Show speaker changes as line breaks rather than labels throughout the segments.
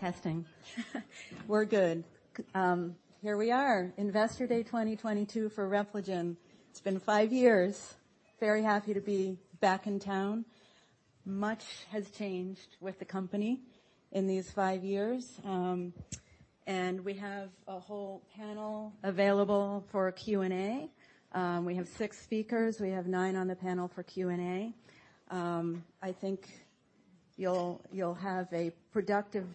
Testing. We're good. Here we are, Investor Day 2022 for Repligen. It's been five years. Very happy to be back in town. Much has changed with the company in these five years, and we have a whole panel available for a Q&A. We have six speakers. We have nine on the panel for Q&A. I think you'll have a productive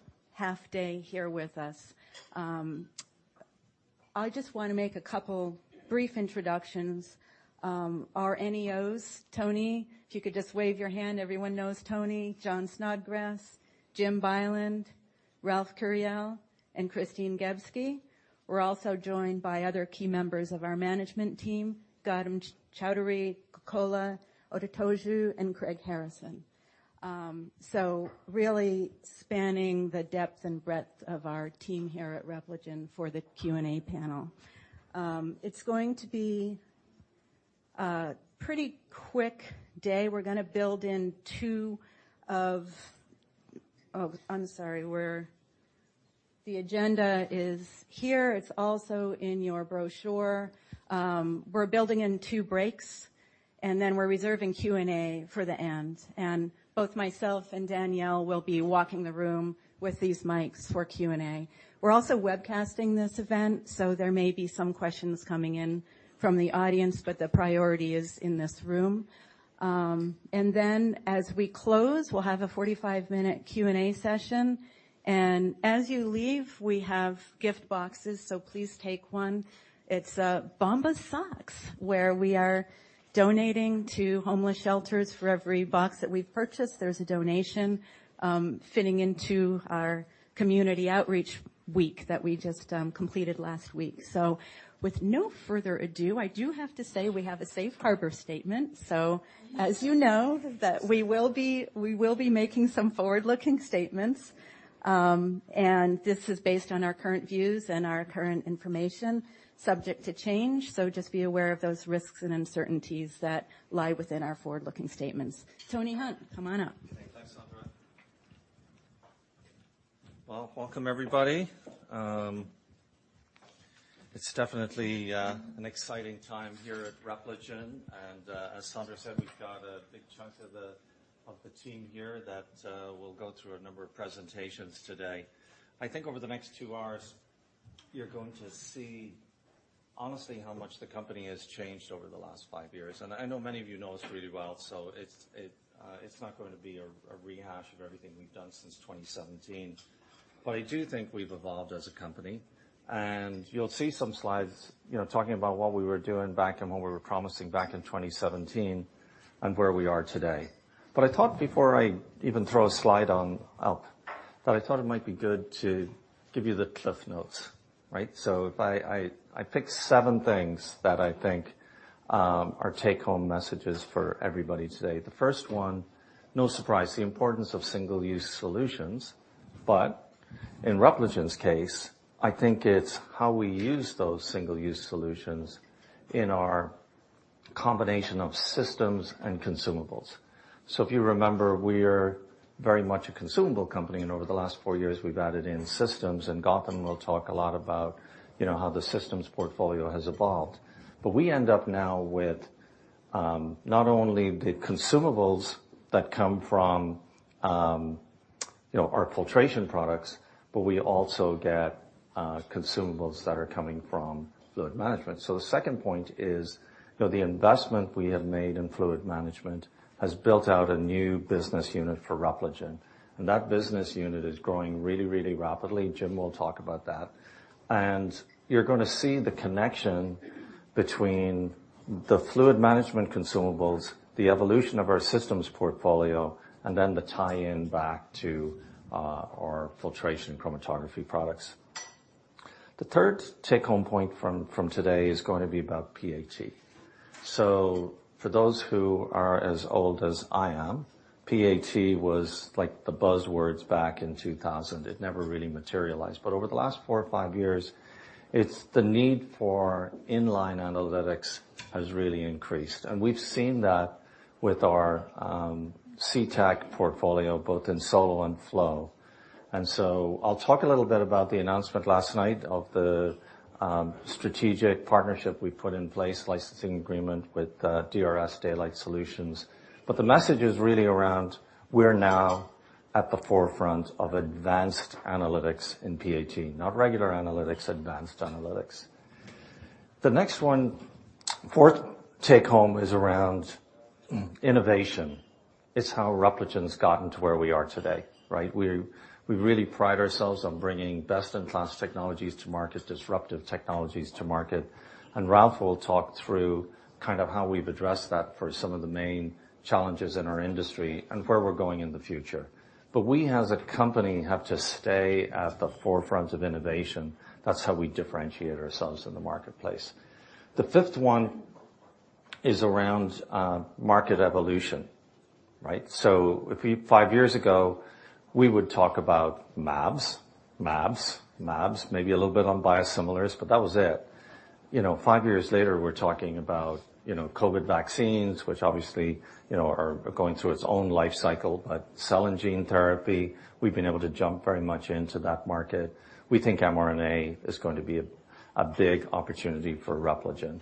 half day here with us. I just wanna make a couple brief introductions. Our NEOs, Tony, if you could just wave your hand. Everyone knows Tony. Jon Snodgres, Jim Bylund, Ralf Kuriyel, and Christine Gebski. We're also joined by other key members of our management team, Gautam Choudhary, Kola Otitoju, and Craig Harrison. So really spanning the depth and breadth of our team here at Repligen for the Q&A panel. It's going to be a pretty quick day. The agenda is here. It's also in your brochure. We're building in two breaks, and then we're reserving Q&A for the end. Both myself and Danielle will be walking the room with these mics for Q&A. We're also webcasting this event, so there may be some questions coming in from the audience, but the priority is in this room. As we close, we'll have a 45-minute Q&A session. As you leave, we have gift boxes, so please take one. It's Bombas socks, where we are donating to homeless shelters for every box that we've purchased. There's a donation fitting into our community outreach week that we just completed last week. With no further ado, I do have to say we have a safe harbor statement. As you know, that we will be making some forward-looking statements, and this is based on our current views and our current information, subject to change, so just be aware of those risks and uncertainties that lie within our forward-looking statements. Tony Hunt, come on up.
Okay. Thanks, Sondra. Well, welcome everybody. It's definitely an exciting time here at Repligen. As Sondra said, we've got a big chunk of the team here that will go through a number of presentations today. I think over the next two hours, you're going to see honestly how much the company has changed over the last five years. I know many of you know us really well, so it's not going to be a rehash of everything we've done since 2017. I do think we've evolved as a company, and you'll see some slides, you know, talking about what we were doing back and what we were promising back in 2017 and where we are today. I thought before I even throw a slide on. up, that I thought it might be good to give you the Cliff Notes, right? I picked seven things that I think are take-home messages for everybody today. The first one, no surprise, the importance of single-use solutions. In Repligen's case, I think it's how we use those single-use solutions in our combination of systems and consumables. If you remember, we're very much a consumable company, and over the last four years, we've added in systems, and Gautam will talk a lot about how the systems portfolio has evolved. We end up now with not only the consumables that come from our filtration products, but we also get consumables that are coming from fluid management. The second point is, you know, the investment we have made in fluid management has built out a new business unit for Repligen, and that business unit is growing really, really rapidly. Jim will talk about that. You're gonna see the connection between the fluid management consumables, the evolution of our systems portfolio, and then the tie-in back to our filtration chromatography products. The third take-home point from today is going to be about PAT. For those who are as old as I am, PAT was like the buzzwords back in 2000. It never really materialized. Over the last four or five years, the need for inline analytics has really increased. We've seen that with our CTech portfolio, both in SoloVPE and FlowVPE. I'll talk a little bit about the announcement last night of the strategic partnership we've put in place, licensing agreement with DRS Daylight Solutions. The message is really around we're now at the forefront of advanced analytics in PAT. Not regular analytics, advanced analytics. The next one, fourth take-home, is around innovation. It's how Repligen's gotten to where we are today, right? We really pride ourselves on bringing best-in-class technologies to market, disruptive technologies to market, and Ralf will talk through kind of how we've addressed that for some of the main challenges in our industry and where we're going in the future. We, as a company, have to stay at the forefront of innovation. That's how we differentiate ourselves in the marketplace. The fifth one is around market evolution, right? If we... Five years ago, we would talk about mAbs, maybe a little bit on biosimilars, but that was it. You know, five years later, we're talking about, you know, COVID vaccines, which obviously, you know, are going through its own life cycle. Cell and gene therapy, we've been able to jump very much into that market. We think mRNA is going to be a big opportunity for Repligen.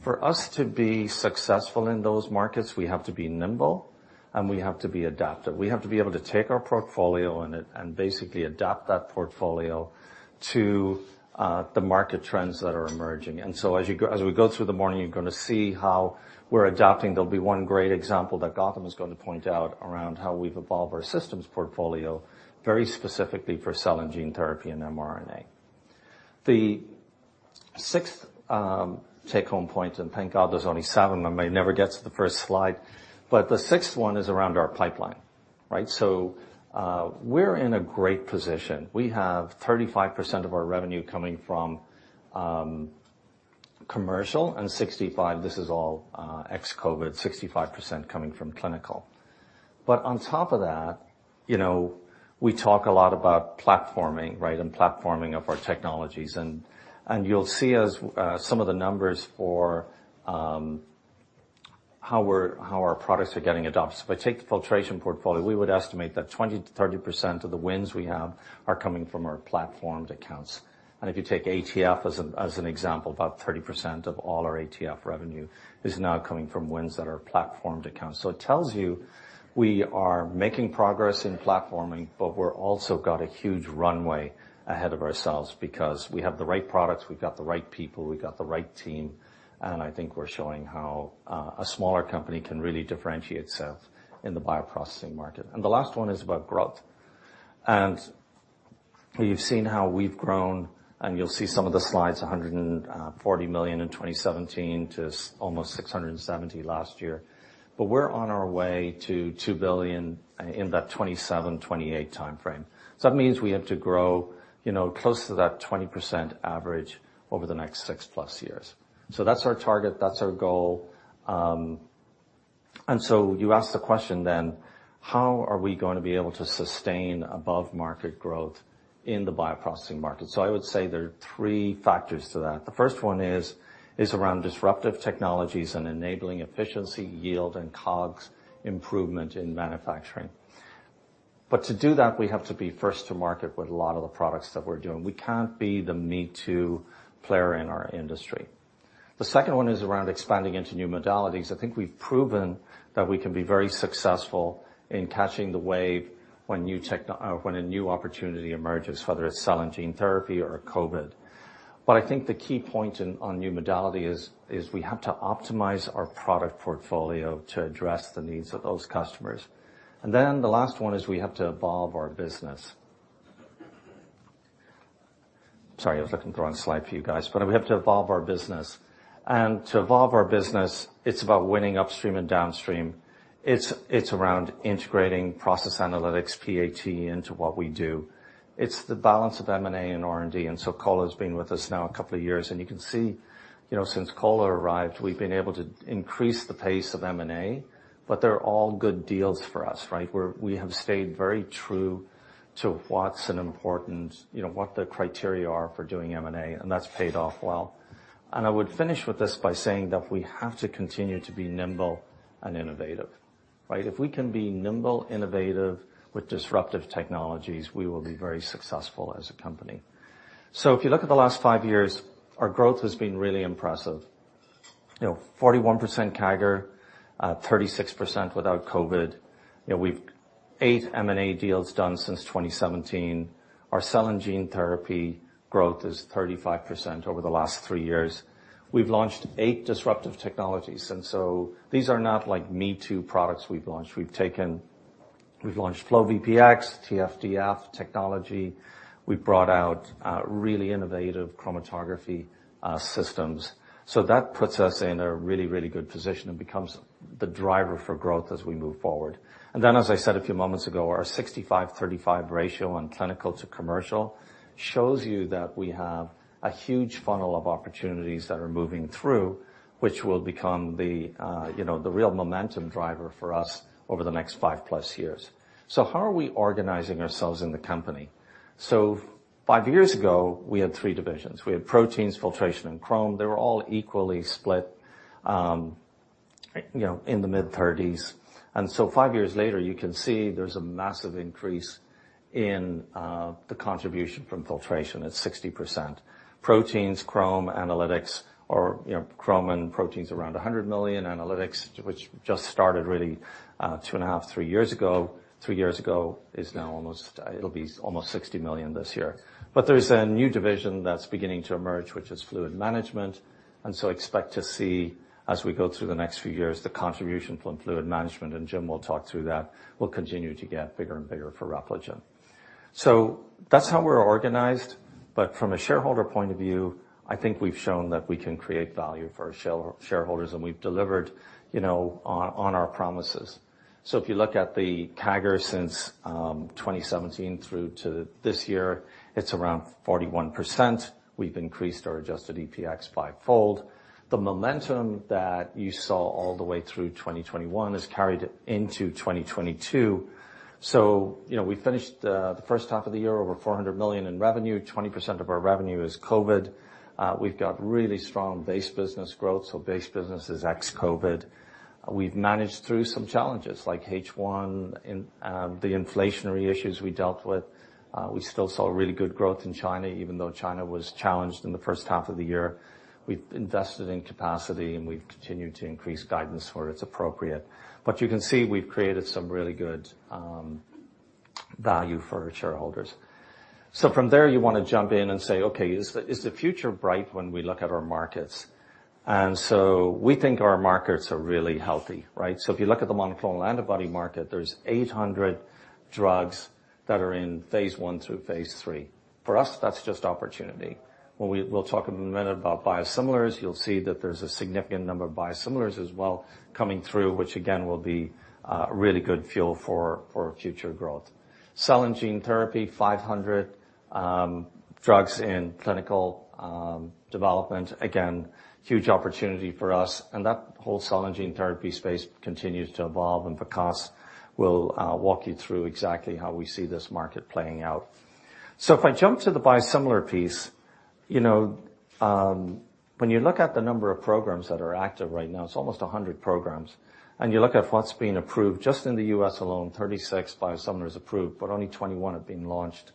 For us to be successful in those markets, we have to be nimble and we have to be adaptive. We have to be able to take our portfolio and basically adapt that portfolio to the market trends that are emerging. As we go through the morning, you're gonna see how we're adapting. There'll be one great example that Gautam is gonna point out around how we've evolved our systems portfolio very specifically for cell and gene therapy and mRNA. The sixth take-home point, and thank God there's only seven, I may never get to the first slide, but the sixth one is around our pipeline, right? We're in a great position. We have 35% of our revenue coming from commercial and 65%, this is all ex-COVID, 65% coming from clinical. On top of that, you know, we talk a lot about platforming, right, and platforming of our technologies. And you'll see as some of the numbers for how our products are getting adopted. If I take the filtration portfolio, we would estimate that 20%-30% of the wins we have are coming from our platformed accounts. If you take ATF as an example, about 30% of all our ATF revenue is now coming from wins that are platformed accounts. It tells you we are making progress in platforming, but we've also got a huge runway ahead of ourselves because we have the right products, we've got the right people, we've got the right team, and I think we're showing how a smaller company can really differentiate itself in the bioprocessing market. The last one is about growth. You've seen how we've grown, and you'll see some of the slides, $140 million in 2017 to almost $670 million last year. We're on our way to $2 billion in that 2027-2028 timeframe. That means we have to grow, you know, close to that 20% average over the next six plus years. That's our target, that's our goal. You ask the question then, how are we gonna be able to sustain above-market growth in the bioprocessing market? I would say there are three factors to that. The first one is around disruptive technologies and enabling efficiency, yield, and COGS improvement in manufacturing. To do that, we have to be first to market with a lot of the products that we're doing. We can't be the me-too player in our industry. The second one is around expanding into new modalities. I think we've proven that we can be very successful in catching the wave when a new opportunity emerges, whether it's cell and gene therapy or COVID. I think the key point on new modality is we have to optimize our product portfolio to address the needs of those customers. Then the last one is we have to evolve our business. Sorry, I was looking the wrong slide for you guys. We have to evolve our business. To evolve our business, it's about winning upstream and downstream. It's around integrating process analytics, PAT, into what we do. It's the balance of M&A and R&D. Kola has been with us now a couple of years, and you can see, you know, since Kola arrived, we've been able to increase the pace of M&A, but they're all good deals for us, right? We have stayed very true to what's an important, you know, what the criteria are for doing M&A, and that's paid off well. I would finish with this by saying that we have to continue to be nimble and innovative, right? If we can be nimble, innovative with disruptive technologies, we will be very successful as a company. If you look at the last five years, our growth has been really impressive. You know, 41% CAGR, 36% without COVID. You know, eight M&A deals done since 2017. Our cell and gene therapy growth is 35% over the last three years. We've launched eight disruptive technologies, and so these are not like me-too products we've launched. We've launched FlowVPX, TFDF technology. We've brought out really innovative chromatography systems. That puts us in a really, really good position and becomes the driver for growth as we move forward. As I said a few moments ago, our 65-35 ratio on clinical to commercial shows you that we have a huge funnel of opportunities that are moving through, which will become the, you know, the real momentum driver for us over the next five plus years. How are we organizing ourselves in the company? Five years ago, we had three divisions. We had proteins, filtration, and chrome. They were all equally split, you know, in the mid-30s. Five years later, you can see there's a massive increase in the contribution from filtration at 60%. Proteins, chrome, analytics, or, you know, chrome and proteins around $100 million. Analytics, which just started really two and a half, three years ago, is now almost. It'll be almost $60 million this year. There's a new division that's beginning to emerge, which is fluid management. Expect to see, as we go through the next few years, the contribution from fluid management, and Jim will talk through that, will continue to get bigger and bigger for Repligen. That's how we're organized. From a shareholder point of view, I think we've shown that we can create value for shareholders, and we've delivered, you know, on our promises. If you look at the CAGR since 2017 through to this year, it's around 41%. We've increased our adjusted EPS fivefold. The momentum that you saw all the way through 2021 is carried into 2022. We finished the first half of the year over $400 million in revenue. 20% of our revenue is COVID. We've got really strong base business growth, so base business is ex-COVID. We've managed through some challenges like H1 and the inflationary issues we dealt with. We still saw really good growth in China, even though China was challenged in the first half of the year. We've invested in capacity, and we've continued to increase guidance where it's appropriate. You can see we've created some really good value for our shareholders. From there, you wanna jump in and say, "Okay, is the future bright when we look at our markets?" We think our markets are really healthy, right? If you look at the monoclonal antibody market, there's 800 drugs that are in phase one through phase three. For us, that's just opportunity. We'll talk in a minute about biosimilars. You'll see that there's a significant number of biosimilars as well coming through, which again will be really good fuel for future growth. Cell and gene therapy, 500 drugs in clinical development. Again, huge opportunity for us. That whole cell and gene therapy space continues to evolve, and Vikas will walk you through exactly how we see this market playing out. If I jump to the biosimilar piece, you know, when you look at the number of programs that are active right now, it's almost 100 programs, and you look at what's been approved, just in the U.S. alone, 36 biosimilars approved, but only 21 have been launched.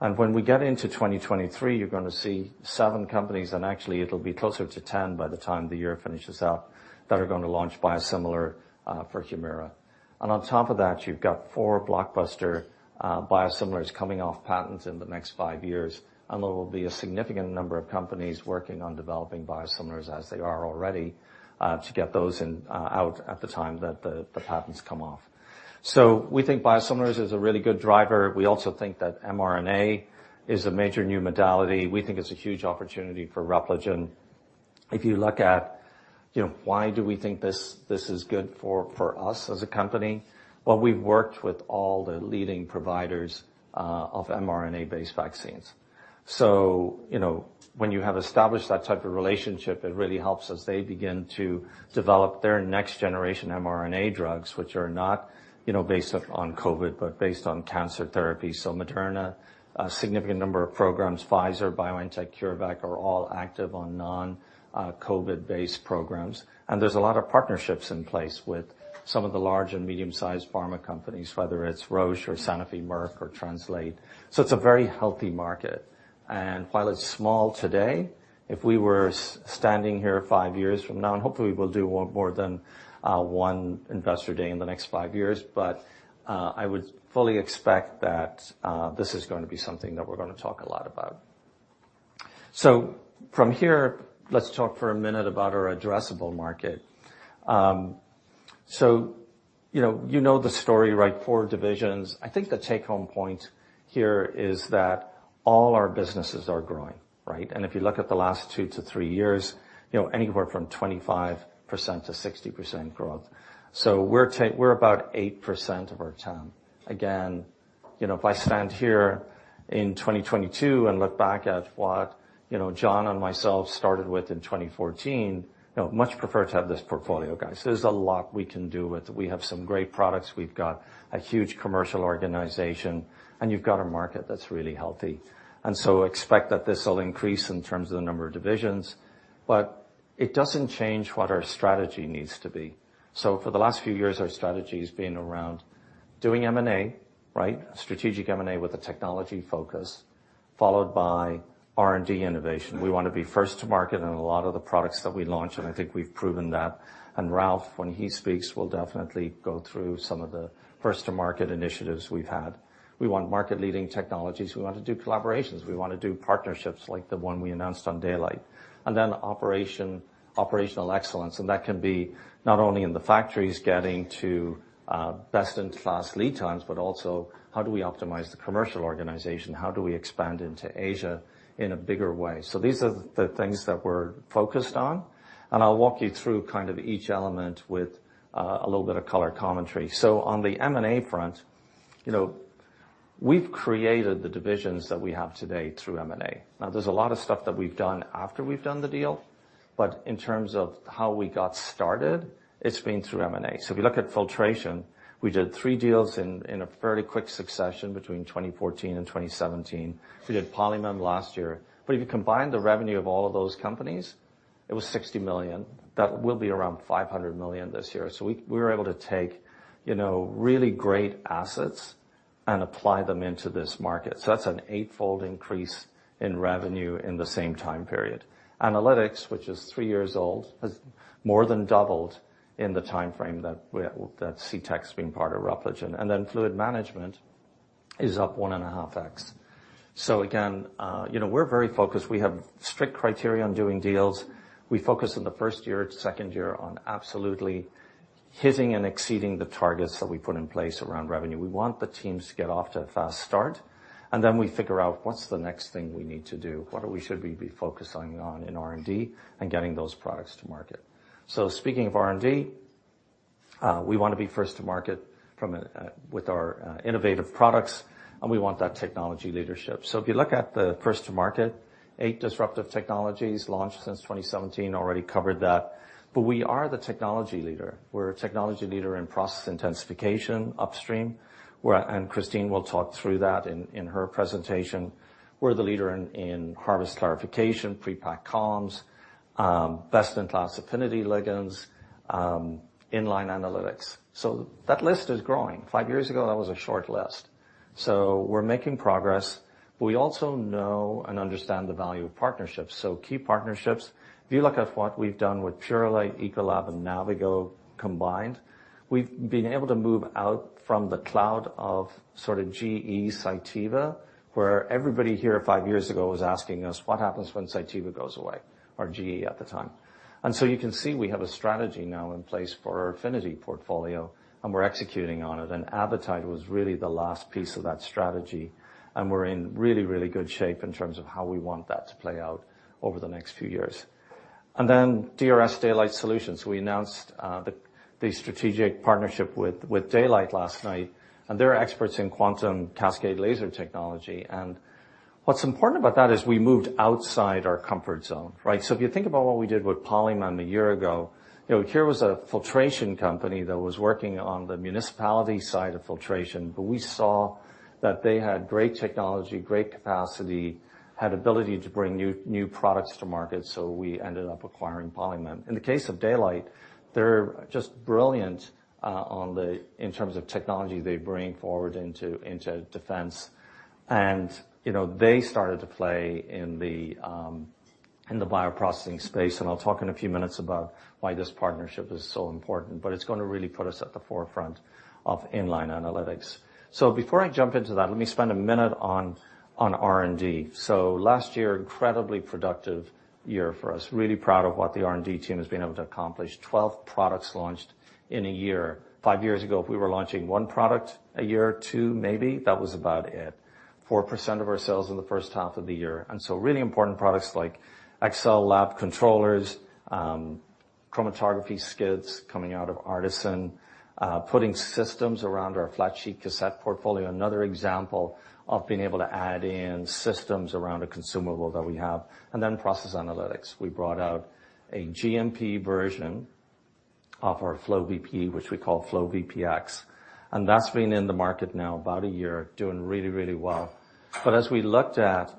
When we get into 2023, you're gonna see 7 companies, and actually it'll be closer to 10 by the time the year finishes out, that are gonna launch biosimilars for Humira. On top of that, you've got four blockbuster biosimilars coming off patents in the next five years, and there will be a significant number of companies working on developing biosimilars as they are already to get those out at the time that the patents come off. We think biosimilars is a really good driver. We also think that mRNA is a major new modality. We think it's a huge opportunity for Repligen. If you look at, you know, why do we think this is good for us as a company? Well, we've worked with all the leading providers of mRNA-based vaccines. You know, when you have established that type of relationship, it really helps as they begin to develop their next generation mRNA drugs, which are not, you know, based on COVID, but based on cancer therapy. Moderna, a significant number of programs, Pfizer, BioNTech, CureVac, are all active on non-COVID-based programs. There's a lot of partnerships in place with some of the large and medium-sized pharma companies, whether it's Roche or Sanofi, Merck or Translate Bio. It's a very healthy market. While it's small today, if we were standing here five years from now, and hopefully we'll do more than one investor day in the next five years, I would fully expect that this is gonna be something that we're gonna talk a lot about. From here, let's talk for a minute about our addressable market. You know the story, right, four divisions. I think the take-home point here is that all our businesses are growing, right? If you look at the last two-three years, you know, anywhere from 25% to 60% growth. We're about 8% of our TAM. Again, you know, if I stand here in 2022 and look back at what, you know, John and myself started with in 2014, you know, much prefer to have this portfolio, guys. There's a lot we can do with it. We have some great products. We've got a huge commercial organization, and you've got a market that's really healthy. Expect that this will increase in terms of the number of divisions, but it doesn't change what our strategy needs to be. For the last few years, our strategy has been around doing M&A, right? Strategic M&A with a technology focus, followed by R&D innovation. We wanna be first to market in a lot of the products that we launch, and I think we've proven that. Ralf, when he speaks, will definitely go through some of the first-to-market initiatives we've had. We want market-leading technologies. We want to do collaborations. We wanna do partnerships like the one we announced on Daylight. Then operation, operational excellence, and that can be not only in the factories getting to, best-in-class lead times, but also how do we optimize the commercial organization? How do we expand into Asia in a bigger way? These are the things that we're focused on, and I'll walk you through kind of each element with, a little bit of color commentary. On the M&A front, you know, we've created the divisions that we have today through M&A. Now, there's a lot of stuff that we've done after we've done the deal, but in terms of how we got started, it's been through M&A. If you look at Filtration, we did three deals in a fairly quick succession between 2014 and 2017. We did Polymem last year. If you combine the revenue of all of those companies, it was $60 million. That will be around $500 million this year. We were able to take, you know, really great assets and apply them into this market. That's an eight-fold increase in revenue in the same time period. Analytics, which is three years old, has more than doubled in the timeframe that CTech being part of Repligen. Fluid Management is up 1.5x. Again, you know, we're very focused. We have strict criteria on doing deals. We focus on the first year, second year on absolutely hitting and exceeding the targets that we put in place around revenue. We want the teams to get off to a fast start, and then we figure out what's the next thing we need to do. What should we be focusing on in R&D and getting those products to market? Speaking of R&D, we wanna be first to market with our innovative products, and we want that technology leadership. If you look at the first to market, eight disruptive technologies launched since 2017, already covered that. We are the technology leader. We're a technology leader in process intensification upstream. Christine will talk through that in her presentation. We're the leader in harvest clarification, pre-packed columns, best-in-class affinity ligands, inline analytics. That list is growing. Five years ago, that was a short list. We're making progress. We also know and understand the value of partnerships. Key partnerships, if you look at what we've done with Purolite, Ecolab, and Navigo combined, we've been able to move out from the cloud of sort of GE Cytiva, where everybody here five years ago was asking us, "What happens when Cytiva goes away?" Or GE at the time. You can see we have a strategy now in place for our affinity portfolio, and we're executing on it. Avitide was really the last piece of that strategy, and we're in really, really good shape in terms of how we want that to play out over the next few years. DRS Daylight Solutions. We announced the strategic partnership with Daylight last night, and they're experts in quantum cascade laser technology. What's important about that is we moved outside our comfort zone, right? If you think about what we did with Polymem a year ago, you know, here was a filtration company that was working on the municipality side of filtration, but we saw that they had great technology, great capacity, had ability to bring new products to market, so we ended up acquiring Polymem. In the case of Daylight, they're just brilliant in terms of technology they bring forward into defense. You know, they started to play in the bioprocessing space, and I'll talk in a few minutes about why this partnership is so important. But it's gonna really put us at the forefront of inline analytics. Before I jump into that, let me spend a minute on R&D. Last year, incredibly productive year for us. Really proud of what the R&D team has been able to accomplish. 12 products launched in a year. Five years ago, if we were launching one product a year, two maybe, that was about it. 4% of our sales in the first half of the year. Really important products like XCell Lab Controllers, chromatography skids coming out of ARTeSYN, putting systems around our flat sheet cassette portfolio. Another example of being able to add in systems around a consumable that we have. Process analytics. We brought out a GMP version of our FlowVPE, which we call FlowVPX. That's been in the market now about a year, doing really, really well. As we looked at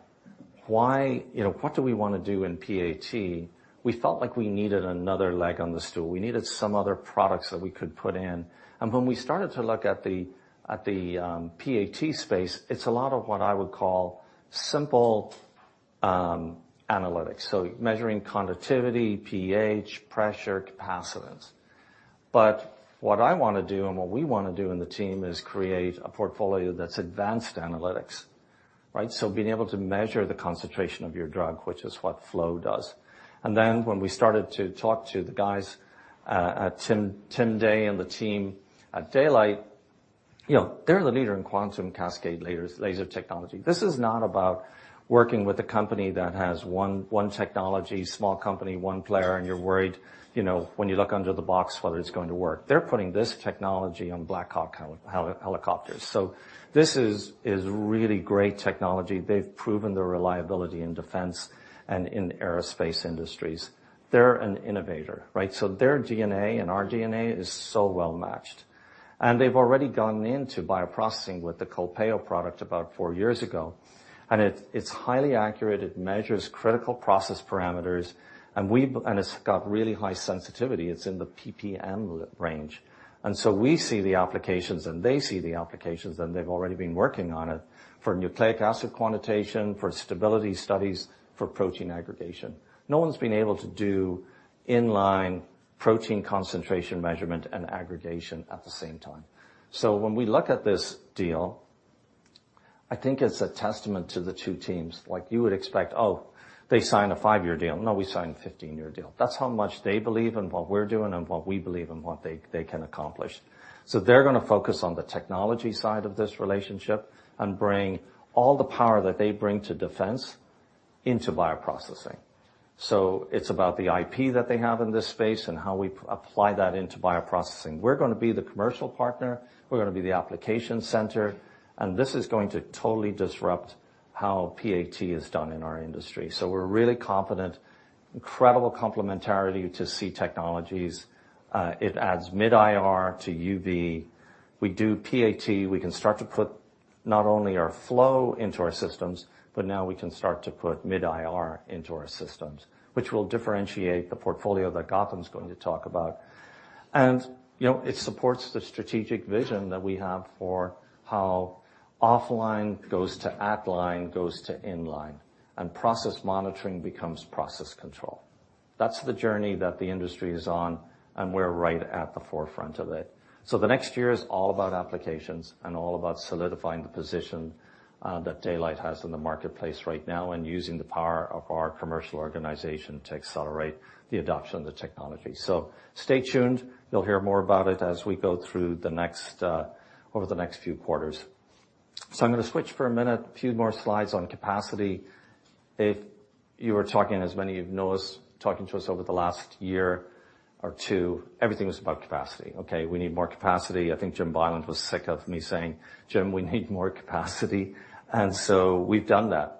why, you know, what do we wanna do in PAT, we felt like we needed another leg on the stool. We needed some other products that we could put in. When we started to look at the PAT space, it's a lot of what I would call simple analytics. Measuring conductivity, pH, pressure, capacitance. What I wanna do and what we wanna do in the team is create a portfolio that's advanced analytics, right? Being able to measure the concentration of your drug, which is what FlowVPE does. When we started to talk to the guys at Tim Day and the team at Daylight, you know, they're the leader in quantum cascade laser technology. This is not about working with a company that has one technology, small company, one player, and you're worried, you know, when you look under the hood, whether it's going to work. They're putting this technology on Black Hawk helicopters. This is really great technology. They've proven their reliability in defense and in aerospace industries. They're an innovator, right? Their DNA and our DNA is so well-matched. They've already gone into bioprocessing with the Culpeo product about four years ago. It's highly accurate. It measures critical process parameters, and it's got really high sensitivity. It's in the PPM range. We see the applications, and they see the applications, and they've already been working on it for nucleic acid quantitation, for stability studies, for protein aggregation. No one's been able to do in-line protein concentration measurement and aggregation at the same time. When we look at this deal, I think it's a testament to the two teams. Like you would expect, oh, they signed a five-year deal. No, we signed a 15-year deal. That's how much they believe in what we're doing and what we believe in what they can accomplish. They're gonna focus on the technology side of this relationship and bring all the power that they bring to defense into bioprocessing. It's about the IP that they have in this space and how we apply that into bioprocessing. We're gonna be the commercial partner, we're gonna be the application center, and this is going to totally disrupt how PAT is done in our industry. We're really confident, incredible complementarity to C Technologies. It adds Mid-IR to UV. We do PAT. We can start to put not only our Flow into our systems, but now we can start to put Mid-IR into our systems, which will differentiate the portfolio that Gautam's going to talk about. You know, it supports the strategic vision that we have for how offline goes to at line, goes to inline, and process monitoring becomes process control. That's the journey that the industry is on, and we're right at the forefront of it. The next year is all about applications and all about solidifying the position that Daylight has in the marketplace right now and using the power of our commercial organization to accelerate the adoption of the technology. Stay tuned. You'll hear more about it as we go through the next, over the next few quarters. I'm gonna switch for a minute, a few more slides on capacity. If you were talking, as many of you know us, talking to us over the last year or two, everything was about capacity. Okay, we need more capacity. I think Jim Bylund was sick of me saying, "Jim, we need more capacity." We've done that.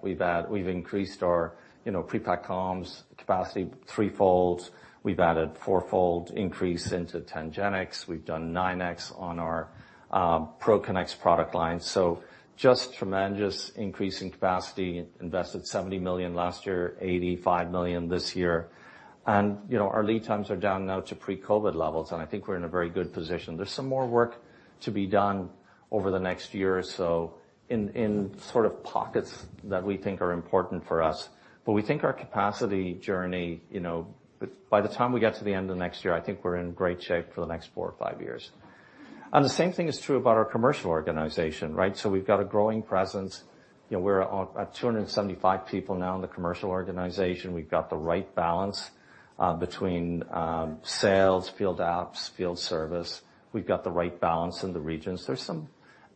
We've increased our, you know, pre-packed columns capacity threefold. We've added fourfold increase into TangenX. We've done 9x on our ProConnex product line. Just tremendous increase in capacity, invested $70 million last year, $85 million this year. You know, our lead times are down now to pre-COVID levels, and I think we're in a very good position. There's some more work to be done over the next year or so in sort of pockets that we think are important for us. We think our capacity journey, you know, by the time we get to the end of next year, I think we're in great shape for the next four or five years. The same thing is true about our commercial organization, right? We've got a growing presence. You know, we're at 275 people now in the commercial organization. We've got the right balance between sales, field apps, field service. We've got the right balance in the regions. There's some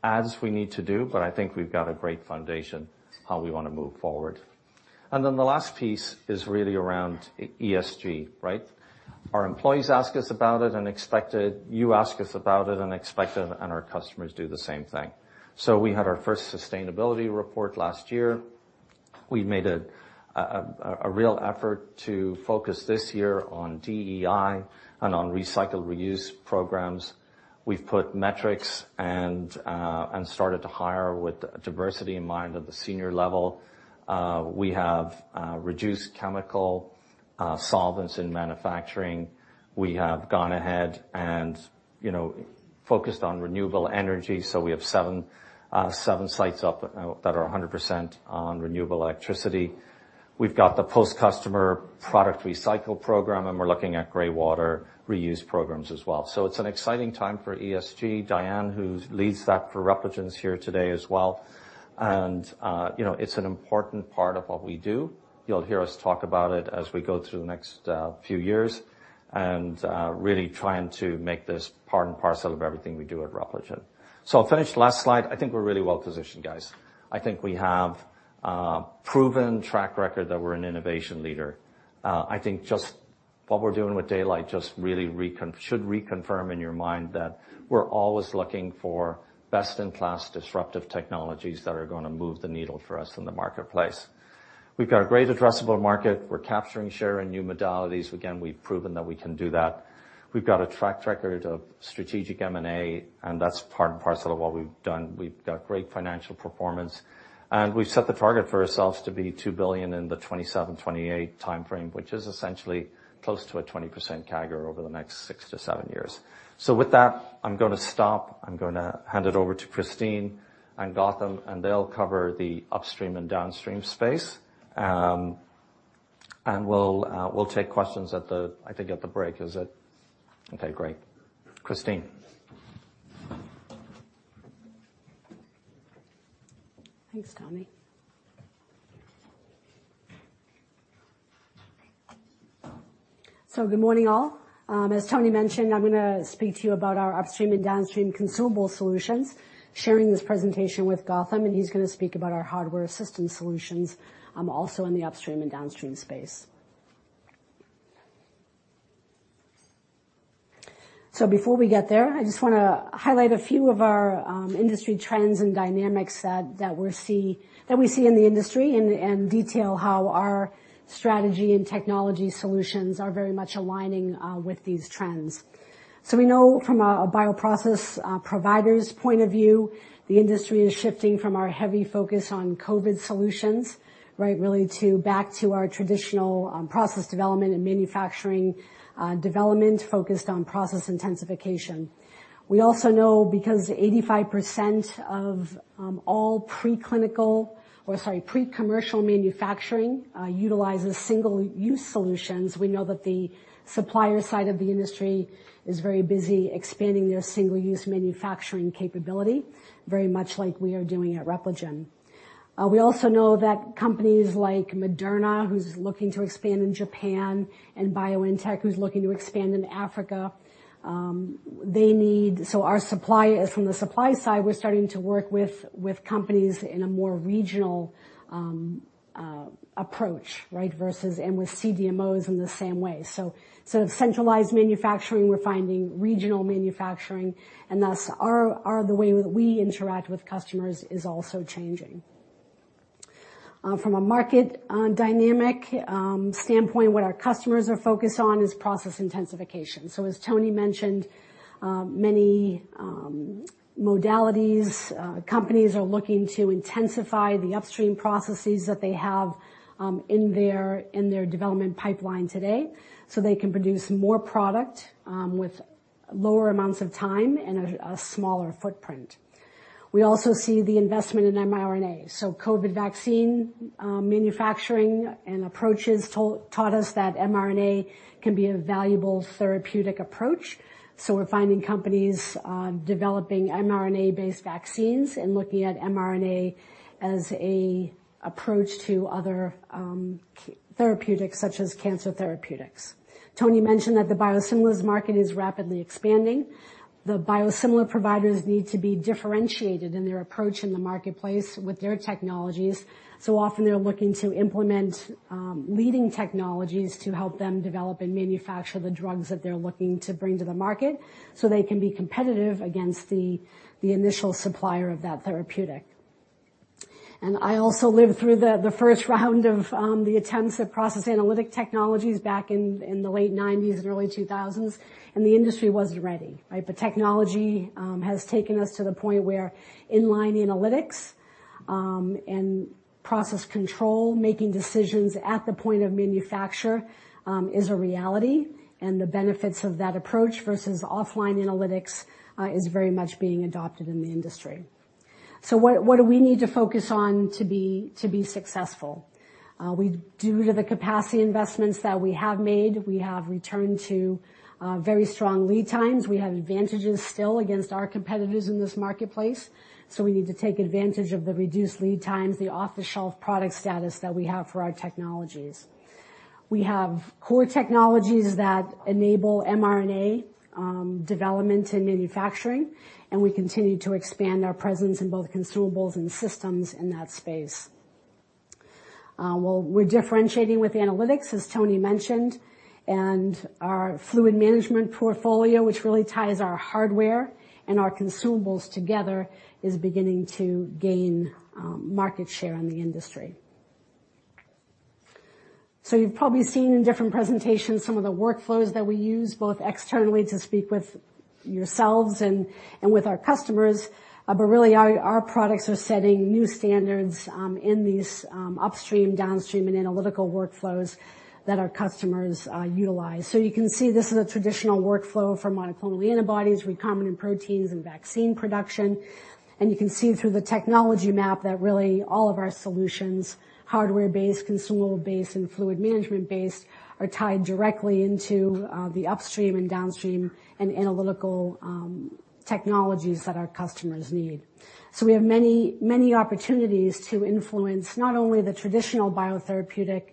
audits we need to do, but I think we've got a great foundation how we wanna move forward. Then the last piece is really around ESG, right? Our employees ask us about it and expect it, you ask us about it and expect it, and our customers do the same thing. We had our first sustainability report last year. We made a real effort to focus this year on DEI and on recycle-reuse programs. We've put metrics and started to hire with diversity in mind at the senior level. We have reduced chemical solvents in manufacturing. We have gone ahead and, you know, focused on renewable energy, so we have seven sites up that are 100% on renewable electricity. We've got the post-customer product recycle program, and we're looking at gray water reuse programs as well. It's an exciting time for ESG. Diane, who leads that for Repligen, is here today as well. You know, it's an important part of what we do. You'll hear us talk about it as we go through the next few years, and really trying to make this part and parcel of everything we do at Repligen. I'll finish the last slide. I think we're really well-positioned, guys. I think we have a proven track record that we're an innovation leader. I think just what we're doing with Daylight just really reconfirm in your mind that we're always looking for best-in-class disruptive technologies that are gonna move the needle for us in the marketplace. We've got a great addressable market. We're capturing share in new modalities. Again, we've proven that we can do that. We've got a track record of strategic M&A, and that's part and parcel of what we've done. We've got great financial performance. We've set the target for ourselves to be $2 billion in the 2027-2028 timeframe, which is essentially close to a 20% CAGR over the next six-seven years. With that, I'm gonna stop. I'm gonna hand it over to Christine and Gautam, and they'll cover the upstream and downstream space. We'll take questions at the break, I think. Is it? Okay, great. Christine.
Thanks, Tony. Good morning, all. As Tony mentioned, I'm gonna speak to you about our upstream and downstream consumable solutions, sharing this presentation with Gautam, and he's gonna speak about our hardware system solutions, also in the upstream and downstream space. Before we get there, I just wanna highlight a few of our industry trends and dynamics that we see in the industry and detail how our strategy and technology solutions are very much aligning with these trends. We know from a bioprocess provider's point of view, the industry is shifting from our heavy focus on COVID solutions, right, really to back to our traditional process development and manufacturing development focused on process intensification. We also know because 85% of all preclinical, pre-commercial manufacturing utilizes single use solutions, we know that the supplier side of the industry is very busy expanding their single-use manufacturing capability, very much like we are doing at Repligen. We also know that companies like Moderna, who's looking to expand in Japan, and BioNTech, who's looking to expand in Africa, they need. Our supply is from the supply side, we're starting to work with companies in a more regional approach, right? Versus with CDMOs in the same way. Instead of centralized manufacturing, we're finding regional manufacturing, and thus our the way that we interact with customers is also changing. From a market dynamic standpoint, what our customers are focused on is process intensification. As Tony mentioned, many modalities companies are looking to intensify the upstream processes that they have in their development pipeline today, so they can produce more product with lower amounts of time and a smaller footprint. We also see the investment in mRNA. COVID vaccine manufacturing and approaches taught us that mRNA can be a valuable therapeutic approach. We're finding companies developing mRNA-based vaccines and looking at mRNA as an approach to other therapeutics such as cancer therapeutics. Tony mentioned that the biosimilars market is rapidly expanding. The biosimilar providers need to be differentiated in their approach in the marketplace with their technologies, so often they're looking to implement leading technologies to help them develop and manufacture the drugs that they're looking to bring to the market, so they can be competitive against the initial supplier of that therapeutic. I also lived through the first round of the attempts at process analytic technologies back in the late 1990s and early 2000s, and the industry wasn't ready, right? Technology has taken us to the point where inline analytics and process control, making decisions at the point of manufacture, is a reality, and the benefits of that approach versus offline analytics is very much being adopted in the industry. What do we need to focus on to be successful? We... Due to the capacity investments that we have made, we have returned to very strong lead times. We have advantages still against our competitors in this marketplace, so we need to take advantage of the reduced lead times, the off-the-shelf product status that we have for our technologies. We have core technologies that enable mRNA development and manufacturing, and we continue to expand our presence in both consumables and systems in that space. Well, we're differentiating with analytics, as Tony mentioned, and our fluid management portfolio, which really ties our hardware and our consumables together, is beginning to gain market share in the industry. You've probably seen in different presentations some of the workflows that we use, both externally to speak with yourselves and with our customers, but really our products are setting new standards in these upstream, downstream, and analytical workflows that our customers utilize. You can see this is a traditional workflow for monoclonal antibodies, recombinant proteins, and vaccine production, and you can see through the technology map that really all of our solutions, hardware-based, consumable-based, and fluid management based, are tied directly into the upstream and downstream and analytical technologies that our customers need. We have many, many opportunities to influence not only the traditional biotherapeutic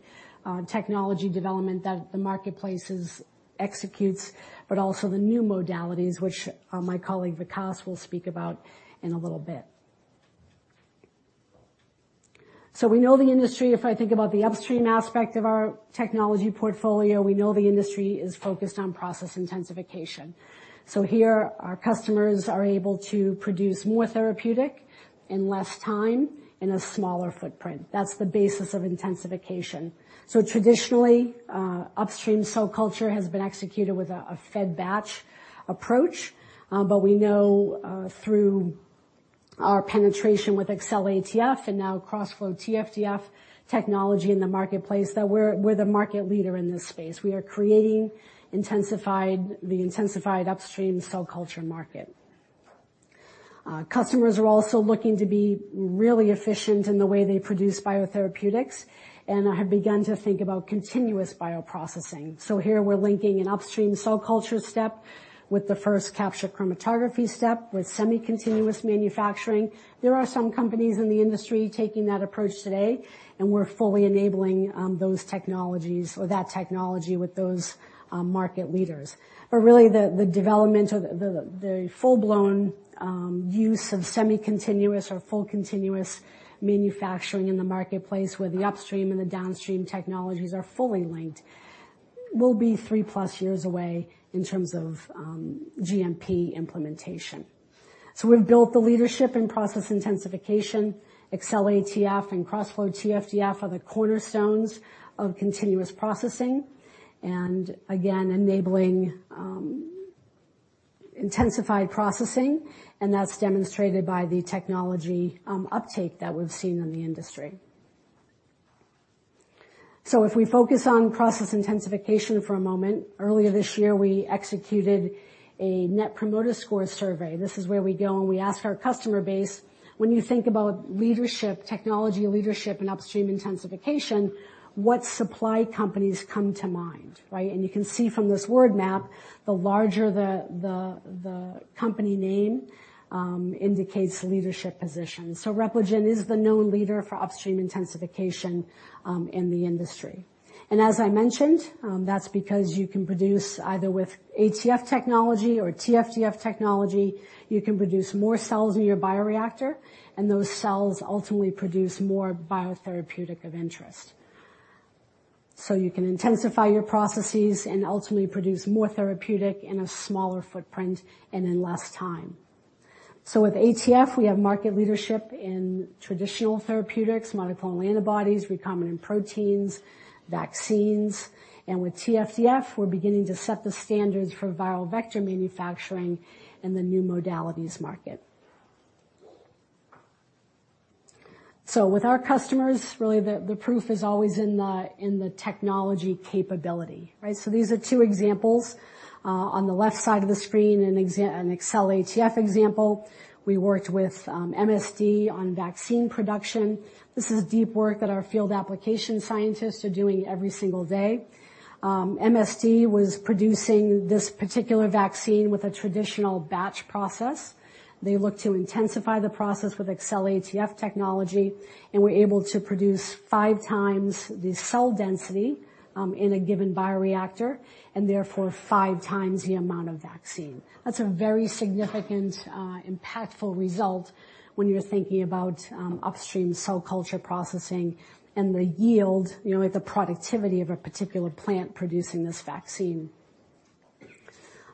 technology development that the marketplace executes, but also the new modalities, which my colleague Vikas will speak about in a little bit. We know the industry. If I think about the upstream aspect of our technology portfolio, we know the industry is focused on process intensification. Here our customers are able to produce more therapeutics in less time in a smaller footprint. That's the basis of intensification. Traditionally, upstream cell culture has been executed with a fed batch approach, but we know through our penetration with XCell ATF and now Crossflow TFDF technology in the marketplace that we're the market leader in this space. We are creating the intensified upstream cell culture market. Customers are also looking to be really efficient in the way they produce biotherapeutics and have begun to think about continuous bioprocessing. Here we're linking an upstream cell culture step with the first capture chromatography step with semi-continuous manufacturing. There are some companies in the industry taking that approach today, and we're fully enabling those technologies or that technology with those market leaders. Really the development of the full-blown use of semi-continuous or full continuous manufacturing in the marketplace where the upstream and the downstream technologies are fully linked will be three-plus years away in terms of GMP implementation. We've built the leadership in process intensification, XCell ATF and Crossflow TFDF are the cornerstones of continuous processing, and again, enabling intensified processing, and that's demonstrated by the technology uptake that we've seen in the industry. If we focus on process intensification for a moment, earlier this year we executed a Net Promoter Score survey. This is where we go and we ask our customer base, "When you think about leadership, technology leadership, and upstream intensification, what supply companies come to mind?" Right? You can see from this word map, the larger the company name indicates leadership position. Repligen is the known leader for upstream intensification in the industry. As I mentioned, that's because you can produce either with ATF technology or TFDF technology, you can produce more cells in your bioreactor, and those cells ultimately produce more biotherapeutic of interest. You can intensify your processes and ultimately produce more therapeutic in a smaller footprint and in less time. With ATF, we have market leadership in traditional therapeutics, monoclonal antibodies, recombinant proteins, vaccines, and with TFDF, we're beginning to set the standards for viral vector manufacturing in the new modalities market. With our customers, really the proof is always in the technology capability, right? These are two examples. On the left side of the screen an XCell ATF example, we worked with MSD on vaccine production. This is deep work that our field application scientists are doing every single day. MSD was producing this particular vaccine with a traditional batch process. They looked to intensify the process with XCell ATF technology and were able to produce five times the cell density in a given bioreactor, and therefore five times the amount of vaccine. That's a very significant, impactful result when you're thinking about upstream cell culture processing and the yield, you know, the productivity of a particular plant producing this vaccine.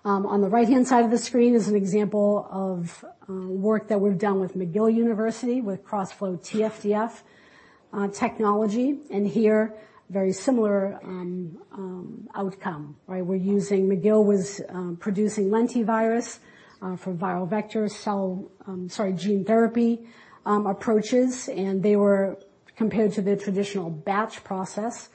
On the right-hand side of the screen is an example of work that we've done with McGill University, with Crossflow TFDF technology, and here very similar outcome, right? McGill was producing lentivirus for viral vectors, gene therapy approaches, and they were compared to the traditional batch process.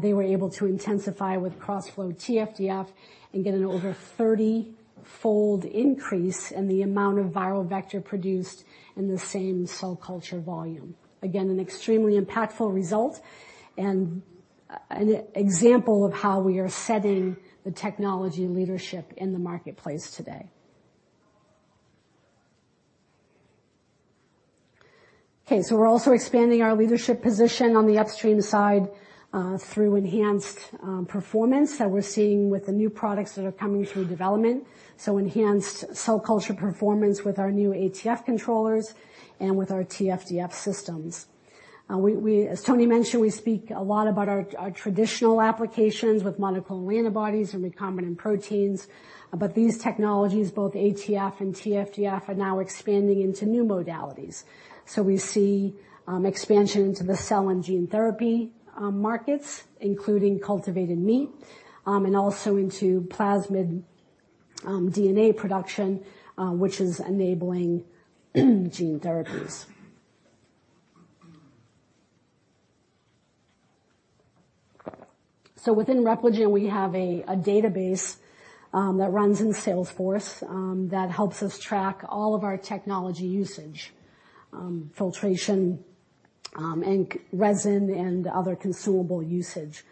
They were able to intensify with Crossflow TFDF and get an over 30-fold increase in the amount of viral vector produced in the same cell culture volume. Again, an extremely impactful result and an example of how we are setting the technology leadership in the marketplace today. Okay, we're also expanding our leadership position on the upstream side, through enhanced performance that we're seeing with the new products that are coming through development. Enhanced cell culture performance with our new ATF controllers and with our TFDF systems. As Tony mentioned, we speak a lot about our traditional applications with monoclonal antibodies and recombinant proteins, but these technologies, both ATF and TFDF, are now expanding into new modalities. We see expansion into the cell and gene therapy markets, including cultivated meat, and also into plasmid DNA production, which is enabling gene therapies. Within Repligen, we have a database that runs in Salesforce that helps us track all of our technology usage, filtration, and resin and other consumable usage.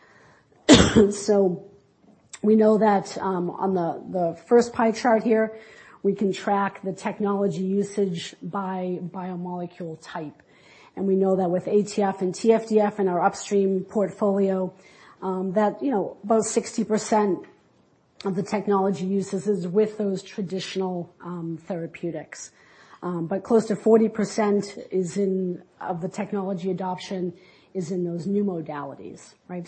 We know that on the first pie chart here, we can track the technology usage by biomolecule type. We know that with ATF and TFDF in our upstream portfolio, about 60% of the technology usage is with those traditional therapeutics. Close to 40% of the technology adoption is in those new modalities, right?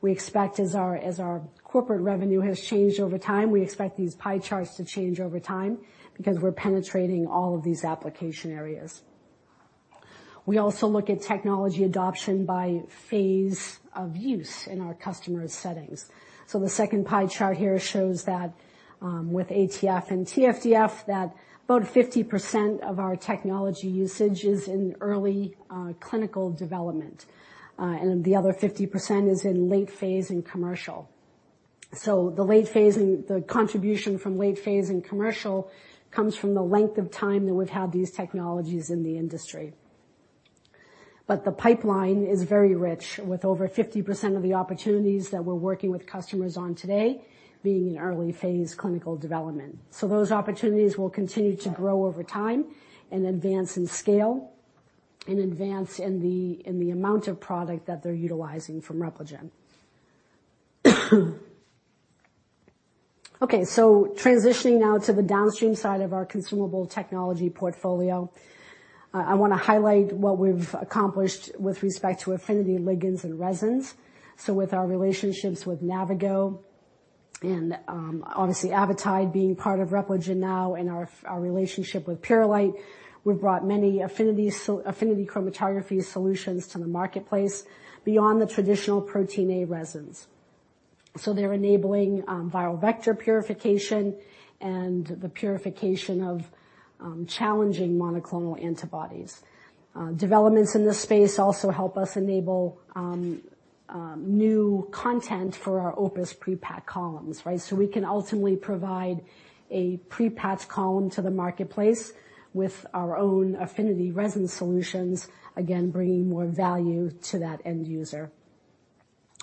We expect as our corporate revenue has changed over time, these pie charts to change over time because we're penetrating all of these application areas. We also look at technology adoption by phase of use in our customers' settings. The second pie chart here shows that, with ATF and TFDF, that about 50% of our technology usage is in early clinical development, and the other 50% is in late phase and commercial. The late phase and the contribution from late phase and commercial comes from the length of time that we've had these technologies in the industry. The pipeline is very rich, with over 50% of the opportunities that we're working with customers on today being in early phase clinical development. Those opportunities will continue to grow over time and advance in scale and advance in the amount of product that they're utilizing from Repligen. Okay, transitioning now to the downstream side of our consumable technology portfolio. I wanna highlight what we've accomplished with respect to affinity ligands and resins. With our relationships with Navigo and obviously Avitide being part of Repligen now and our relationship with Purolite, we've brought many affinity chromatography solutions to the marketplace beyond the traditional Protein A resins. They're enabling viral vector purification and the purification of challenging monoclonal antibodies. Developments in this space also help us enable new content for our OPUS pre-packed columns, right? We can ultimately provide a pre-packed column to the marketplace with our own affinity resin solutions, again, bringing more value to that end user.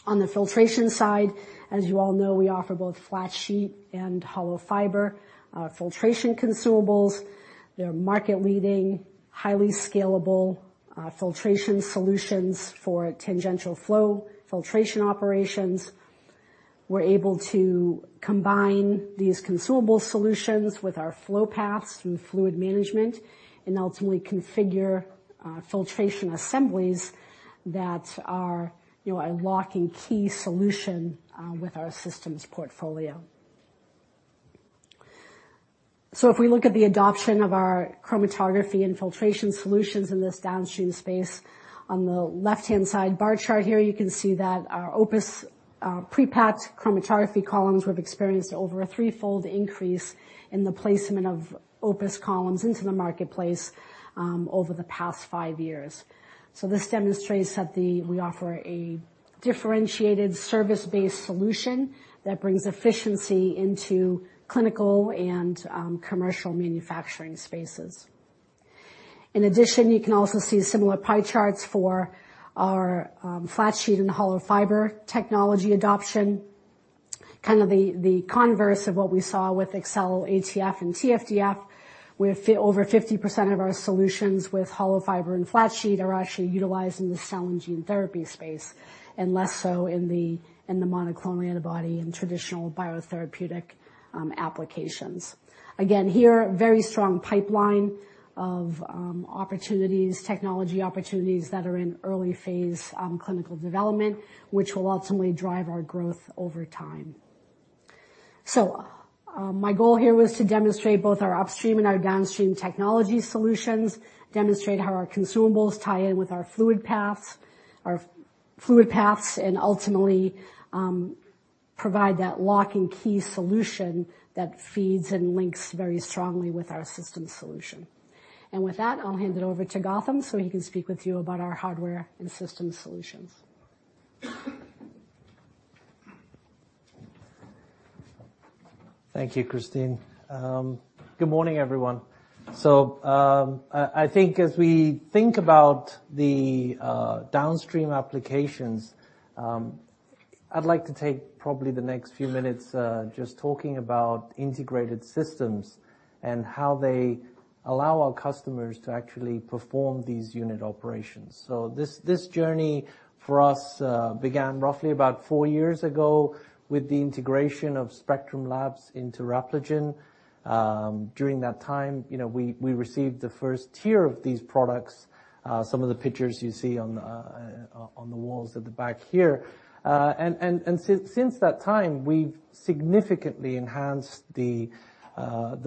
On the filtration side, as you all know, we offer both flat-sheet and hollow fiber filtration consumables. They're market-leading, highly scalable filtration solutions for tangential flow filtration operations. We're able to combine these consumable solutions with our flow paths through fluid management and ultimately configure, filtration assemblies that are, you know, a lock and key solution, with our systems portfolio. If we look at the adoption of our chromatography and filtration solutions in this downstream space, on the left-hand side bar chart here, you can see that our OPUS pre-packed chromatography columns we've experienced over a threefold increase in the placement of OPUS columns into the marketplace, over the past five years. This demonstrates that we offer a differentiated service-based solution that brings efficiency into clinical and, commercial manufacturing spaces. In addition, you can also see similar pie charts for our, flat sheet and hollow fiber technology adoption. Kind of the converse of what we saw with XCell ATF and TFDF, with over 50% of our solutions with hollow fiber and flat sheet are actually utilized in the cell and gene therapy space and less so in the monoclonal antibody and traditional biotherapeutic applications. Again, here, very strong pipeline of opportunities, technology opportunities that are in early phase clinical development, which will ultimately drive our growth over time. My goal here was to demonstrate both our upstream and our downstream technology solutions, demonstrate how our consumables tie in with our fluid paths, our fluid paths, and ultimately, provide that lock and key solution that feeds and links very strongly with our system solution. With that, I'll hand it over to Gautam, so he can speak with you about our hardware and system solutions.
Thank you, Christine. Good morning, everyone. I think as we think about the downstream applications, I'd like to take probably the next few minutes just talking about integrated systems and how they allow our customers to actually perform these unit operations. This journey for us began roughly about four years ago with the integration of Spectrum Laboratories into Repligen. During that time, you know, we received the first tier of these products, some of the pictures you see on the walls at the back here. And since that time, we've significantly enhanced the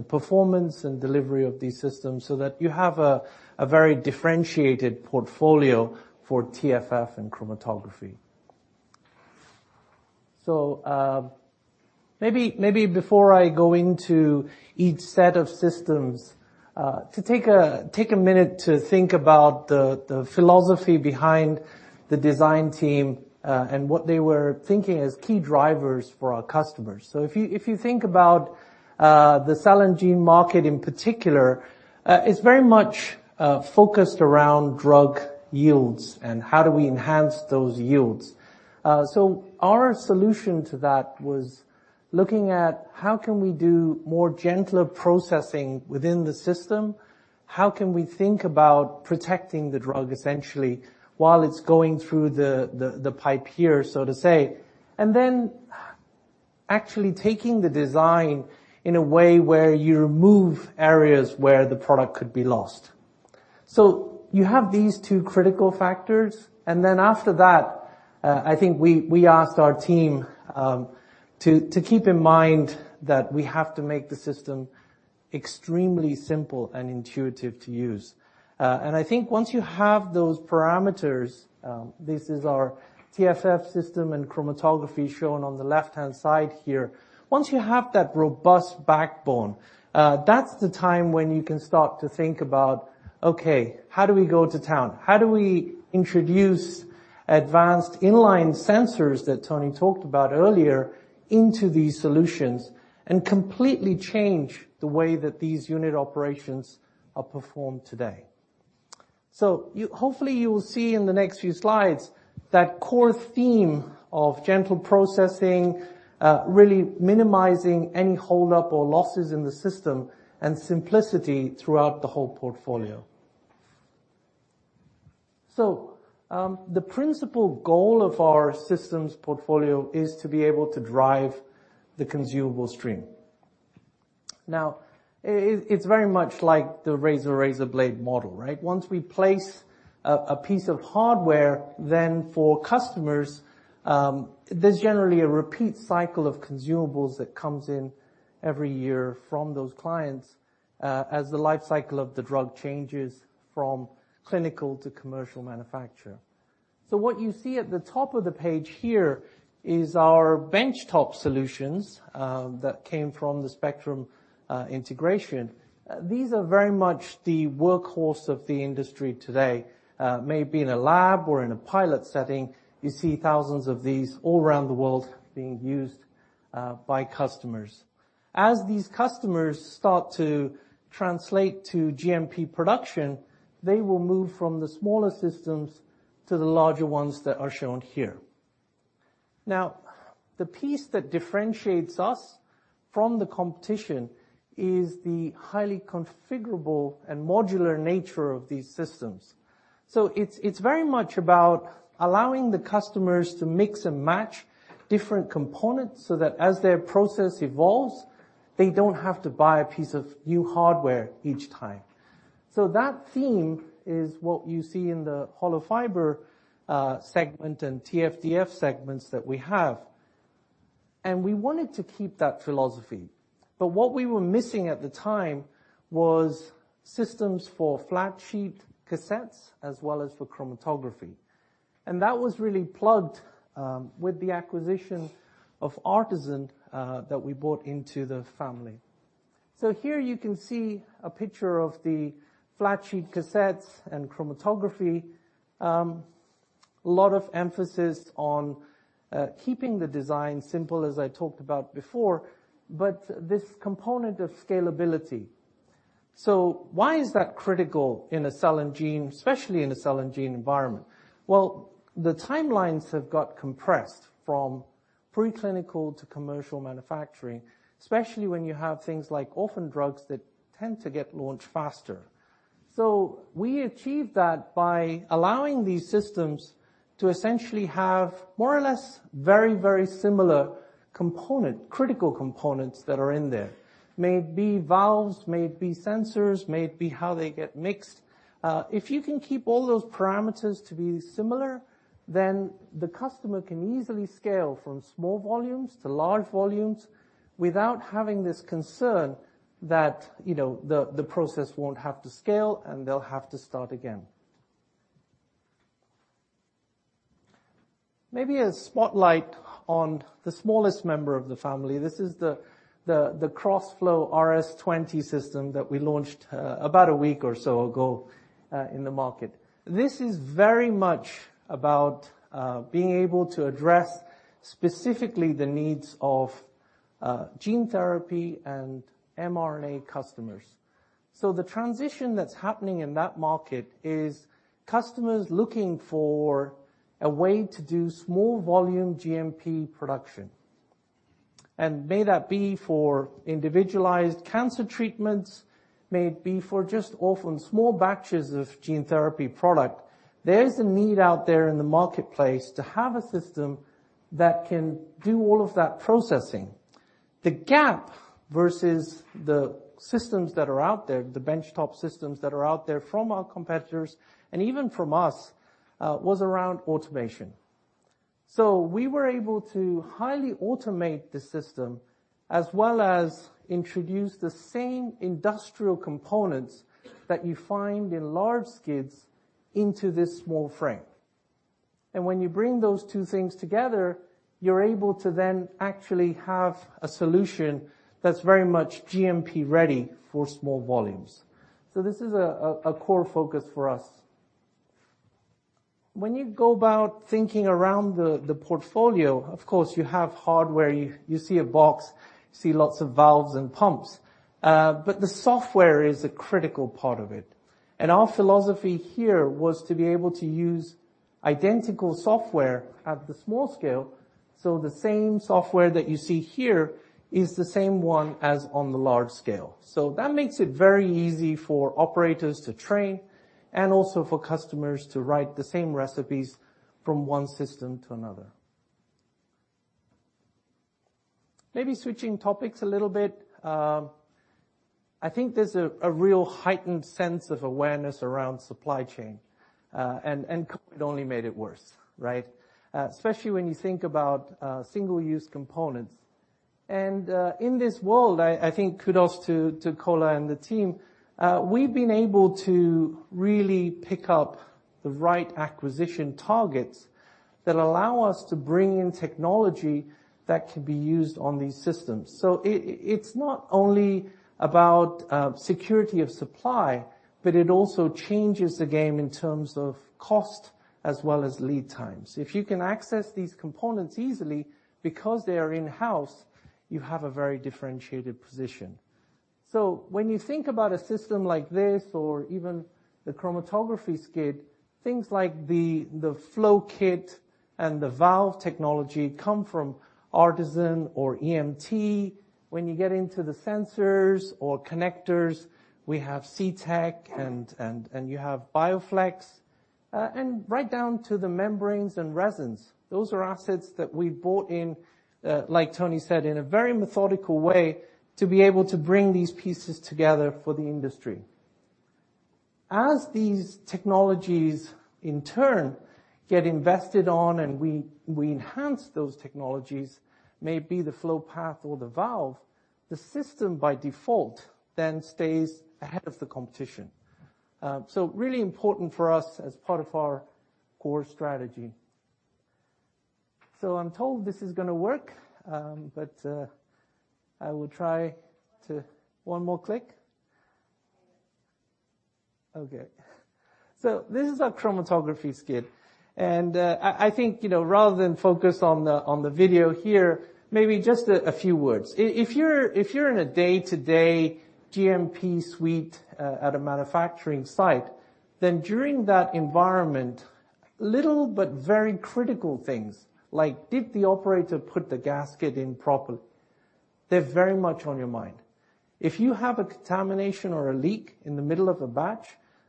performance and delivery of these systems so that you have a very differentiated portfolio for TFF and chromatography. Maybe before I go into each set of systems, to take a minute to think about the philosophy behind the design team, and what they were thinking as key drivers for our customers. If you think about the cell and gene market in particular, it's very much focused around drug yields and how do we enhance those yields. Our solution to that was looking at how can we do more gentler processing within the system? How can we think about protecting the drug essentially while it's going through the pipe here, so to say, and then actually taking the design in a way where you remove areas where the product could be lost. You have these two critical factors, and then after that, I think we asked our team to keep in mind that we have to make the system extremely simple and intuitive to use. I think once you have those parameters, this is our TFF system and chromatography shown on the left-hand side here. Once you have that robust backbone, that's the time when you can start to think about, okay, how do we go to town? How do we introduce advanced in-line sensors that Tony talked about earlier into these solutions and completely change the way that these unit operations are performed today? Hopefully, you will see in the next few slides that core theme of gentle processing, really minimizing any hold-up or losses in the system and simplicity throughout the whole portfolio. The principal goal of our systems portfolio is to be able to drive the consumable stream. Now, it's very much like the razor-blade model, right? Once we place a piece of hardware, then for customers, there's generally a repeat cycle of consumables that comes in every year from those clients, as the life cycle of the drug changes from clinical to commercial manufacture. What you see at the top of the page here is our benchtop solutions that came from the Spectrum integration. These are very much the workhorse of the industry today. Be it in a lab or in a pilot setting, you see thousands of these all around the world being used by customers. As these customers start to translate to GMP production, they will move from the smaller systems to the larger ones that are shown here. Now, the piece that differentiates us from the competition is the highly configurable and modular nature of these systems. It's very much about allowing the customers to mix and match different components so that as their process evolves, they don't have to buy a piece of new hardware each time. That theme is what you see in the hollow fiber segment and TFDF segments that we have. We wanted to keep that philosophy, but what we were missing at the time was systems for flat-sheet cassettes as well as for chromatography. That was really plugged with the acquisition of ARTeSYN that we brought into the family. Here you can see a picture of the flat sheet cassettes and chromatography. Lot of emphasis on keeping the design simple, as I talked about before, but this component of scalability. Why is that critical in a cell and gene, especially in a cell and gene environment? Well, the timelines have got compressed from pre-clinical to commercial manufacturing, especially when you have things like orphan drugs that tend to get launched faster. We achieve that by allowing these systems to essentially have more or less very, very similar component, critical components that are in there. May it be valves, may it be sensors, may it be how they get mixed, if you can keep all those parameters to be similar, then the customer can easily scale from small volumes to large volumes without having this concern that, you know, the process won't have to scale, and they'll have to start again. Maybe a spotlight on the smallest member of the family. This is the KrosFlo RS20 system that we launched about a week or so ago in the market. This is very much about being able to address specifically the needs of gene therapy and mRNA customers. The transition that's happening in that market is customers looking for a way to do small volume GMP production, and may that be for individualized cancer treatments, may it be for just often small batches of gene therapy product. There is a need out there in the marketplace to have a system that can do all of that processing. The gap versus the systems that are out there, the benchtop systems that are out there from our competitors and even from us, was around automation. We were able to highly automate the system as well as introduce the same industrial components that you find in large skids into this small frame. When you bring those two things together, you're able to then actually have a solution that's very much GMP-ready for small volumes. This is a core focus for us. When you go about thinking around the portfolio, of course you have hardware. You see a box, you see lots of valves and pumps, but the software is a critical part of it. Our philosophy here was to be able to use identical software at the small scale, so the same software that you see here is the same one as on the large scale. That makes it very easy for operators to train and also for customers to write the same recipes from one system to another. Maybe switching topics a little bit, I think there's a real heightened sense of awareness around supply chain, and COVID only made it worse, right? Especially when you think about single-use components. In this world, I think kudos to Kola and the team. We've been able to really pick up the right acquisition targets that allow us to bring in technology that can be used on these systems. It, it's not only about security of supply, but it also changes the game in terms of cost as well as lead times. If you can access these components easily because they are in-house, you have a very differentiated position. When you think about a system like this or even the chromatography skid, things like the flow kit and the valve technology come from ARTeSYN or EMT. When you get into the sensors or connectors, we have CTech and you have BioFlex, and right down to the membranes and resins. Those are assets that we've bought in, like Tony said, in a very methodical way to be able to bring these pieces together for the industry. As these technologies in turn get invested on and we enhance those technologies, may it be the flow path or the valve, the system by default then stays ahead of the competition. Really important for us as part of our core strategy. I'm told this is gonna work, but I will try to one more click. Okay. This is our chromatography skid, and I think rather than focus on the video here, maybe just a few words. If you're in a day-to-day GMP suite at a manufacturing site, then during that environment, little but very critical things like, "Did the operator put the gasket in properly?" They're very much on your mind. If you have a contamination or a leak in the middle of a batch,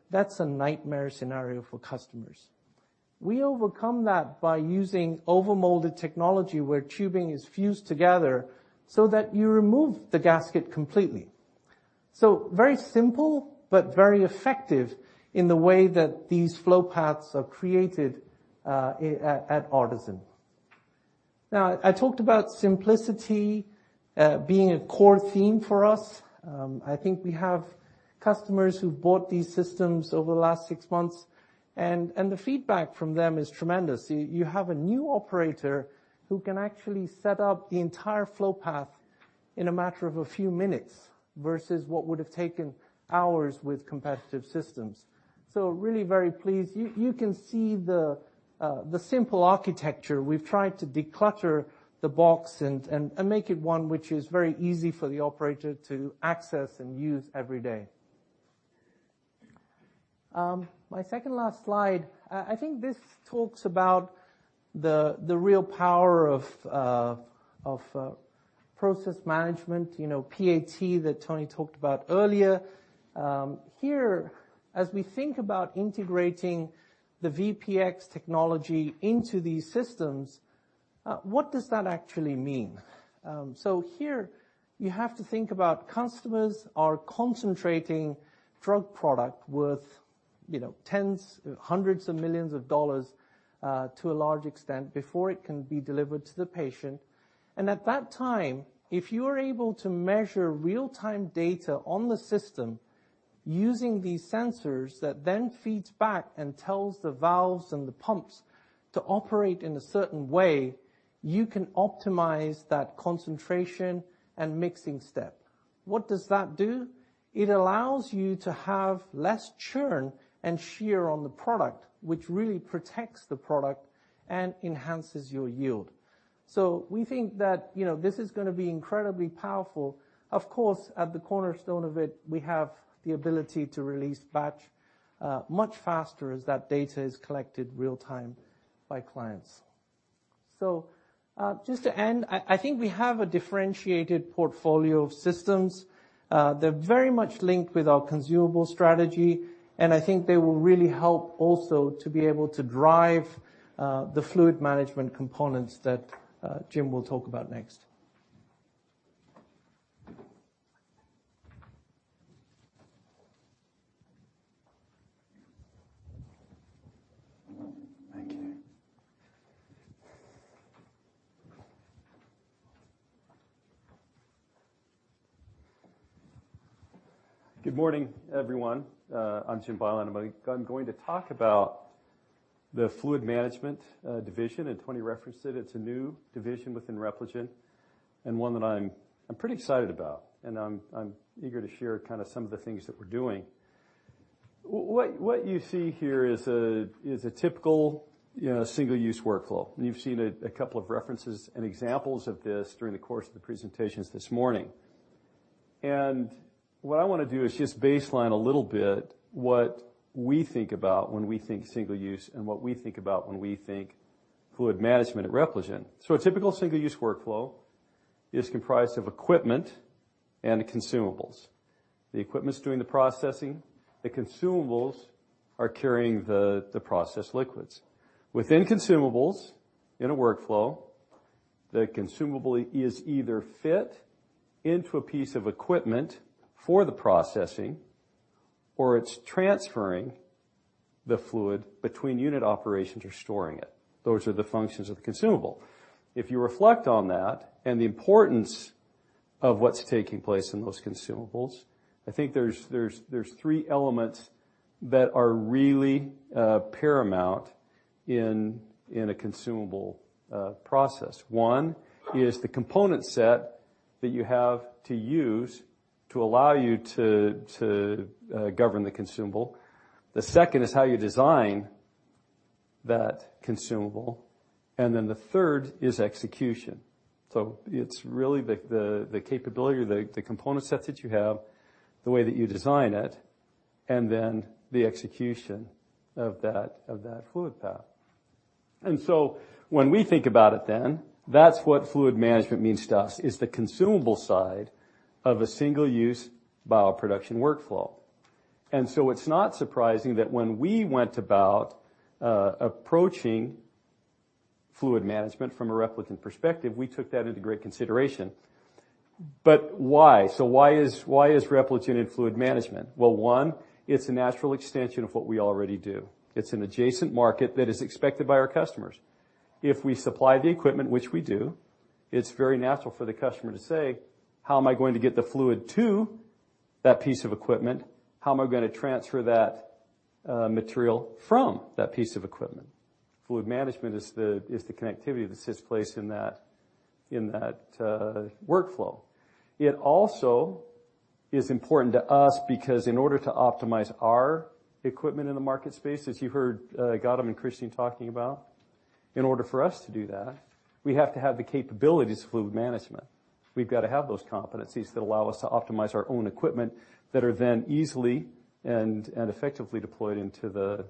that's a nightmare scenario for customers. We overcome that by using overmolded technology where tubing is fused together so that you remove the gasket completely. Very simple but very effective in the way that these flow paths are created, at ARTeSYN. Now, I talked about simplicity, being a core theme for us. I think we have customers who bought these systems over the last six months, and the feedback from them is tremendous. You can see the simple architecture. We've tried to declutter the box and make it one which is very easy for the operator to access and use every day. My second last slide, I think this talks about the real power of process management, you know, PAT that Tony talked about earlier. Here, as we think about integrating the VPX technology into these systems. What does that actually mean? So here you have to think about customers are concentrating drug product worth, you know, $10s, $100s of millions to a large extent before it can be delivered to the patient. At that time, if you are able to measure real-time data on the system using these sensors that then feeds back and tells the valves and the pumps to operate in a certain way, you can optimize that concentration and mixing step. What does that do? It allows you to have less churn and shear on the product, which really protects the product and enhances your yield. We think that, you know, this is gonna be incredibly powerful. Of course, at the cornerstone of it, we have the ability to release batch much faster as that data is collected real time by clients. Just to end, I think we have a differentiated portfolio of systems. They're very much linked with our consumable strategy, and I think they will really help also to be able to drive the fluid management components that Jim will talk about next. Thank you.
Good morning, everyone. I'm James Bylund, and I'm going to talk about the fluid management division, and Tony referenced it. It's a new division within Repligen, and one that I'm pretty excited about, and I'm eager to share kinda some of the things that we're doing. What you see here is a typical, you know, single-use workflow, and you've seen a couple of references and examples of this during the course of the presentations this morning. What I wanna do is just baseline a little bit what we think about when we think single use and what we think about when we think fluid management at Repligen. A typical single-use workflow is comprised of equipment and consumables. The equipment's doing the processing, the consumables are carrying the process liquids. Within consumables in a workflow, the consumable is either fit into a piece of equipment for the processing, or it's transferring the fluid between unit operations or storing it. Those are the functions of the consumable. If you reflect on that and the importance of what's taking place in those consumables, I think there's three elements that are really paramount in a consumable process. One is the component set that you have to use to allow you to govern the consumable. The second is how you design that consumable. Then the third is execution. It's really the capability or the component sets that you have, the way that you design it, and then the execution of that fluid path. When we think about it then, that's what fluid management means to us, is the consumable side of a single-use bioproduction workflow. It's not surprising that when we went about approaching fluid management from a Repligen perspective, we took that into great consideration. Why is Repligen in fluid management? Well, one, it's a natural extension of what we already do. It's an adjacent market that is expected by our customers. If we supply the equipment, which we do, it's very natural for the customer to say, "How am I going to get the fluid to that piece of equipment? How am I gonna transfer that material from that piece of equipment?" Fluid management is the connectivity that takes place in that workflow. It also is important to us because in order to optimize our equipment in the market space, as you heard, Gautam and Christine talking about, in order for us to do that, we have to have the capabilities of fluid management. We've gotta have those competencies that allow us to optimize our own equipment that are then easily and effectively deployed into the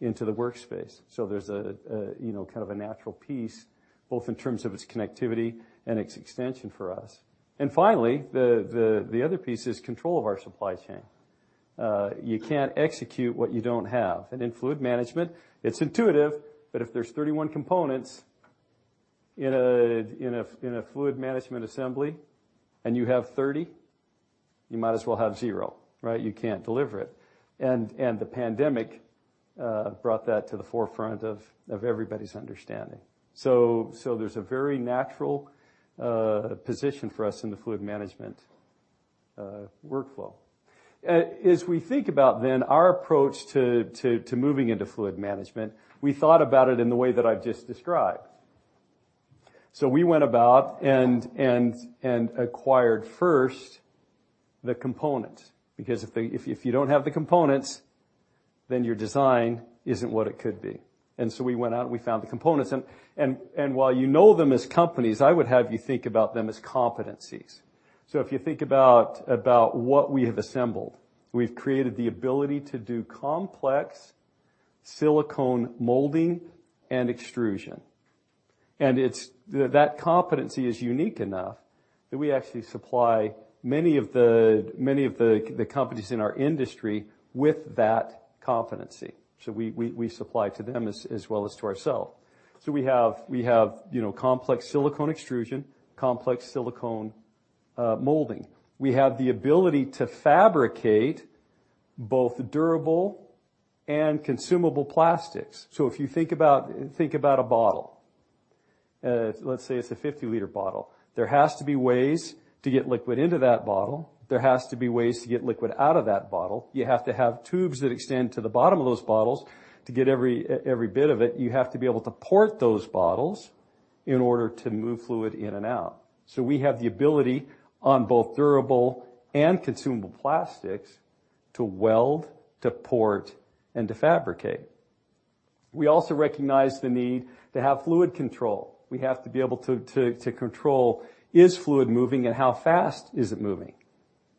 workspace. There's a you know kind of a natural piece, both in terms of its connectivity and its extension for us. Finally, the other piece is control of our supply chain. You can't execute what you don't have. In fluid management, it's intuitive, but if there's 31 components in a fluid management assembly, and you have 30, you might as well have zero, right? You can't deliver it. The pandemic brought that to the forefront of everybody's understanding. There's a very natural position for us in the fluid management workflow. As we think about then our approach to moving into fluid management, we thought about it in the way that I've just described. We went about and acquired first the components, because if you don't have the components, then your design isn't what it could be. We went out and we found the components. While you know them as companies, I would have you think about them as competencies. If you think about what we have assembled, we've created the ability to do complex silicone molding and extrusion. That competency is unique enough that we actually supply many of the companies in our industry with that competency. We supply to them as well as to ourselves. We have, you know, complex silicone extrusion, complex silicone molding. We have the ability to fabricate both durable and consumable plastics. If you think about a bottle, let's say it's a 50-L bottle. There have to be ways to get liquid into that bottle. There have to be ways to get liquid out of that bottle. You have to have tubes that extend to the bottom of those bottles to get every bit of it. You have to be able to port those bottles in order to move fluid in and out. We have the ability on both durable and consumable plastics to weld, to port, and to fabricate. We also recognize the need to have fluid control. We have to be able to control how the fluid is moving and how fast is it moving.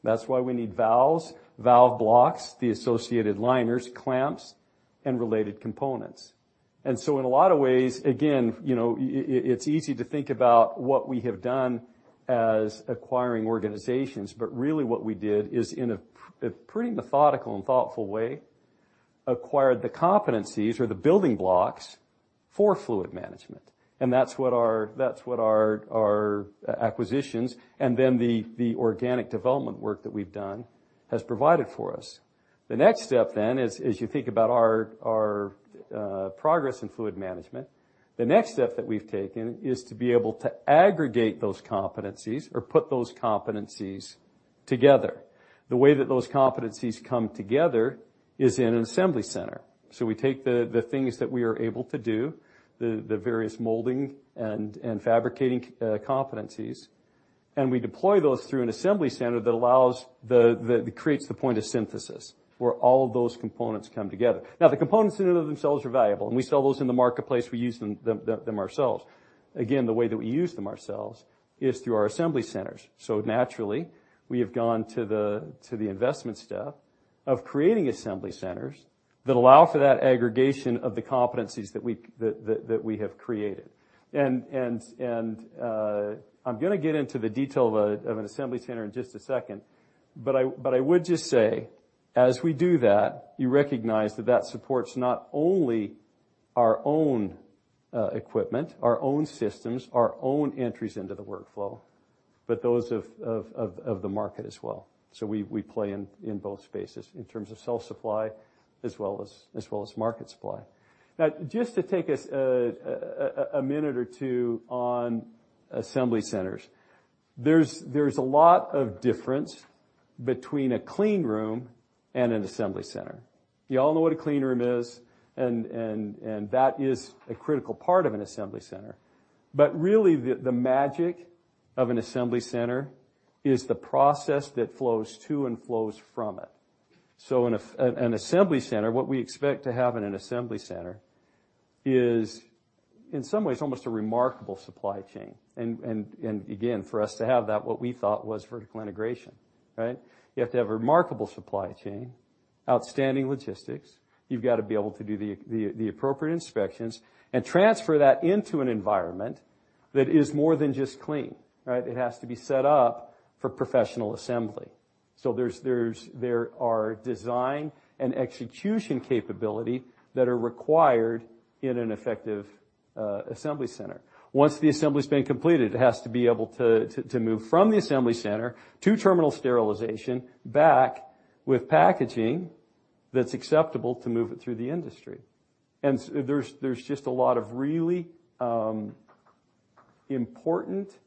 That's why we need valves, valve blocks, the associated liners, clamps, and related components. In a lot of ways, again, you know, it's easy to think about what we have done as acquiring organizations, but really what we did is, in a pretty methodical and thoughtful way, acquired the competencies or the building blocks for fluid management. That's what our acquisitions and then the organic development work that we've done has provided for us. The next step is, as you think about our progress in fluid management, the next step that we've taken is to be able to aggregate those competencies or put those competencies together. The way that those competencies come together is in an assembly center. We take the things that we are able to do, the various molding and fabricating competencies, and we deploy those through an assembly center that creates the point of synthesis, where all of those components come together. Now, the components in and of themselves are valuable, and we sell those in the marketplace. We use them ourselves. Again, the way that we use them ourselves is through our assembly centers. Naturally, we have gone to the investment step of creating assembly centers that allow for that aggregation of the competencies that we have created. I'm gonna get into the detail of an assembly center in just a second, but I would just say, as we do that, you recognize that that supports not only our own equipment, our own systems, our own entries into the workflow, but those of the market as well. We play in both spaces in terms of self-supply as well as market supply. Now, just to take us a minute or two on assembly centers. There's a lot of difference between a clean room and an assembly center. You all know what a clean room is, and that is a critical part of an assembly center. Really the magic of an assembly center is the process that flows to and flows from it. In an assembly center, what we expect to have in an assembly center is, in some ways, almost a remarkable supply chain. Again, for us to have that, what we thought was vertical integration, right? You have to have a remarkable supply chain, outstanding logistics. You've got to be able to do the appropriate inspections and transfer that into an environment that is more than just clean, right? It has to be set up for professional assembly. There are design and execution capability that are required in an effective assembly center. Once the assembly's been completed, it has to be able to move from the assembly center to terminal sterilization back with packaging that's acceptable to move it through the industry. There's just a lot of really important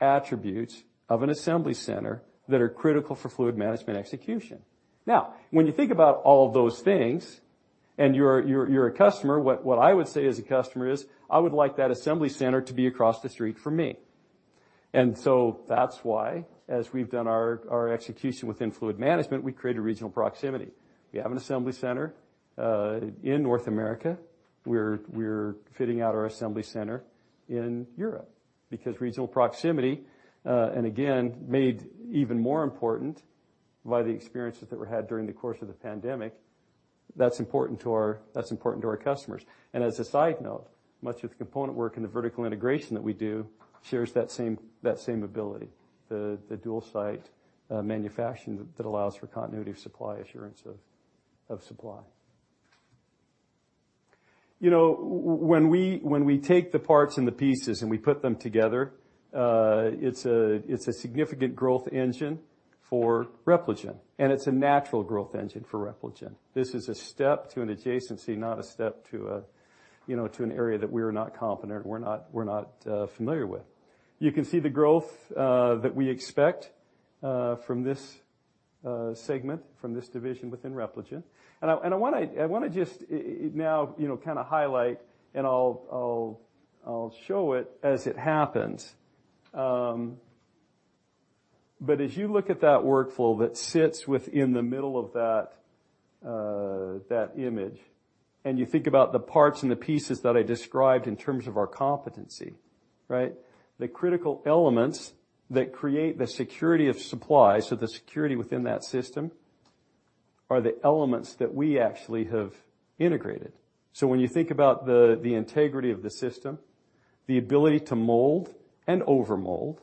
attributes of an assembly center that are critical for fluid management execution. Now, when you think about all of those things and you're a customer, what I would say as a customer is, I would like that assembly center to be across the street from me. That's why, as we've done our execution within fluid management, we created regional proximity. We have an assembly center in North America. We're fitting out our assembly center in Europe because regional proximity, and again, made even more important by the experiences that were had during the course of the pandemic, that's important to our customers. As a side note, much of the component work and the vertical integration that we do shares that same ability, the dual site manufacturing that allows for continuity of supply, assurance of supply. When we take the parts and the pieces and we put them together, it's a significant growth engine for Repligen, and it's a natural growth engine for Repligen. This is a step to an adjacency, not a step to an area that we're not confident, not familiar with. You can see the growth that we expect from this segment, from this division within Repligen. I want to just now, you know, kind of highlight, and I'll show it as it happens. As you look at that workflow that sits within the middle of that image, and you think about the parts and the pieces that I described in terms of our competency, right? The critical elements that create the security of supply, so the security within that system are the elements that we actually have integrated. When you think about the integrity of the system, the ability to mold and overmold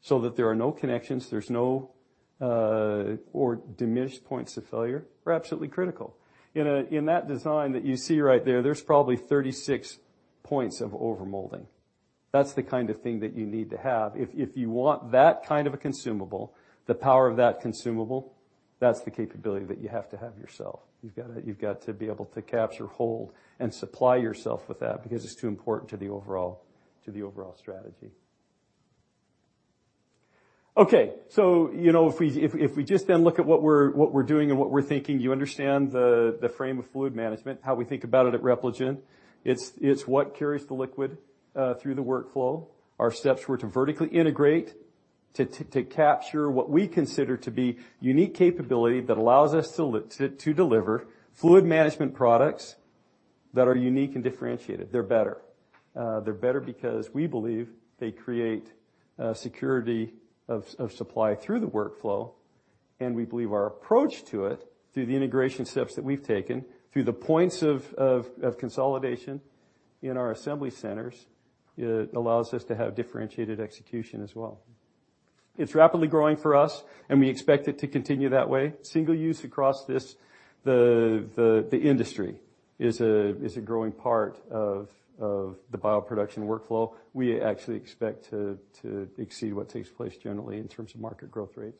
so that there are no connections, there's no or diminished points of failure are absolutely critical. In that design that you see right there's probably 36 points of overmolding. That's the kind of thing that you need to have. If you want that kind of a consumable, the power of that consumable, that's the capability that you have to have yourself. You've got to be able to capture, hold, and supply yourself with that because it's too important to the overall strategy. Okay. You know, if we just then look at what we're doing and what we're thinking, you understand the frame of fluid management, how we think about it at Repligen. It's what carries the liquid through the workflow. Our steps were to vertically integrate, to capture what we consider to be unique capability that allows us to deliver fluid management products that are unique and differentiated. They're better. They're better because we believe they create security of supply through the workflow, and we believe our approach to it through the integration steps that we've taken, through the points of consolidation in our assembly centers, it allows us to have differentiated execution as well. It's rapidly growing for us, and we expect it to continue that way. Single-use across the industry is a growing part of the bioproduction workflow. We actually expect to exceed what takes place generally in terms of market growth rates.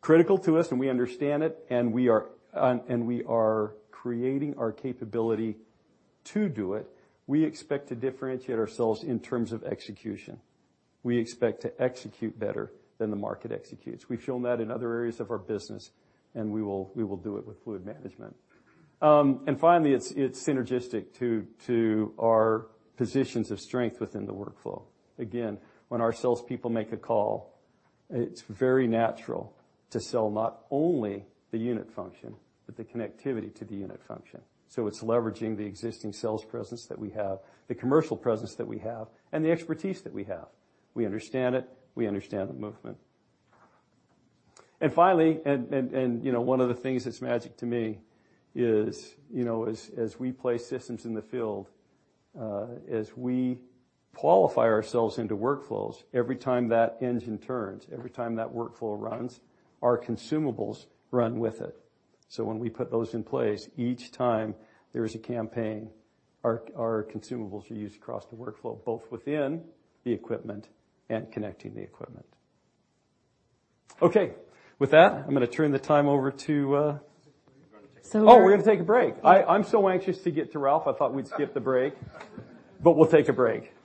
Critical to us, and we understand it, and we are creating our capability to do it, we expect to differentiate ourselves in terms of execution. We expect to execute better than the market executes. We've shown that in other areas of our business, and we will do it with fluid management. Finally, it's synergistic to our positions of strength within the workflow. Again, when our salespeople make a call, it's very natural to sell not only the unit function, but the connectivity to the unit function. It's leveraging the existing sales presence that we have, the commercial presence that we have, and the expertise that we have. We understand it, we understand the movement. Finally, you know, one of the things that's magic to me is, you know, as we place systems in the field, as we qualify ourselves into workflows, every time that engine turns, every time that workflow runs, our consumables run with it. When we put those in place, each time there is a campaign, our consumables are used across the workflow, both within the equipment and connecting the equipment. Okay. With that, I'm gonna turn the time over to,
Take a break.
Oh, we're gonna take a break. I'm so anxious to get to Ralf, I thought we'd skip the break, but we'll take a break.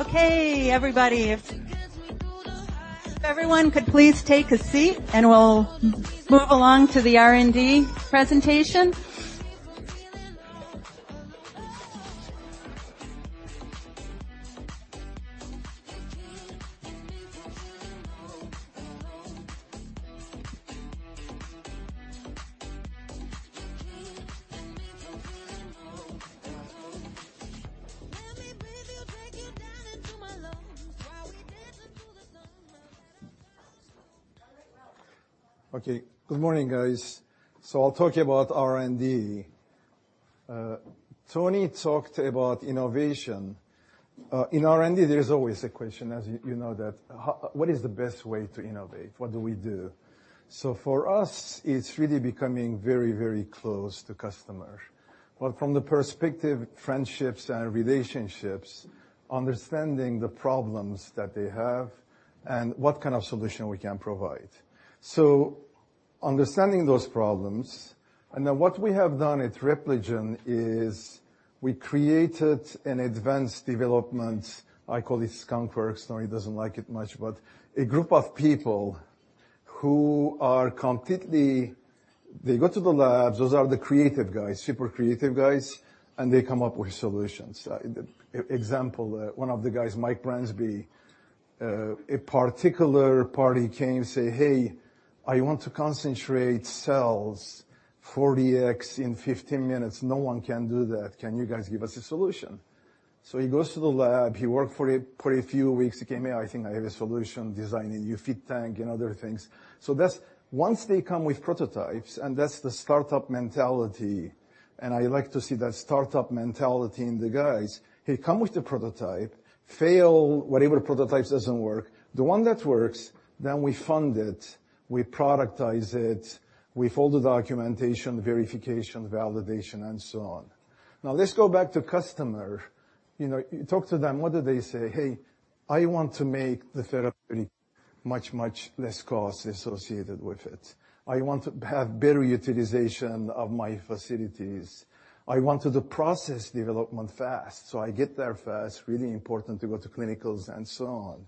Okay, everybody. If everyone could please take a seat, and we'll move along to the R&D presentation.
Okay. Good morning, guys. I'll talk about R&D. Tony talked about innovation. In R&D, there is always a question as you know that, what is the best way to innovate? What do we do? For us, it's really becoming very, very close to customer. Well, from the perspective, friendships and relationships, understanding the problems that they have and what kind of solution we can provide. Understanding those problems. Now what we have done at Repligen is we created an advanced development. I call it skunkworks. Tony doesn't like it much, but a group of people who are completely. They go to the labs, those are the creative guys, super creative guys, and they come up with solutions. Example, one of the guys, Mike Bransby, a particular party came, say, "Hey, I want to concentrate cells 40x in 15 minutes. No one can do that. Can you guys give us a solution? He goes to the lab, he worked for a few weeks. He came here, "I think I have a solution," designing new feed tank and other things. That's once they come with prototypes, and that's the startup mentality, and I like to see that startup mentality in the guys. He come with the prototype, fail, whatever prototypes doesn't work. The one that works, then we fund it, we productize it, with all the documentation, verification, validation, and so on. Now let's go back to customer. You know, you talk to them, what do they say? "Hey, I want to make the therapy much, much less cost associated with it. I want to have better utilization of my facilities. I want to process development fast, so I get there fast. Really important to go to clinicals and so on.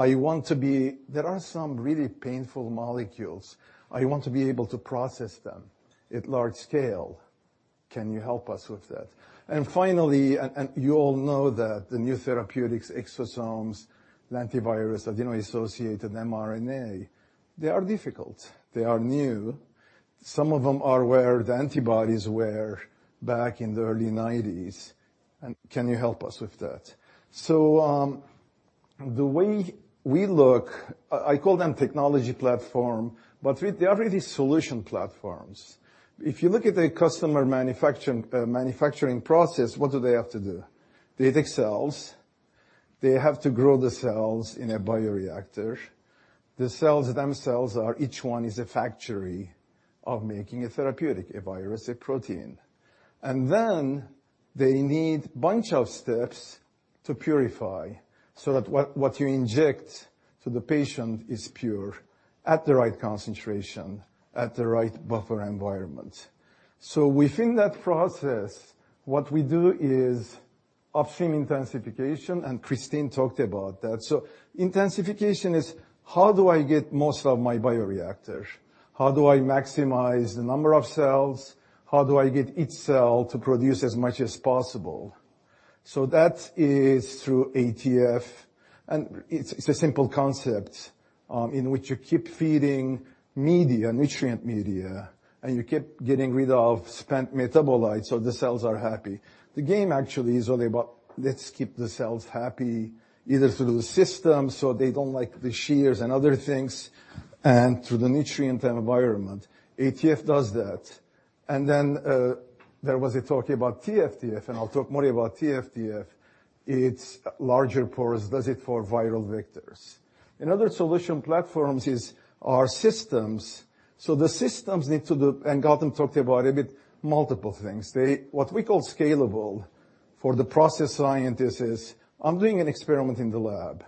I want to be. There are some really painful molecules. I want to be able to process them at large scale. Can you help us with that? Finally, you all know that the new therapeutics exosomes, lentivirus, adeno-associated virus, mRNA. They are difficult. They are new. Some of them are where the antibodies were back in the early nineties, and can you help us with that? The way we look, I call them technology platform, but they are really solution platforms. If you look at the customer manufacturing process, what do they have to do? They take cells. They have to grow the cells in a bioreactor. The cells themselves are each one is a factory of making a therapeutic, a virus, a protein. Then they need a bunch of steps to purify, so that what you inject to the patient is pure, at the right concentration, at the right buffer environment. Within that process, what we do is upstream intensification, and Christine talked about that. Intensification is how do I get most of my bioreactor? How do I maximize the number of cells? How do I get each cell to produce as much as possible? That is through ATF, and it's a simple concept, in which you keep feeding media, nutrient media, and you keep getting rid of spent metabolites, so the cells are happy. The game actually is only about let's keep the cells happy, either through the system, so they don't like the shears and other things, and through the nutrient environment. ATF does that. Then, there was a talk about TFDF, and I'll talk more about TFDF. It's larger pores, does it for viral vectors. In other solution platforms is our systems. So the systems need to do and Gautam talked about a bit multiple things. What we call scalable for the process scientist is, I'm doing an experiment in the lab.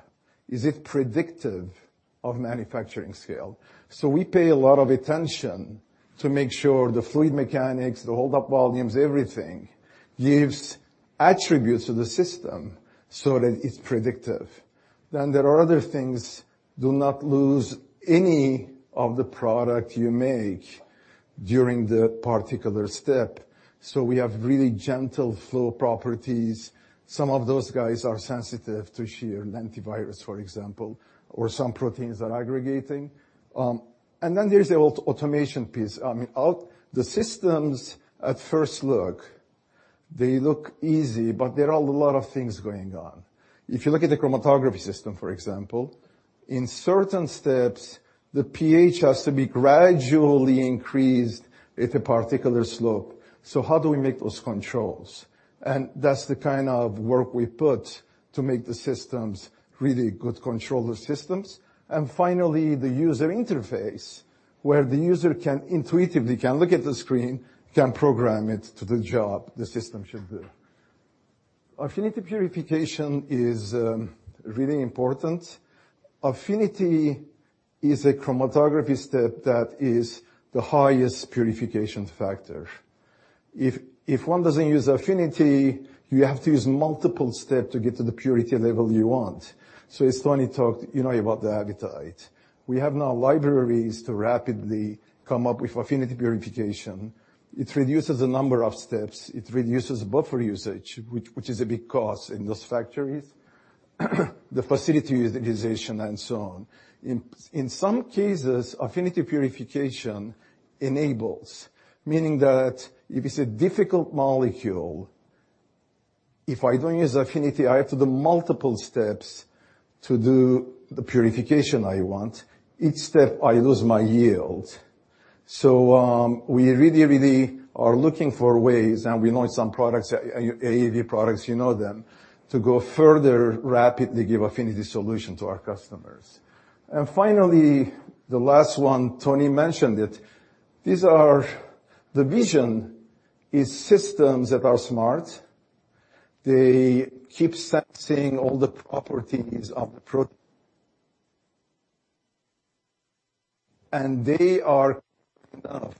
Is it predictive of manufacturing scale? So we pay a lot of attention to make sure the fluid mechanics, the holdup volumes, everything, gives attributes to the system so that it's predictive. Then there are other things, do not lose any of the product you make during the particular step. So we have really gentle flow properties. Some of those guys are sensitive to shear and antiviral, for example, or some proteins are aggregating. Then there's the automation piece. I mean, all the systems at first look, they look easy, but there are a lot of things going on. If you look at the chromatography system, for example, in certain steps, the pH has to be gradually increased at a particular slope. How do we make those controls? That's the kind of work we put to make the systems really good controller systems. Finally, the user interface, where the user can intuitively look at the screen, can program it to the job the system should do. Affinity purification is really important. Affinity is a chromatography step that is the highest purification factor. If one doesn't use affinity, you have to use multiple steps to get to the purity level you want. As Tony talked, you know about the Avitide. We have now libraries to rapidly come up with affinity purification. It reduces the number of steps, it reduces buffer usage, which is a big cost in those factories, the facility utilization, and so on. In some cases, affinity purification enables, meaning that if it's a difficult molecule, if I don't use affinity, I have to do multiple steps to do the purification I want. Each step, I lose my yield. We really are looking for ways, and we know some products, AAV products, you know them, to go further, rapidly give affinity solution to our customers. Finally, the last one, Tony mentioned it. These are the vision systems that are smart. They keep sensing all the properties of the product and they are enough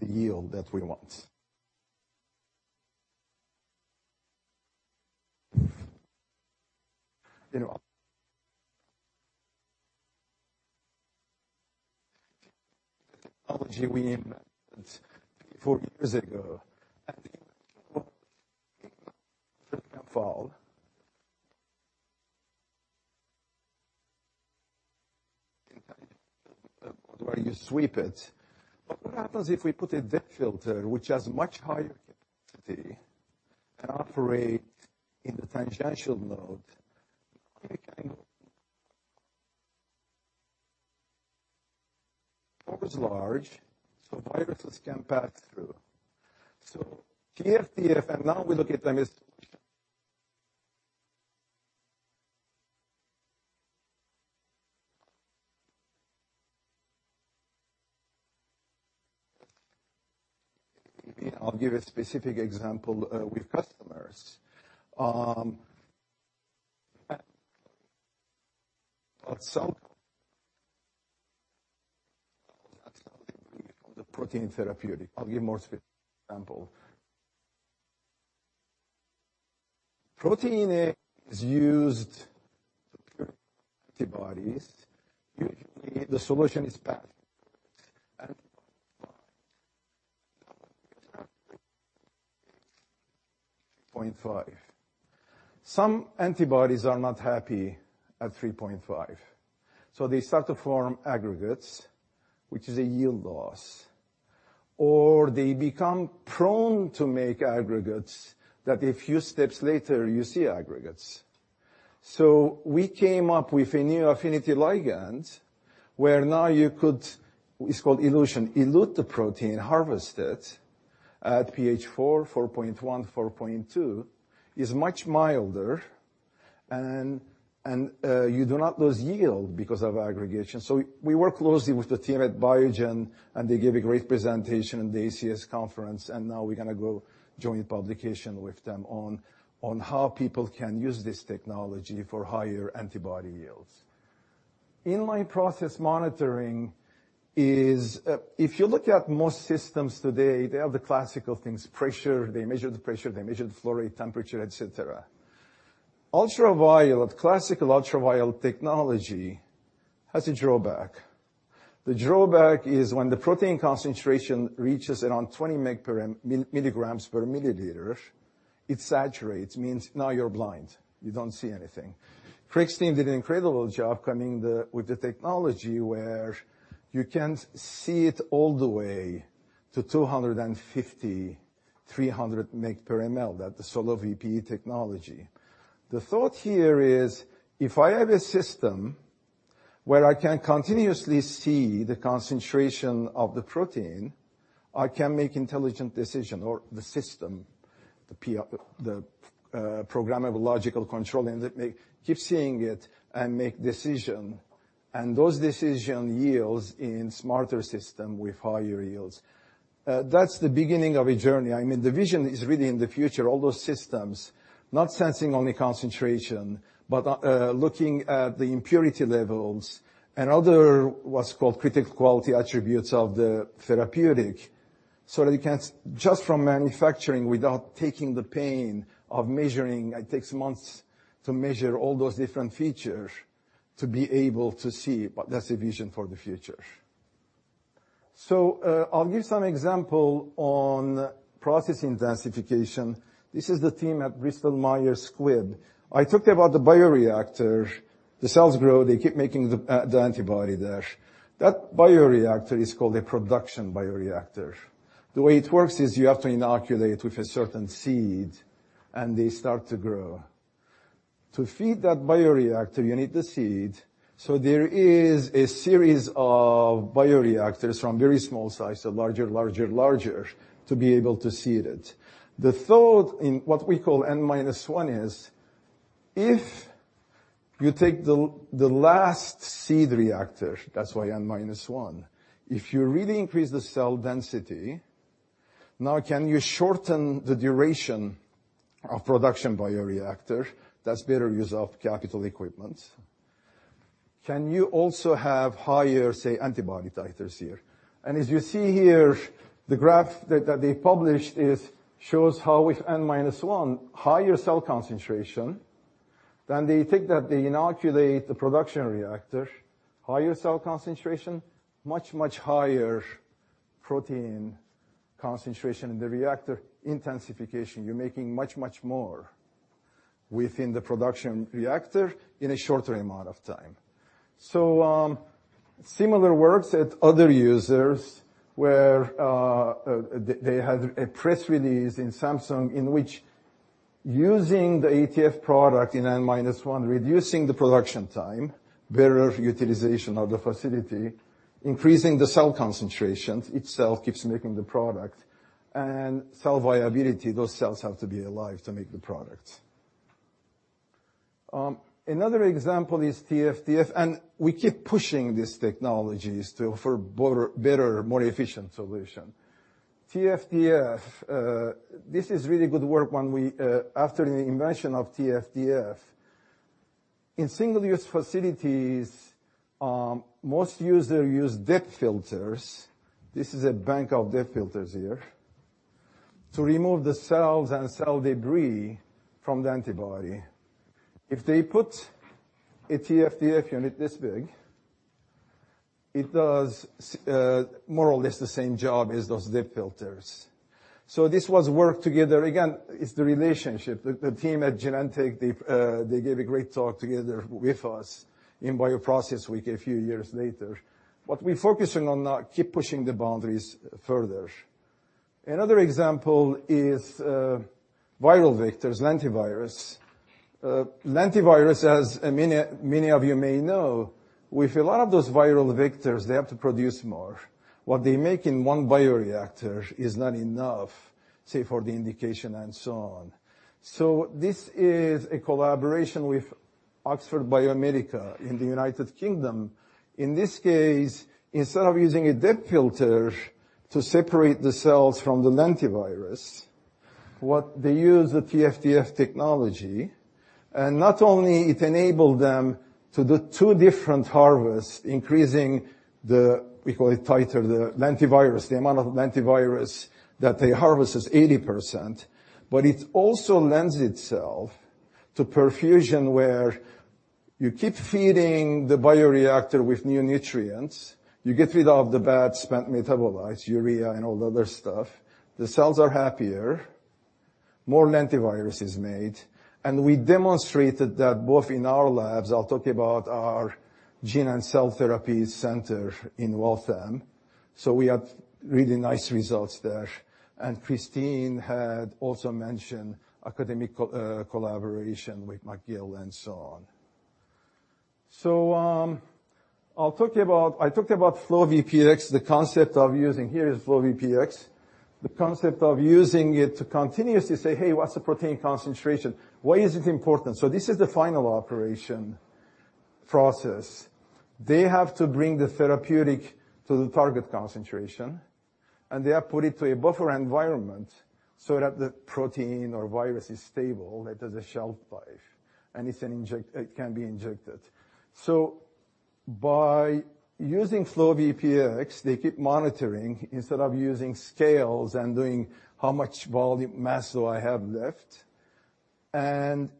the yield that we want. Technology we invented four, four years ago. Where you sweep it. What happens if we put a depth filter, which has much higher capacity and operate in the tangential mode? Pore is large, so viruses can pass through. TFDF, and now we look at them as. I'll give a specific example with customers at some point the protein therapeutic. I'll give more specific example. Protein A is used to produce antibodies. Usually, the solution is batch. Point five. Some antibodies are not happy at 3.5, so they start to form aggregates, which is a yield loss, or they become prone to make aggregates that a few steps later you see aggregates. We came up with a new affinity ligand where now you could elute the protein, harvest it at pH 4.1, 4.2. It's much milder and you do not lose yield because of aggregation. We work closely with the team at Biogen, and they gave a great presentation in the ACS conference, and now we're gonna go joint publication with them on how people can use this technology for higher antibody yields. Inline process monitoring is if you look at most systems today, they have the classical things, pressure, they measure the pressure, they measure the flow rate, temperature, et cetera. Classical ultraviolet technology has a drawback. The drawback is when the protein concentration reaches around 20 mg per mL, milligrams per milliliter, it saturates, means now you're blind, you don't see anything. Craig's team did an incredible job coming with the technology where you can see it all the way to 250 mg/mL to 300 mg/mL. That's the SoloVPE technology. The thought here is, if I have a system where I can continuously see the concentration of the protein, I can make intelligent decision or the system, the programmable logic controller, and it keep seeing it and make decision. Those decision yields in smarter system with higher yields. That's the beginning of a journey. I mean, the vision is really in the future, all those systems, not sensing only concentration, but looking at the impurity levels and other what's called critical quality attributes of the therapeutic, so that you can, just from manufacturing without taking the pain of measuring, it takes months to measure all those different features to be able to see. That's the vision for the future. I'll give some example on process intensification. This is the team at Bristol Myers Squibb. I talked about the bioreactor. The cells grow, they keep making the antibody there. That bioreactor is called a production bioreactor. The way it works is you have to inoculate with a certain seed, and they start to grow. To feed that bioreactor, you need the seed. There is a series of bioreactors from very small size to larger to be able to seed it. The thought in what we call N-minus-one is if you take the last seed reactor, that's why N-minus-one, if you really increase the cell density, now can you shorten the duration of production bioreactor? That's better use of capital equipment. Can you also have higher, say, antibody titers here? As you see here, the graph that they published shows how with N-minus-one, higher cell concentration, then they take that, they inoculate the production reactor, higher cell concentration, much more protein concentration in the reactor intensification. You're making much more within the production reactor in a shorter amount of time. Similar works at other users where they had a press release from Samsung in which using the ATF product in N-1, reducing the production time, better utilization of the facility, increasing the cell concentration, itself keeps making the product, and cell viability, those cells have to be alive to make the product. Another example is TFDF. We keep pushing these technologies to offer better, more efficient solution. TFDF, this is really good work after the invention of TFDF. In single-use facilities, most users use depth filters. This is a bank of depth filters here to remove the cells and cell debris from the antibody. If they put a TFDF unit this big, it does more or less the same job as those depth filters. This was worked together. Again, it's the relationship. The team at Genentech, they gave a great talk together with us in Bioprocess Week a few years later. What we're focusing on now, keep pushing the boundaries further. Another example is viral vectors, lentivirus. Lentivirus, as many of you may know, with a lot of those viral vectors, they have to produce more. What they make in one bioreactor is not enough, say, for the indication and so on. This is a collaboration with Oxford Biomedica in the United Kingdom. In this case, instead of using a depth filter to separate the cells from the lentivirus. What they use, the TFF technology, and not only it enabled them to do two different harvests, increasing the, we call it titer, the lentivirus, the amount of lentivirus that they harvest is 80%, but it also lends itself to perfusion where you keep feeding the bioreactor with new nutrients. You get rid of the bad spent metabolites, urea and all the other stuff. The cells are happier, more lentivirus is made, and we demonstrated that both in our labs. I'll talk about our Gene and Cell Therapy Center in Waltham. We have really nice results there. Christine had also mentioned academic collaboration with McGill and so on. I'll talk about. I talked about FlowVPX, the concept of using it to continuously say, "Hey, what's the protein concentration? Why is it important?" This is the final operation process. They have to bring the therapeutic to the target concentration, and they are put into a buffer environment so that the protein or virus is stable, it has a shelf life, and it can be injected. By using FlowVPX, they keep monitoring instead of using scales and doing how much volume mass do I have left.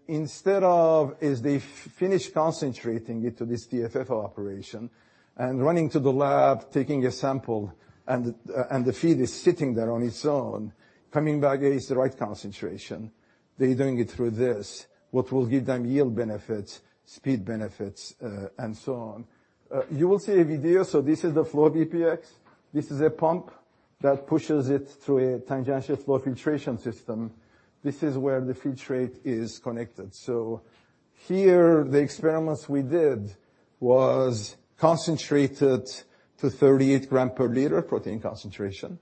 Instead of as they finish concentrating it to this TFF operation and running to the lab, taking a sample, and the feed is sitting there on its own, coming back as the right concentration, they're doing it through this, what will give them yield benefits, speed benefits, and so on. You will see a video. This is the FlowVPX. This is a pump that pushes it through a tangential flow filtration system. This is where the filtrate is connected. Here, the experiments we did was concentrated to 38 g/L protein concentration,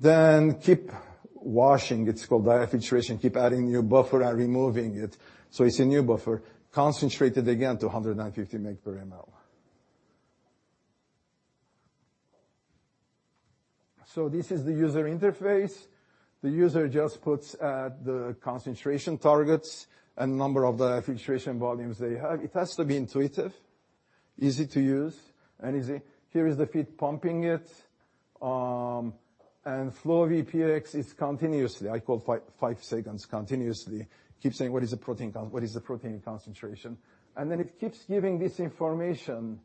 then keep washing, it's called diafiltration, keep adding new buffer and removing it, so it's a new buffer, concentrated again to 150 mg/mL. This is the user interface. The user just puts, the concentration targets and number of the filtration volumes they have. It has to be intuitive, easy to use, and easy. Here is the feed pumping it, and FlowVPX, it's continuously, I call five seconds continuously, keeps saying, "What is the protein concentration?" Then it keeps giving this information,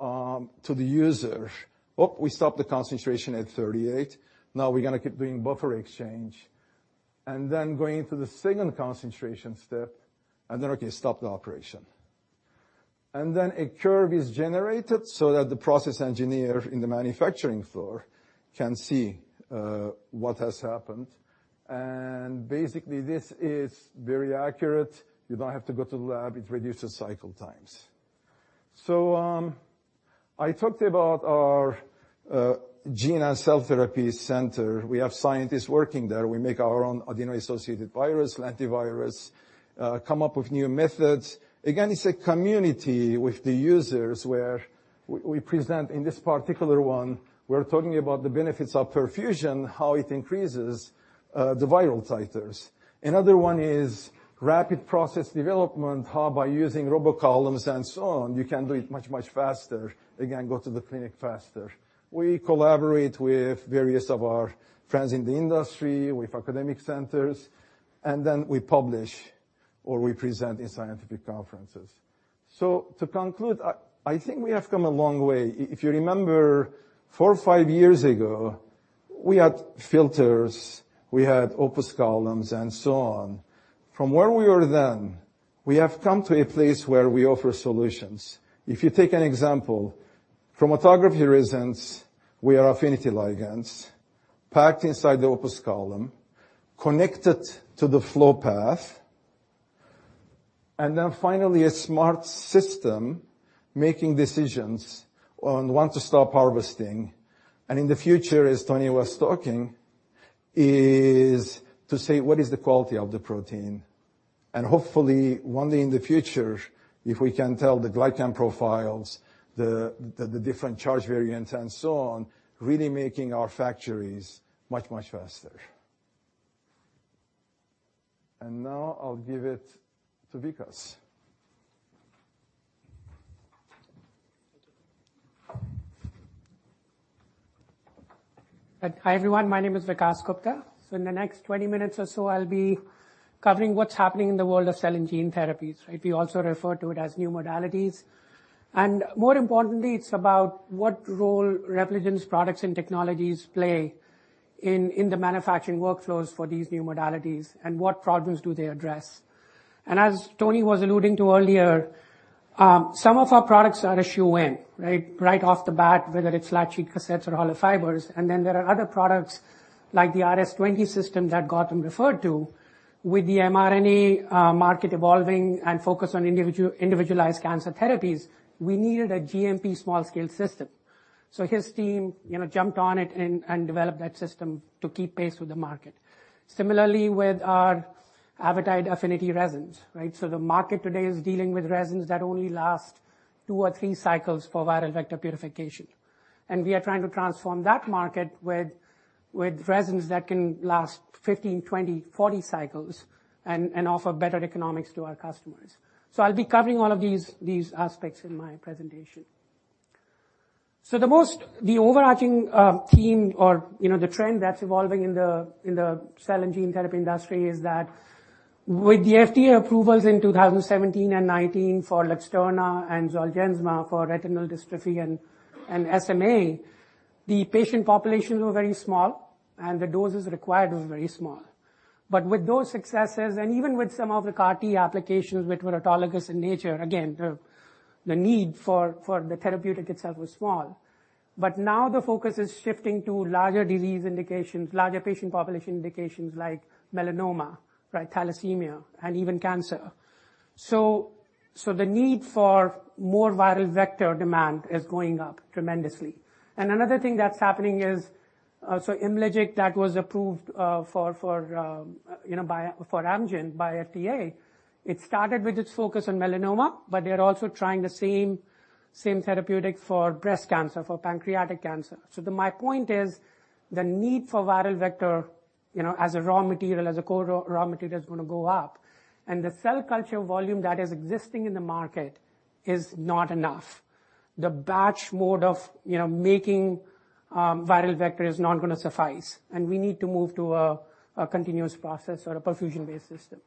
to the user. Oh, we stopped the concentration at 38. Now we're gonna keep doing buffer exchange, and then going into the second concentration step, and then we can stop the operation. A curve is generated so that the process engineer in the manufacturing floor can see what has happened. Basically, this is very accurate. You don't have to go to the lab. It reduces cycle times. I talked about our Gene and Cell Therapy Center. We have scientists working there. We make our own adeno-associated virus, lentivirus, come up with new methods. Again, it's a community with the users where we present. In this particular one, we're talking about the benefits of perfusion, how it increases the viral titers. Another one is rapid process development, how by using RoboColumns and so on, you can do it much, much faster, again, go to the clinic faster. We collaborate with various of our friends in the industry, with academic centers, and then we publish or we present in scientific conferences. To conclude, I think we have come a long way. If you remember four or five years ago, we had filters, we had OPUS columns and so on. From where we were then, we have come to a place where we offer solutions. If you take an example, chromatography resins, we have affinity ligands packed inside the OPUS column, connected to the flow path, and then finally a smart system making decisions on when to stop harvesting. In the future, as Tony was talking, is to say what is the quality of the protein, and hopefully one day in the future, if we can tell the glycan profiles, the different charge variants, and so on, really making our factories much, much faster. Now I'll give it to Vikas.
Hi, everyone. My name is Vikas Gupta. In the next 20 minutes or so, I'll be covering what's happening in the world of cell and gene therapies. Right? We also refer to it as new modalities. More importantly, it's about what role Repligen's products and technologies play in the manufacturing workflows for these new modalities and what problems do they address. As Tony was alluding to earlier, some of our products are a shoo-in, right? Right off the bat, whether it's flat sheet cassettes or hollow fibers. Then there are other products like the RS-20 system that Gautam referred to. With the mRNA market evolving and focus on individualized cancer therapies, we needed a GMP small-scale system. His team, you know, jumped on it and developed that system to keep pace with the market. Similarly with our Avitide affinity resins, right? The market today is dealing with resins that only last two or three cycles for viral vector purification. We are trying to transform that market with resins that can last 15, 20, 40 cycles and offer better economics to our customers. I'll be covering all of these aspects in my presentation. The overarching theme or, you know, the trend that's evolving in the cell and gene therapy industry is that with the FDA approvals in 2017 and 2019 for Luxturna and Zolgensma for retinal dystrophy and SMA, the patient populations were very small and the doses required was very small. With those successes, and even with some of the CAR-T applications which were autologous in nature, again, the need for the therapeutic itself was small. Now the focus is shifting to larger disease indications, larger patient population indications like melanoma, right, thalassemia, and even cancer. The need for more viral vector demand is going up tremendously. Another thing that's happening is Imlygic that was approved for Amgen by FDA. It started with its focus on melanoma, but they're also trying the same therapeutic for breast cancer, for pancreatic cancer. My point is, the need for viral vector, you know, as a raw material, as a core raw material is gonna go up. The cell culture volume that is existing in the market is not enough. The batch mode of you know making viral vector is not gonna suffice, and we need to move to a continuous process or a perfusion-based system.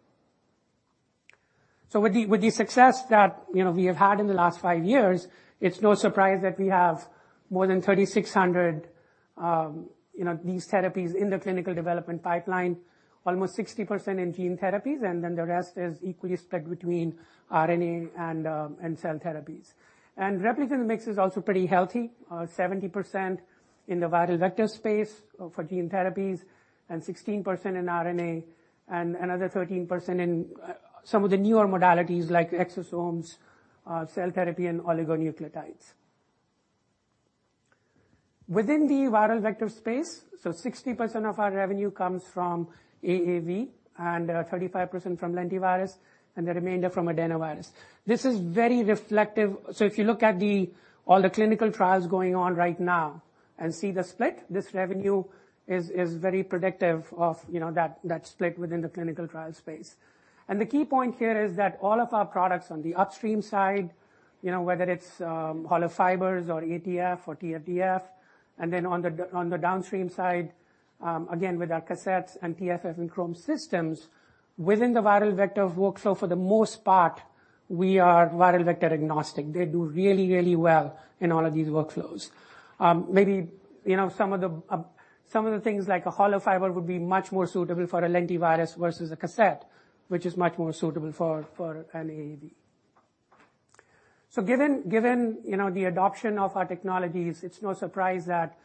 With the success that, you know, we have had in the last five years, it's no surprise that we have more than 3,600, you know, these therapies in the clinical development pipeline, almost 60% in gene therapies, and then the rest is equally split between RNA and cell therapies. Repligen mix is also pretty healthy, 70% in the viral vector space for gene therapies and 16% in RNA and another 13% in some of the newer modalities like exosomes, cell therapy, and oligonucleotides. Within the viral vector space, 60% of our revenue comes from AAV and 35% from lentivirus and the remainder from adenovirus. This is very reflective. If you look at all the clinical trials going on right now and see the split, this revenue is very predictive of, you know, that split within the clinical trial space. The key point here is that all of our products on the upstream side, you know, whether it's hollow fibers or ATF or TFDF, and then on the downstream side, again, with our cassettes and TFF and chrom systems, within the viral vector workflow, for the most part, we are viral vector agnostic. They do really, really well in all of these workflows. Maybe, you know, some of the things like a hollow fiber would be much more suitable for a lentivirus versus a cassette, which is much more suitable for an AAV. Given you know the adoption of our technologies, it's no surprise that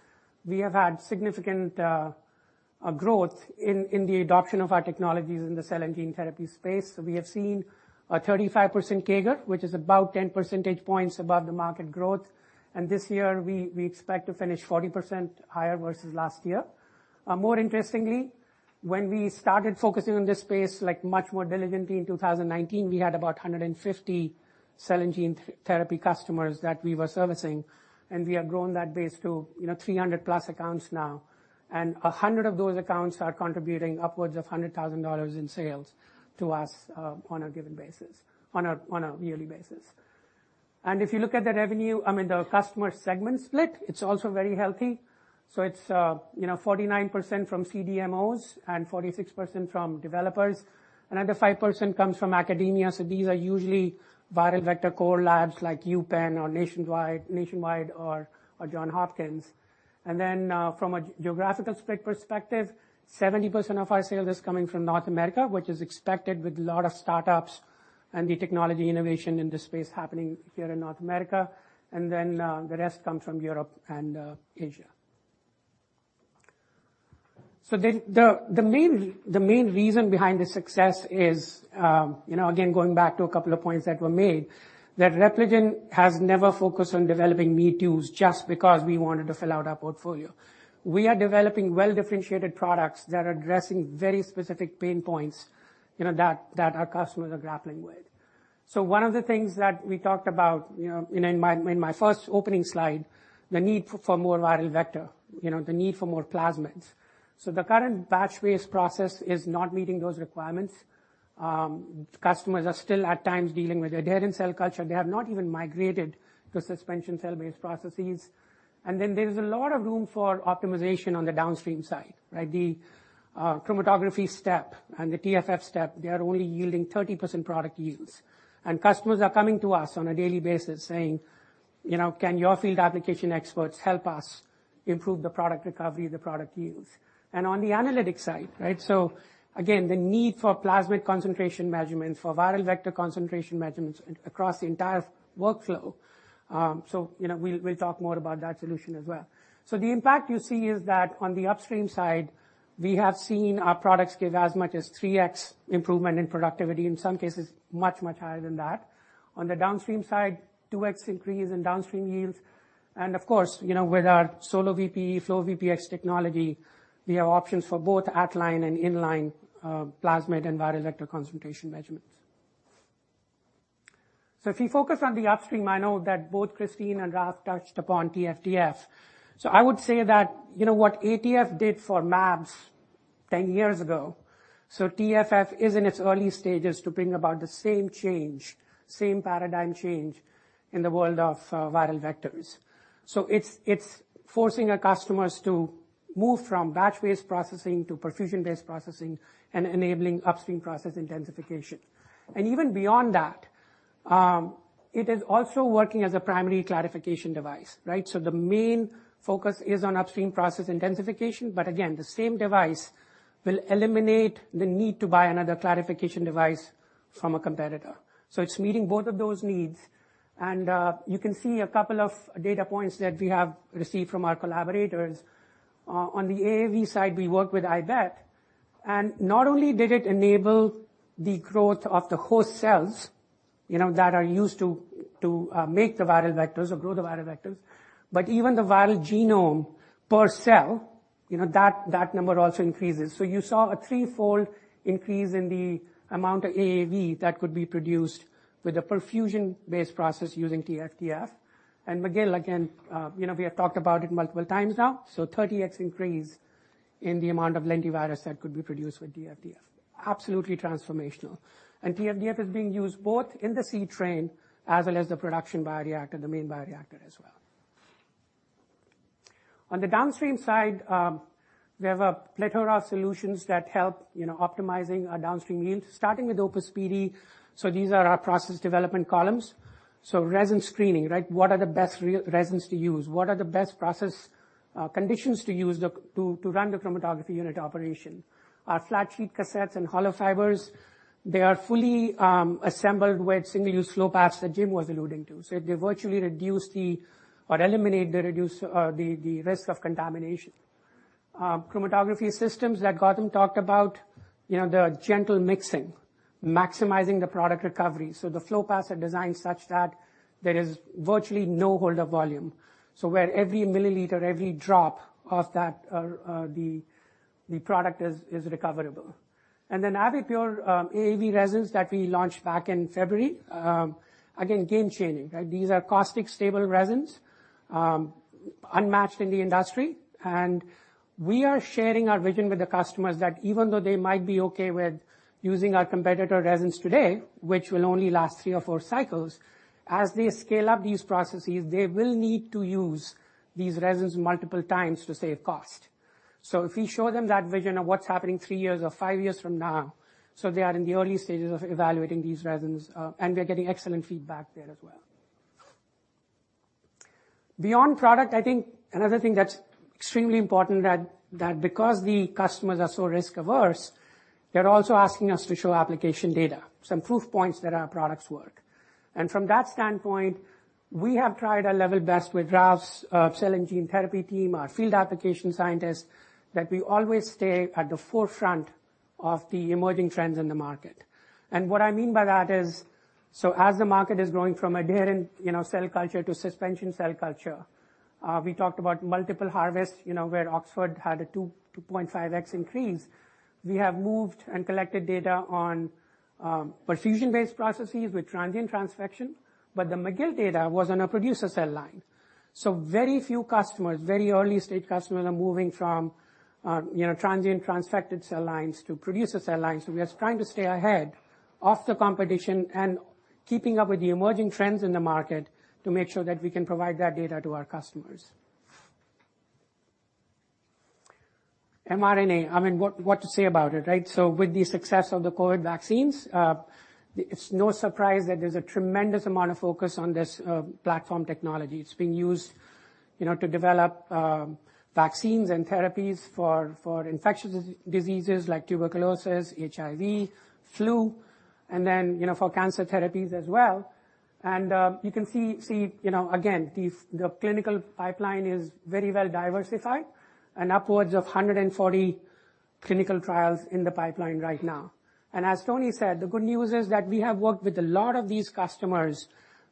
we have had significant growth in the adoption of our technologies in the cell and gene therapy space. We have seen a 35% CAGR, which is about 10 percentage points above the market growth. This year we expect to finish 40% higher versus last year. More interestingly, when we started focusing on this space like much more diligently in 2019, we had about 150 cell and gene therapy customers that we were servicing, and we have grown that base to you know 300+ accounts now. 100 of those accounts are contributing upwards of $100,000 in sales to us on a yearly basis. If you look at the revenue, I mean, the customer segment split, it's also very healthy. It's you know, 49% from CDMOs and 46% from developers. Another 5% comes from academia, so these are usually viral vector core labs like UPenn or Nationwide or Johns Hopkins. From a geographical split perspective, 70% of our sales is coming from North America, which is expected with a lot of startups and the technology innovation in this space happening here in North America. The rest come from Europe and Asia. The main reason behind this success is you know, again, going back to a couple of points that were made, that Repligen has never focused on developing me-toos just because we wanted to fill out our portfolio. We are developing well-differentiated products that are addressing very specific pain points, you know, that our customers are grappling with. One of the things that we talked about, you know, in my first opening slide, the need for more viral vector, you know, the need for more plasmids. The current batch-based process is not meeting those requirements. Customers are still at times dealing with adherent cell culture. They have not even migrated to suspension cell-based processes. There is a lot of room for optimization on the downstream side, right? The chromatography step and the TFF step, they are only yielding 30% product yields. Customers are coming to us on a daily basis saying, you know, "Can your field application experts help us improve the product recovery, the product yields?" On the analytics side, right? Again, the need for plasmid concentration measurements, for viral vector concentration measurements across the entire workflow, you know, we'll talk more about that solution as well. The impact you see is that on the upstream side, we have seen our products give as much as 3x improvement in productivity, in some cases much, much higher than that. On the downstream side, 2x increase in downstream yields. And of course, you know, with our SoloVPE, FlowVPX technology, we have options for both at-line and in-line, plasmid and viral vector concentration measurements. If you focus on the upstream, I know that both Christine and Ralf touched upon TFF, TFDF. I would say that, you know what ATF did for mAbs ten years ago, so TFF is in its early stages to bring about the same change, same paradigm change in the world of viral vectors. It's forcing our customers to move from batch-based processing to perfusion-based processing and enabling upstream process intensification. Even beyond that, it is also working as a primary clarification device, right? The main focus is on upstream process intensification, but again, the same device will eliminate the need to buy another clarification device from a competitor. It's meeting both of those needs. You can see a couple of data points that we have received from our collaborators. On the AAV side, we work with iBET, and not only did it enable the growth of the host cells, you know, that are used to make the viral vectors or grow the viral vectors, but even the viral genome per cell, you know, that number also increases. You saw a threefold increase in the amount of AAV that could be produced with a perfusion-based process using TFDF. McGill again, you know, we have talked about it multiple times now, so 30x increase in the amount of lentivirus that could be produced with TFDF. Absolutely transformational. TFDF is being used both in the N-1 as well as the production bioreactor, the main bioreactor as well. On the downstream side, we have a plethora of solutions that help, you know, optimizing our downstream yield, starting with OPUS PD. These are our process development columns. Resin screening, right? What are the best resins to use? What are the best process conditions to run the chromatography unit operation? Our flat sheet cassettes and hollow fibers are fully assembled with single-use flow paths that Jim was alluding to. They virtually reduce or eliminate the risk of contamination. Chromatography systems that Gautam talked about, you know, they are gentle mixing, maximizing the product recovery. The flow paths are designed such that there is virtually no hold-up volume. Every milliliter, every drop of the product is recoverable. AVIPure AAV resins that we launched back in February, again, game-changing, right? These are caustic stable resins, unmatched in the industry. We are sharing our vision with the customers that even though they might be okay with using our competitor resins today, which will only last three or four cycles, as they scale up these processes, they will need to use these resins multiple times to save cost. If we show them that vision of what's happening three years or five years from now, so they are in the early stages of evaluating these resins, and we are getting excellent feedback there as well. Beyond product, I think another thing that's extremely important that because the customers are so risk-averse, they're also asking us to show application data, some proof points that our products work. From that standpoint, we have tried our level best with Ralf's cell and gene therapy team, our field application scientists, that we always stay at the forefront of the emerging trends in the market. What I mean by that is, as the market is growing from adherent, you know, cell culture to suspension cell culture, we talked about multiple harvests, you know, where Oxford had a 2.5x increase. We have moved and collected data on perfusion-based processes with transient transfection, but the McGill data was on a producer cell line. Very few customers, very early-stage customers are moving from, you know, transient transfected cell lines to producer cell lines. We are trying to stay ahead of the competition and keeping up with the emerging trends in the market to make sure that we can provide that data to our customers. mRNA, I mean, what to say about it, right? With the success of the COVID vaccines, it's no surprise that there's a tremendous amount of focus on this platform technology. It's being used, you know, to develop vaccines and therapies for infectious diseases like tuberculosis, HIV, flu, and then, you know, for cancer therapies as well. You can see, you know, again, the clinical pipeline is very well diversified and upwards of 140 clinical trials in the pipeline right now. As Tony said, the good news is that we have worked with a lot of these customers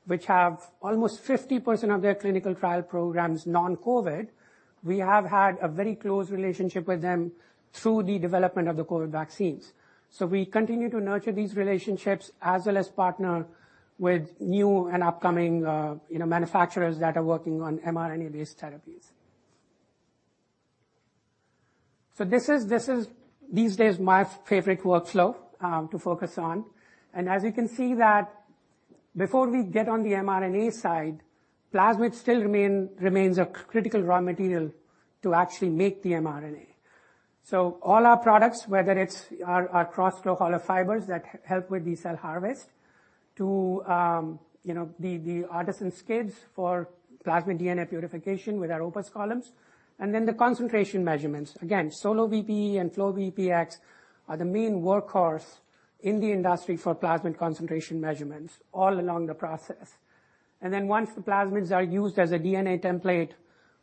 which have almost 50% of their clinical trial programs non-COVID. We have had a very close relationship with them through the development of the COVID vaccines. We continue to nurture these relationships as well as partner with new and upcoming manufacturers that are working on mRNA-based therapies. This is these days my favorite workflow to focus on. As you can see that before we get on the mRNA side, plasmid still remains a critical raw material to actually make the mRNA. All our products, whether it's our KrosFlo hollow fibers that help with the cell harvest to the ARTeSYN skids for plasmid DNA purification with our OPUS columns, and then the concentration measurements. Again, SoloVPE and FlowVPX are the main workhorse in the industry for plasmid concentration measurements all along the process. Once the plasmids are used as a DNA template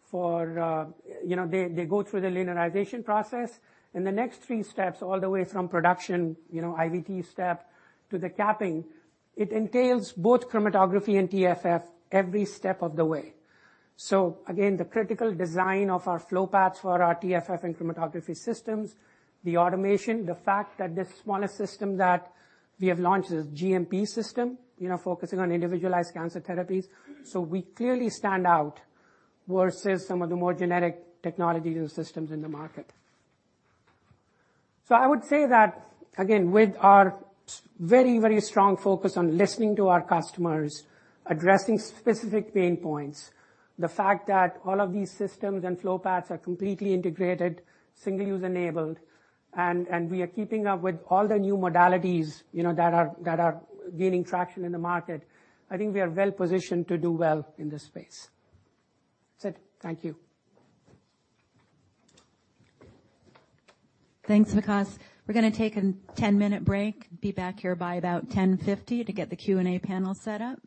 for, you know, they go through the linearization process, and the next three steps all the way from production, you know, IVT step to the capping, it entails both chromatography and TFF every step of the way. The critical design of our flow paths for our TFF and chromatography systems, the automation, the fact that this smaller system that we have launched is GMP system, you know, focusing on individualized cancer therapies. We clearly stand out versus some of the more generic technologies and systems in the market. I would say that, again, with our very, very strong focus on listening to our customers, addressing specific pain points, the fact that all of these systems and flow paths are completely integrated, single-use enabled, and we are keeping up with all the new modalities, you know, that are gaining traction in the market, I think we are well-positioned to do well in this space. That's it. Thank you.
Thanks, Vikas. We're gonna take a 10-minute break. Be back here by about 10:50 A.M. to get the Q&A panel set up.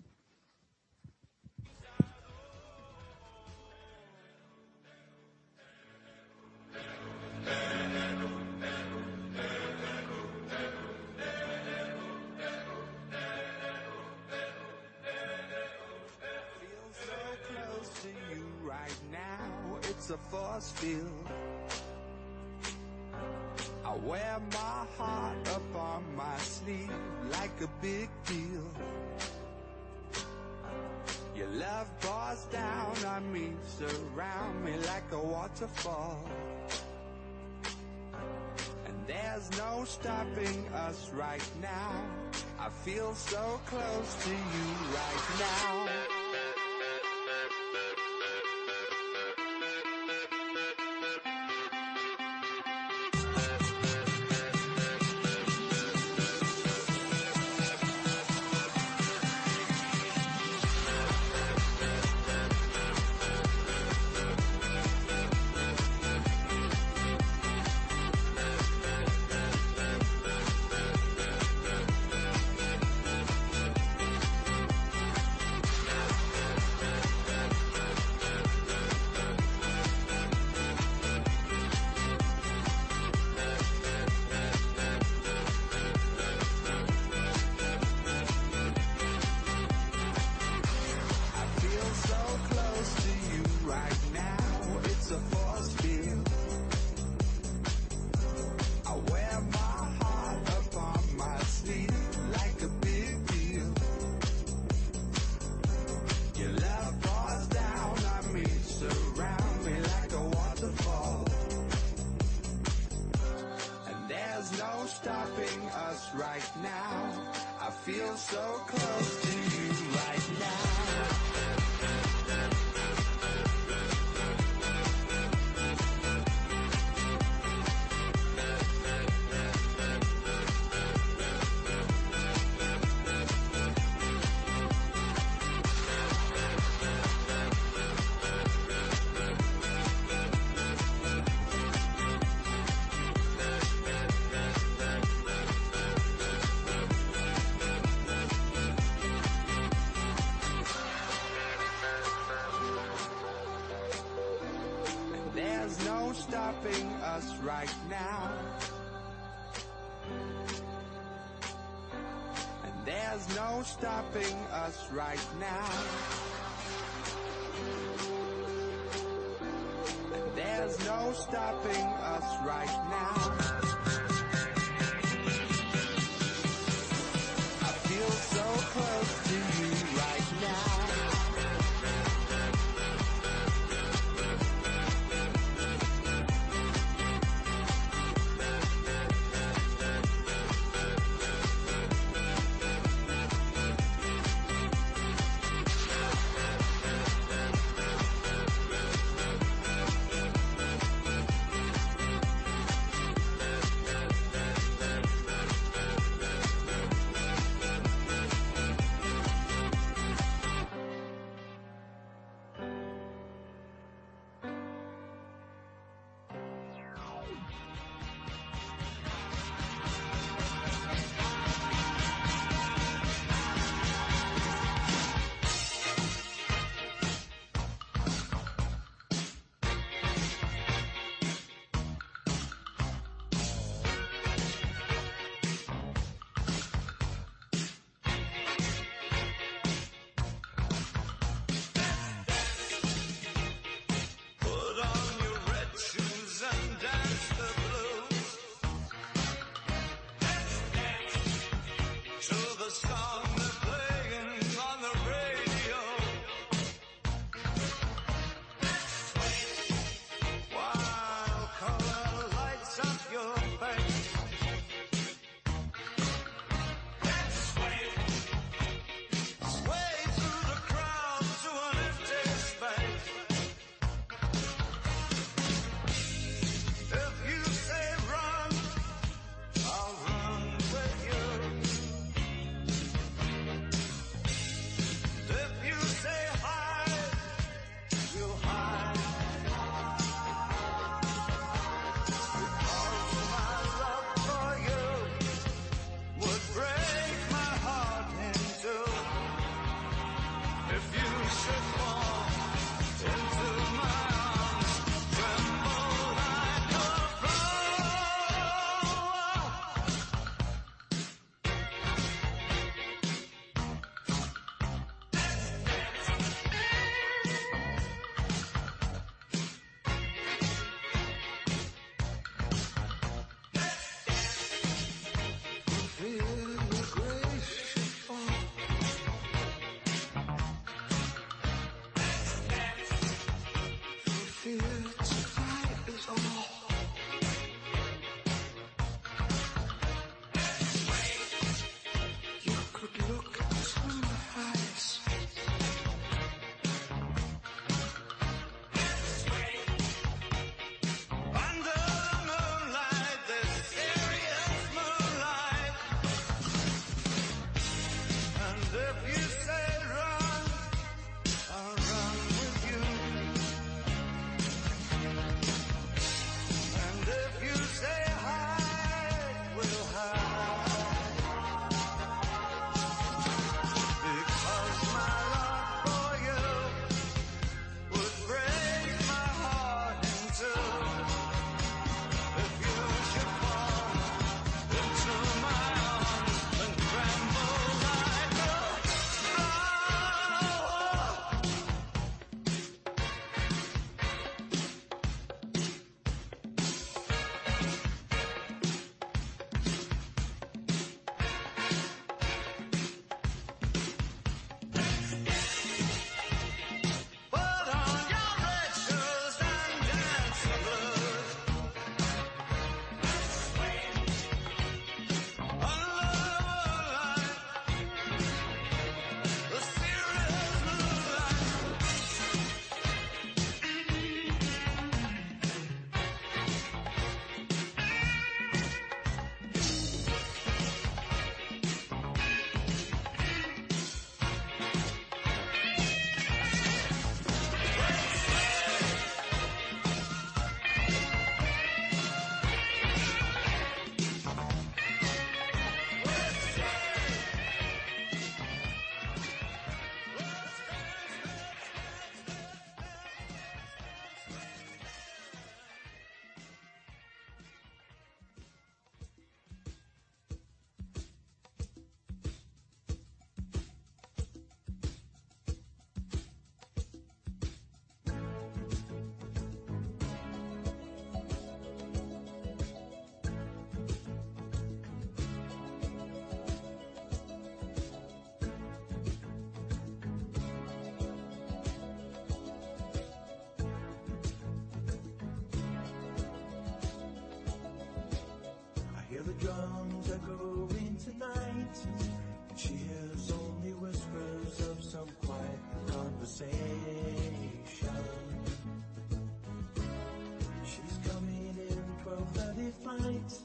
Thanks.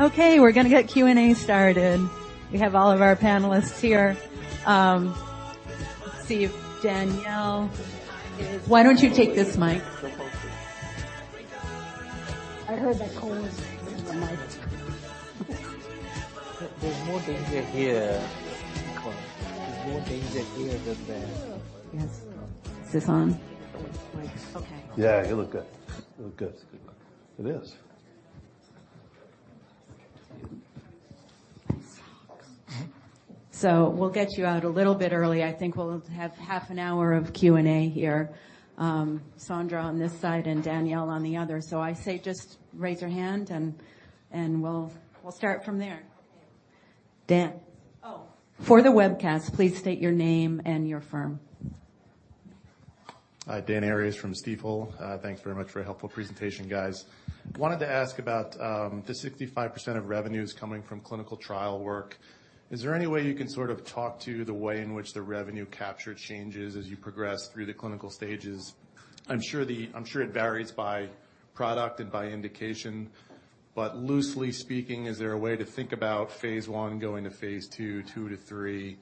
Okay, we're gonna get Q&A started. We have all of our panelists here. Let's see if Danielle. Why don't you take this mic?
I heard that Kola was using the mic.
There's more things you hear close. There's more things you hear than that.
Yes. Is this on? Okay.
Yeah, you look good. It is.
We'll get you out a little bit early. I think we'll have half an hour of Q&A here. Sondra on this side and Danielle on the other. I say just raise your hand, and we'll start from there. Dan. Oh, for the webcast, please state your name and your firm.
Hi, Dan Arias from Stifel. Thanks very much for a helpful presentation, guys. Wanted to ask about the 65% of revenues coming from clinical trial work. Is there any way you can sort of talk to the way in which the revenue capture changes as you progress through the clinical stages? I'm sure it varies by product and by indication. Loosely speaking, is there a way to think about phase one going to phase two to three?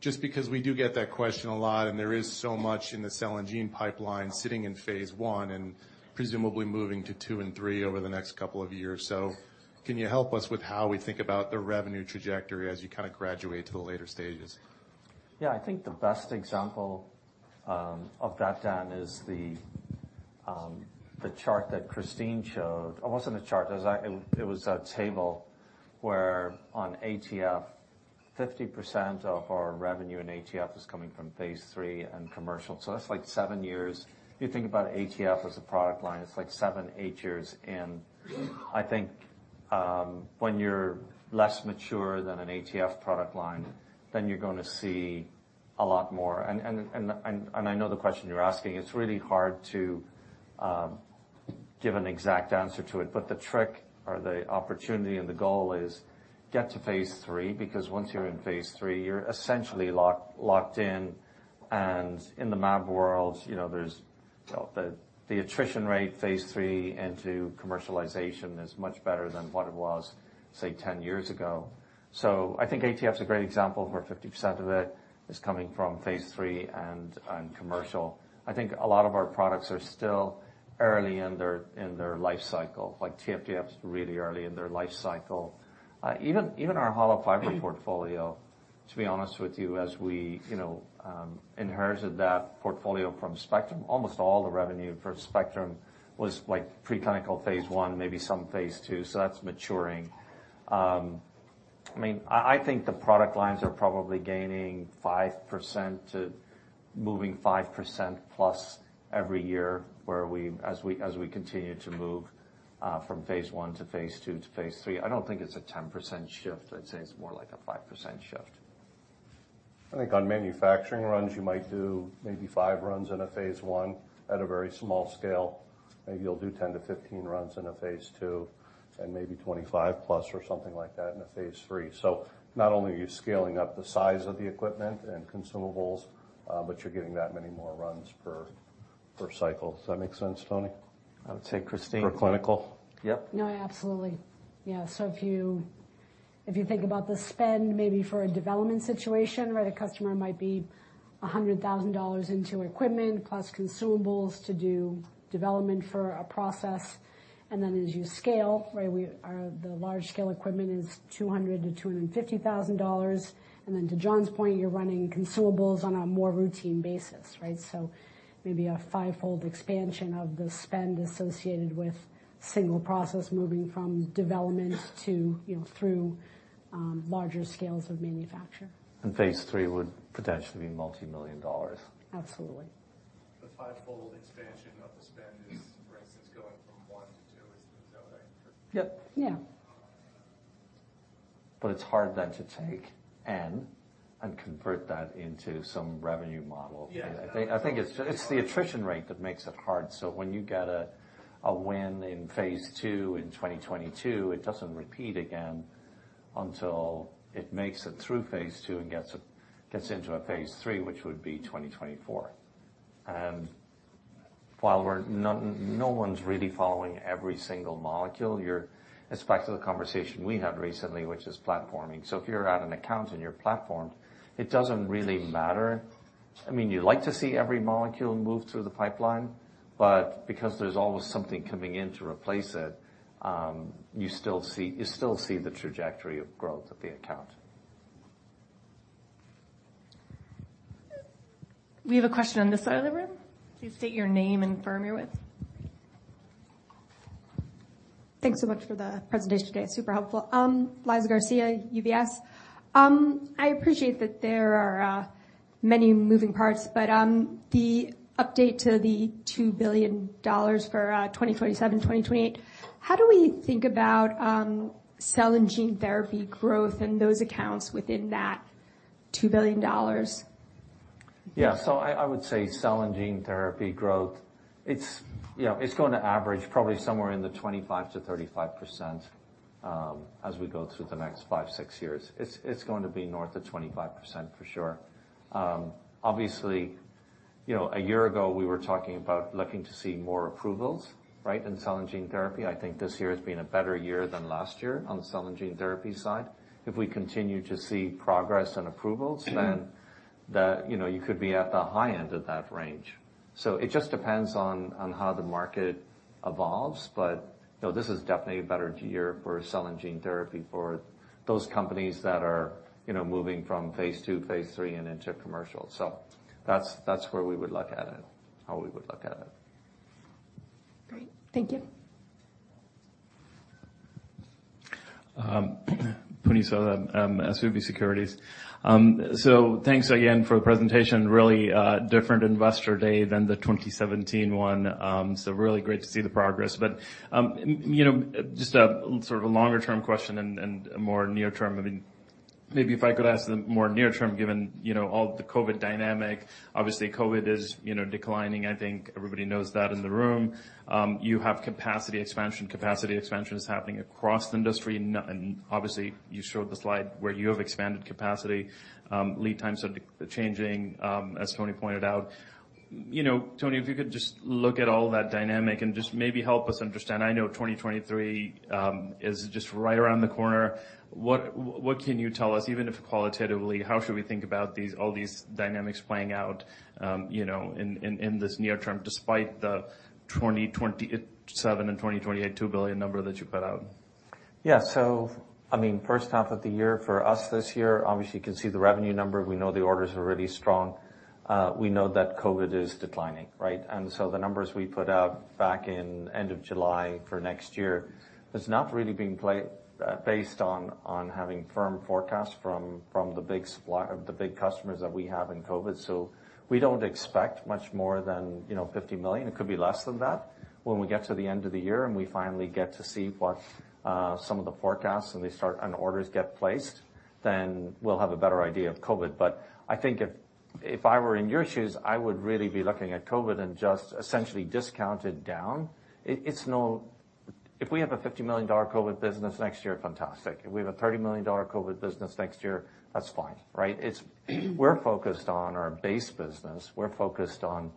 Just because we do get that question a lot, and there is so much in the cell and gene pipeline sitting in phase one and presumably moving to two and three over the next couple of years. Can you help us with how we think about the revenue trajectory as you kind of graduate to the later stages?
Yeah. I think the best example of that, Dan, is the chart that Christine showed. It wasn't a chart. It was a table where on ATF, 50% of our revenue in ATF is coming from Phase III and commercial. So that's like seven years. You think about ATF as a product line, it's like seven, eight years in. I think when you're less mature than an ATF product line, then you're gonna see a lot more. And I know the question you're asking, it's really hard to give an exact answer to it. The trick or the opportunity and the goal is get to Phase III, because once you're in Phase III, you're essentially locked in. In the mAb world, you know, there's the attrition rate, phase 3 into commercialization is much better than what it was, say, 10 years ago. I think ATF is a great example where 50% of it is coming from Phase III and commercial. I think a lot of our products are still early in their life cycle, like TFDF is really early in their life cycle. Even our hollow fiber portfolio, to be honest with you, as we, you know, inherited that portfolio from Spectrum, almost all the revenue for Spectrum was like preclinical Phase I, maybe some Phase II. That's maturing. I mean, I think the product lines are probably gaining 5% to moving 5% plus every year, as we continue to move from phase one to phase two to phase three. I don't think it's a 10% shift. I'd say it's more like a 5% shift.
I think on manufacturing runs, you might do maybe five runs in a Phase I at a very small scale. Maybe you'll do 10 to 15 runs in a Phase II and maybe 25 plus or something like that in a Phase III. Not only are you scaling up the size of the equipment and consumables, but you're getting that many more runs per cycle. Does that make sense, Tony?
I would say, Christine.
For clinical.
Yep.
No, absolutely. Yeah. If you think about the spend maybe for a development situation where the customer might be $100,000 into equipment plus consumables to do development for a process. Then as you scale, right, the large scale equipment is $200,000-$250,000. Then to Jon's point, you're running consumables on a more routine basis, right? Maybe a five-fold expansion of the spend associated with single process moving from development to, you know, through larger scales of manufacture.
Phase three would potentially be multi-million dollars.
Absolutely.
The five-fold expansion of the spend is, for instance, going from one to two. Is that right?
Yep.
Yeah.
It's hard then to take N and convert that into some revenue model.
Yeah.
I think it's just the attrition rate that makes it hard. When you get a win in Phase II in 2022, it doesn't repeat again until it makes it through phase two and gets into a Phase III, which would be 2024. While no one's really following every single molecule, it's back to the conversation we had recently, which is platforming. If you're at an account and you're platformed, it doesn't really matter. I mean, you like to see every molecule move through the pipeline, but because there's always something coming in to replace it, you still see the trajectory of growth at the account.
We have a question on this side of the room. Please state your name and firm you're with.
Thanks so much for the presentation today. Super helpful. Liza Garcia, UBS. I appreciate that there are many moving parts, but the update to the $2 billion for 2027, 2028, how do we think about cell and gene therapy growth and those accounts within that $2 billion?
Yeah. I would say cell and gene therapy growth, it's, you know, it's going to average probably somewhere in the 25%-35%, as we go through the next five, six years. It's going to be north of 25% for sure. Obviously, you know, a year ago, we were talking about looking to see more approvals, right, in cell and gene therapy. I think this year has been a better year than last year on the cell and gene therapy side. If we continue to see progress and approvals, then you know, you could be at the high end of that range. It just depends on how the market evolves. You know, this is definitely a better year for cell and gene therapy for those companies that are, you know, moving from Phase II to Phase III and into commercial. That's where we would look at it, how we would look at it.
Great. Thank you.
Um,
Puneet Souda, SVB Securities. Thanks again for the presentation. Really, different investor day than the 2017 one. Really great to see the progress. But, you know, just a sort of a longer term question and more near term. Maybe if I could ask the more near term given, you know, all the COVID dynamic. Obviously, COVID is, you know, declining. I think everybody knows that in the room. You have capacity expansion. Capacity expansion is happening across the industry. And obviously, you showed the slide where you have expanded capacity. Lead times are changing, as Tony pointed out. You know, Tony, if you could just look at all that dynamic and just maybe help us understand. I know 2023 is just right around the corner. What can you tell us, even if qualitatively, how should we think about all these dynamics playing out, you know, in this near term despite the 2027 and 2028 $2 billion number that you put out?
Yeah. I mean, first half of the year for us this year, obviously you can see the revenue number. We know the orders are really strong. We know that COVID is declining, right? The numbers we put out back in end of July for next year is not really based on having firm forecasts from the big customers that we have in COVID. We don't expect much more than, you know, $50 million. It could be less than that when we get to the end of the year, and we finally get to see what some of the forecasts and orders get placed, then we'll have a better idea of COVID. I think if I were in your shoes, I would really be looking at COVID and just essentially discount it down. If we have a $50 million COVID business next year, fantastic. If we have a $30 million COVID business next year, that's fine, right? We're focused on our base business. We're focused on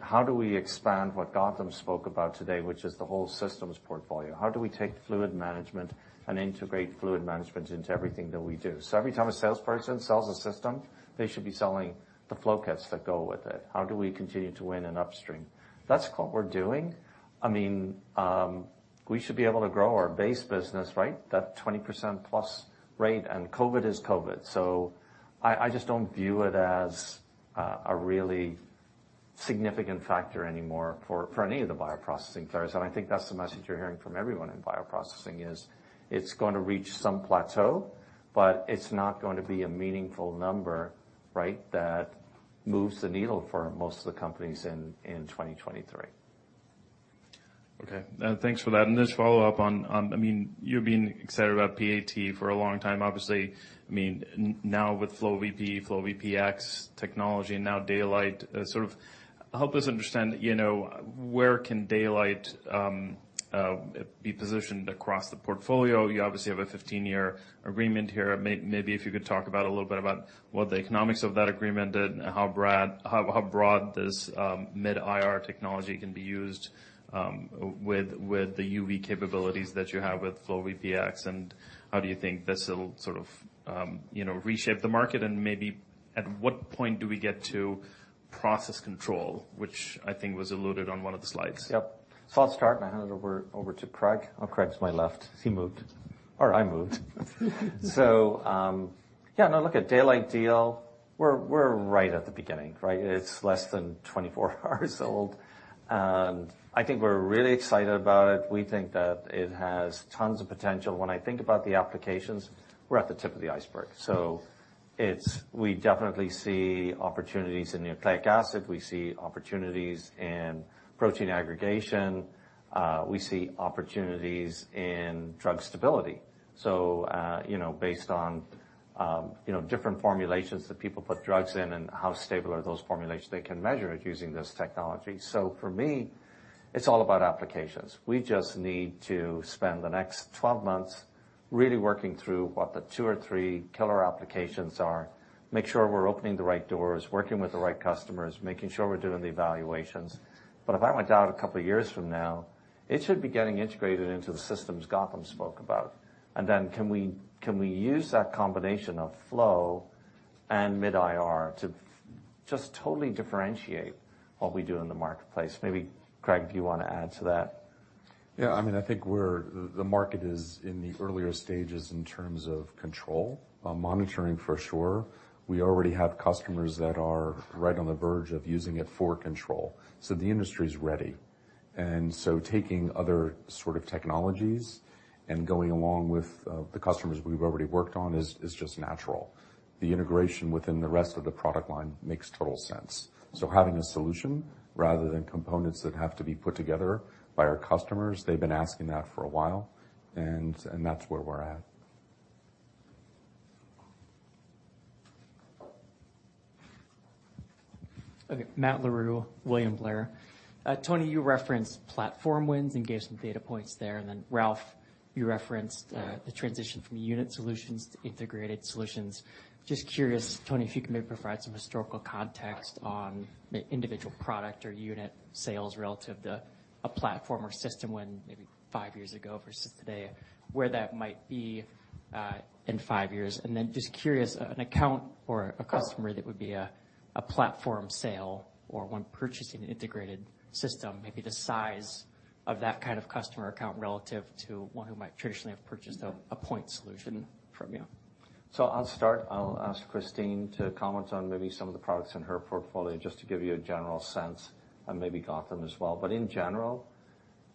how do we expand what Gautam spoke about today, which is the whole systems portfolio. How do we take fluid management and integrate fluid management into everything that we do? Every time a salesperson sells a system, they should be selling the flow kits that go with it. How do we continue to win in upstream? That's what we're doing. I mean, we should be able to grow our base business, right? That 20%+ rate, and COVID is COVID. I just don't view it as a really significant factor anymore for any of the bioprocessing players. I think that's the message you're hearing from everyone in bioprocessing is it's going to reach some plateau, but it's not going to be a meaningful number, right, that moves the needle for most of the companies in 2023.
Okay. Thanks for that. Just follow up on. I mean, you've been excited about PAT for a long time, obviously. I mean, now with FlowVPE, FlowVPX technology, now Daylight, sort of help us understand, you know, where can Daylight be positioned across the portfolio. You obviously have a 15-year agreement here. Maybe if you could talk about a little bit about what the economics of that agreement and how broad this mid-IR technology can be used with the UV capabilities that you have with FlowVPX, and how do you think this will sort of, you know, reshape the market and maybe at what point do we get to process control, which I think was alluded to on one of the slides.
Yep. I'll start and hand it over to Craig. Oh, Craig's my left, he moved, or I moved. Yeah, no, look, a Daylight deal, we're right at the beginning, right? It's less than 24 hours old, and I think we're really excited about it. We think that it has tons of potential. When I think about the applications, we're at the tip of the iceberg. We definitely see opportunities in nucleic acid. We see opportunities in protein aggregation. We see opportunities in drug stability. You know, based on, you know, different formulations that people put drugs in and how stable are those formulations, they can measure it using this technology. For me, it's all about applications. We just need to spend the next 12 months really working through what the two or three killer applications are, make sure we're opening the right doors, working with the right customers, making sure we're doing the evaluations. If I went out a couple of years from now, it should be getting integrated into the systems Gautam spoke about. Can we, can we use that combination of flow and mid-IR to just totally differentiate what we do in the marketplace? Maybe, Craig, do you wanna add to that?
Yeah. I mean, I think the market is in the earlier stages in terms of control, monitoring for sure. We already have customers that are right on the verge of using it for control. The industry's ready. Taking other sort of technologies and going along with the customers we've already worked on is just natural. The integration within the rest of the product line makes total sense. Having a solution rather than components that have to be put together by our customers, they've been asking that for a while, and that's where we're at.
Matt Larew, William Blair. Tony, you referenced platform wins and gave some data points there, and then Ralf, you referenced the transition from unit solutions to integrated solutions. Just curious, Tony, if you can maybe provide some historical context on the individual product or unit sales relative to a platform or system win maybe five years ago versus today, where that might be in five years. Just curious, an account or a customer that would be a platform sale or one purchasing an integrated system, maybe the size of that kind of customer account relative to one who might traditionally have purchased a point solution from you.
I'll start. I'll ask Christine to comment on maybe some of the products in her portfolio, just to give you a general sense, and maybe Gautam as well. In general,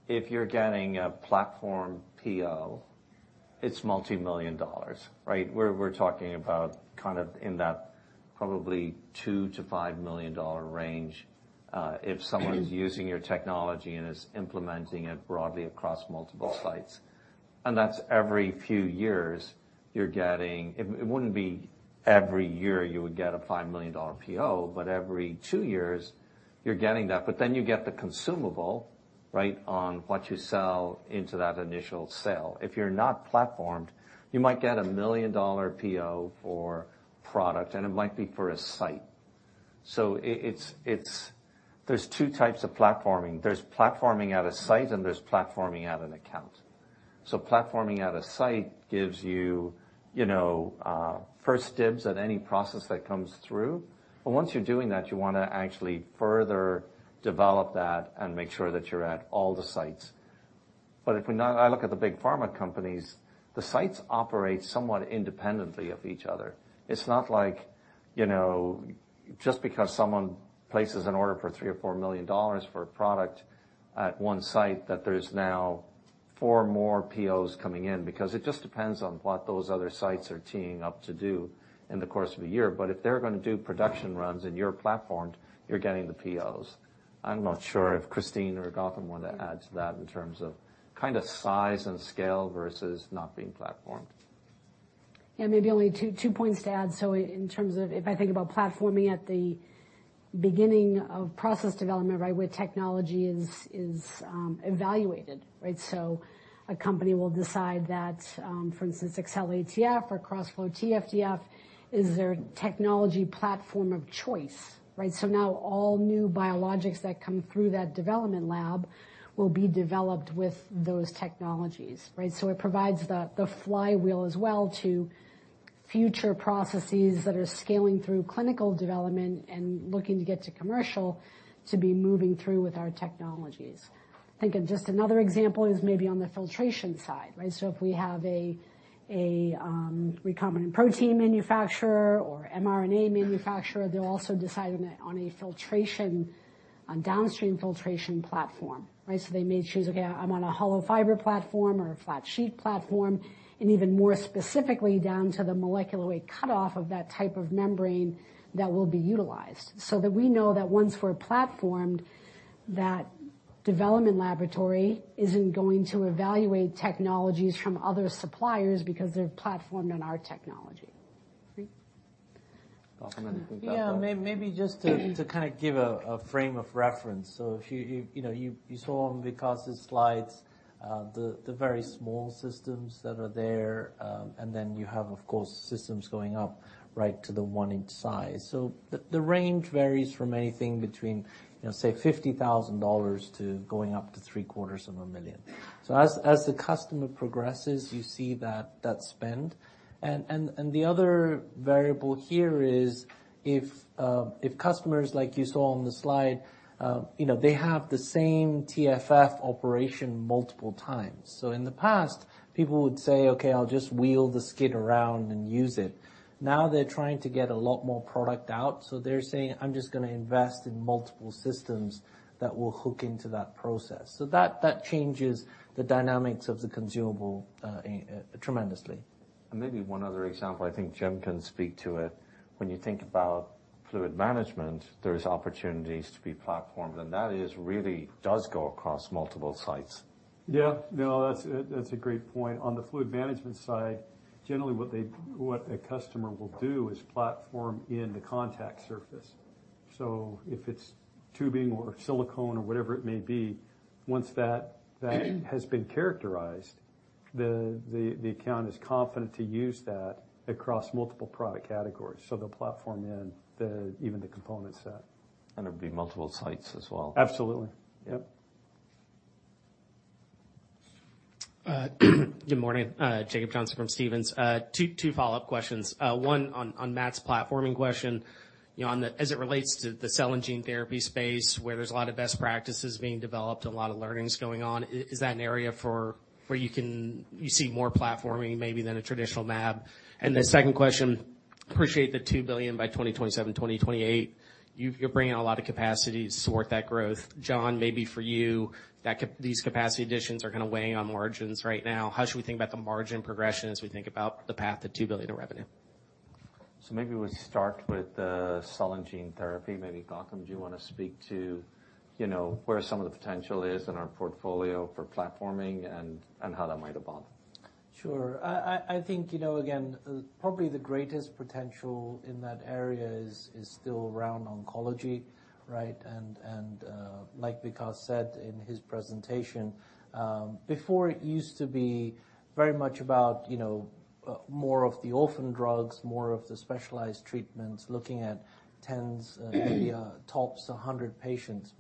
if you're getting a platform PO, it's $ multi-million, right? We're talking about kind of in that probably $2 million-$5 million range, if someone's using your technology and is implementing it broadly across multiple sites. That's every few years you're getting. It wouldn't be every year you would get a $5 million PO, but every two years you're getting that. Then you get the consumable, right, on what you sell into that initial sale. If you're not platformed, you might get a $1 million PO for product, and it might be for a site. It's. There's two types of platforming. There's platforming at a site, and there's platforming at an account. Platforming at a site gives you know, first dibs at any process that comes through. Once you're doing that, you wanna actually further develop that and make sure that you're at all the sites. If we now look at the big pharma companies, the sites operate somewhat independently of each other. It's not like, you know, just because someone places an order for $3 million-$4 million for a product at one site that there's now four more POs coming in, because it just depends on what those other sites are teeing up to do in the course of a year. If they're gonna do production runs and you're platformed, you're getting the POs. I'm not sure if Christine or Gautam want to add to that in terms of kind of size and scale versus not being platformed.
Yeah. Maybe only two points to add. In terms of if I think about platforming at the beginning of process development, right, where technology is evaluated, right? A company will decide that, for instance, XCell ATF or KrosFlo TFF is their technology platform of choice, right? Now all new biologics that come through that development lab will be developed with those technologies, right? It provides the flywheel as well to future processes that are scaling through clinical development and looking to get to commercial to be moving through with our technologies. Think of just another example is maybe on the filtration side, right? If we have a recombinant protein manufacturer or mRNA manufacturer, they're also deciding that on a filtration, on downstream filtration platform, right? They may choose, okay, I'm on a hollow fiber platform or a flat sheet platform, and even more specifically down to the molecular weight cutoff of that type of membrane that will be utilized. That we know that once we're platformed, that development laboratory isn't going to evaluate technologies from other suppliers because they're platformed on our technology.
Gautam, anything to add there?
Yeah. Maybe just to kind of give a frame of reference. If you know, you saw on Vikas' slides, the very small systems that are there, and then you have, of course, systems going up right to the one-inch size. The range varies from anything between, you know, say $50,000 to going up to three-quarters of a million dollars. As the customer progresses, you see that spend. The other variable here is if customers like you saw on the slide, you know, they have the same TFF operation multiple times. In the past, people would say, "Okay, I'll just wheel the skid around and use it." Now they're trying to get a lot more product out, so they're saying, "I'm just gonna invest in multiple systems that will hook into that process." That changes the dynamics of the consumable tremendously.
Maybe one other example, I think Jim can speak to it. When you think about fluid management, there's opportunities to be platformed, and that is really does go across multiple sites.
Yeah. No. That's a great point. On the fluid management side, generally what a customer will do is platform in the contact surface. So if it's tubing or silicone or whatever it may be, once that has been characterized, the account is confident to use that across multiple product categories. So they'll platform in the, even the component set.
It'll be multiple sites as well.
Absolutely. Yep.
Good morning. Jacob Johnson from Stephens. Two follow-up questions. One on Matt's platforming question. You know, as it relates to the cell and gene therapy space, where there's a lot of best practices being developed and a lot of learnings going on, is that an area where you can see more platforming maybe than a traditional mAb?
Yeah.
The second question, appreciate the $2 billion by 2027, 2028. You're bringing a lot of capacity to support that growth. John, maybe for you, these capacity additions are kinda weighing on margins right now. How should we think about the margin progression as we think about the path to $2 billion of revenue?
Maybe we'll start with the cell and gene therapy. Maybe Gautam, do you wanna speak to, you know, where some of the potential is in our portfolio for platforming and how that might evolve?
Sure. I think, you know, again, probably the greatest potential in that area is still around oncology, right? Like Vikas said in his presentation, before it used to be very much about, you know, more of the orphan drugs, more of the specialized treatments, looking at tens, maybe, tops 100 patients.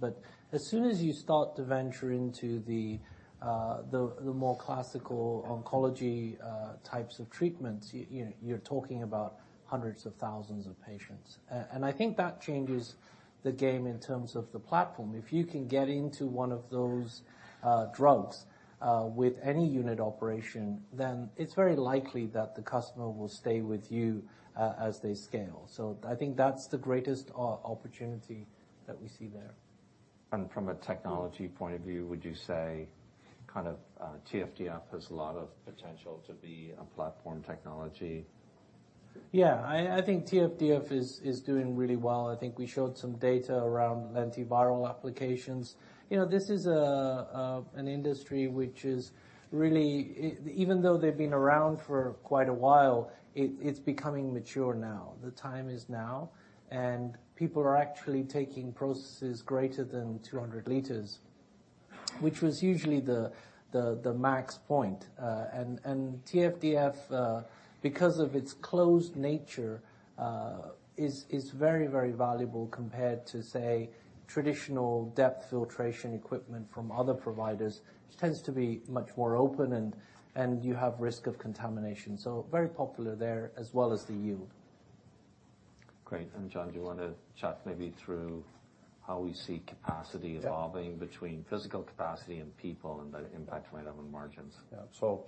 As soon as you start to venture into the more classical oncology types of treatments, you know, you're talking about hundreds of thousands of patients. I think that changes the game in terms of the platform. If you can get into one of those drugs with any unit operation, then it's very likely that the customer will stay with you as they scale. I think that's the greatest opportunity that we see there.
From a technology point of view, would you say kind of TFDF has a lot of potential to be a platform technology?
Yeah. I think TFDF is doing really well. I think we showed some data around antiviral applications. This is an industry which is really even though they've been around for quite a while, it's becoming mature now. The time is now, and people are actually taking processes greater than 200 L, which was usually the max point. TFDF because of its closed nature is very valuable compared to, say, traditional depth filtration equipment from other providers, which tends to be much more open and you have risk of contamination. Very popular there as well as the yield.
Great. Jon, do you wanna chat maybe through how we see capacity?
Yeah.
Evolving between physical capacity and people and the impact might have on margins?
Yeah,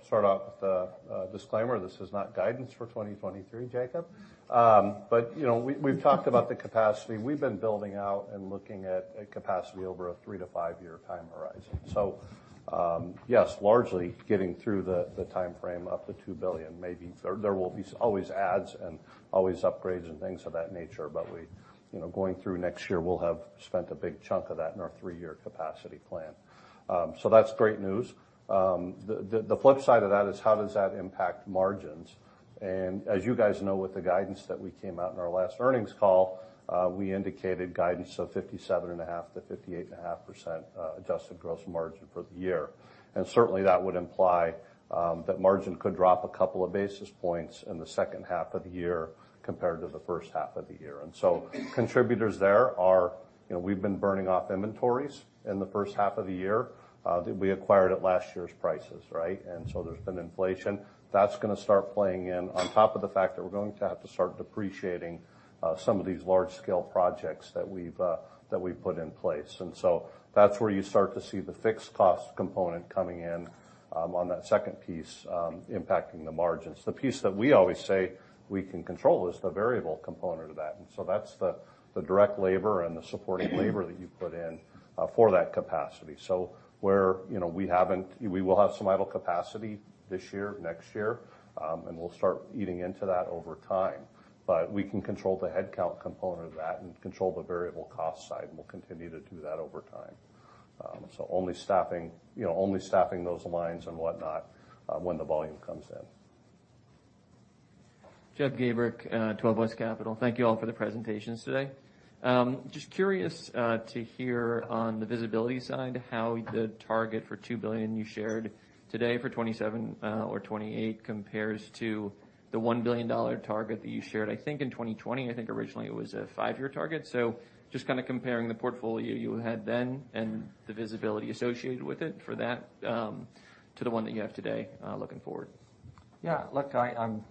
start off with a disclaimer. This is not guidance for 2023, Jacob. You know, we've talked about the capacity. We've been building out and looking at capacity over a three-five-year time horizon. Yes, largely getting through the timeframe up to $2 billion. Maybe there will be CapEx adds and CapEx upgrades and things of that nature. You know, going through next year, we'll have spent a big chunk of that in our three-year capacity plan. That's great news. The flip side of that is how does that impact margins? As you guys know, with the guidance that we came out in our last earnings call, we indicated guidance of 57.5%-58.5% adjusted gross margin for the year. Certainly that would imply that margin could drop a couple of basis points in the second half of the year compared to the first half of the year. Contributors there are, you know, we've been burning off inventories in the first half of the year that we acquired at last year's prices, right? There's been inflation. That's gonna start playing in on top of the fact that we're going to have to start depreciating some of these large scale projects that we've put in place. That's where you start to see the fixed cost component coming in on that second piece impacting the margins. The piece that we always say we can control is the variable component of that. That's the direct labor and the supporting labor that you put in for that capacity. You know, we will have some idle capacity this year, next year, and we'll start eating into that over time. We can control the headcount component of that and control the variable cost side, and we'll continue to do that over time. Only staffing those lines and whatnot when the volume comes in.
Jeff Gaber, 12 West Capital. Thank you all for the presentations today. Just curious to hear on the visibility side, how the target for $2 billion you shared today for 2027 or 2028 compares to the $1 billion target that you shared, I think in 2020. I think originally it was a five-year target. Just kinda comparing the portfolio you had then and the visibility associated with it for that to the one that you have today, looking forward.
Yeah. Look, I'm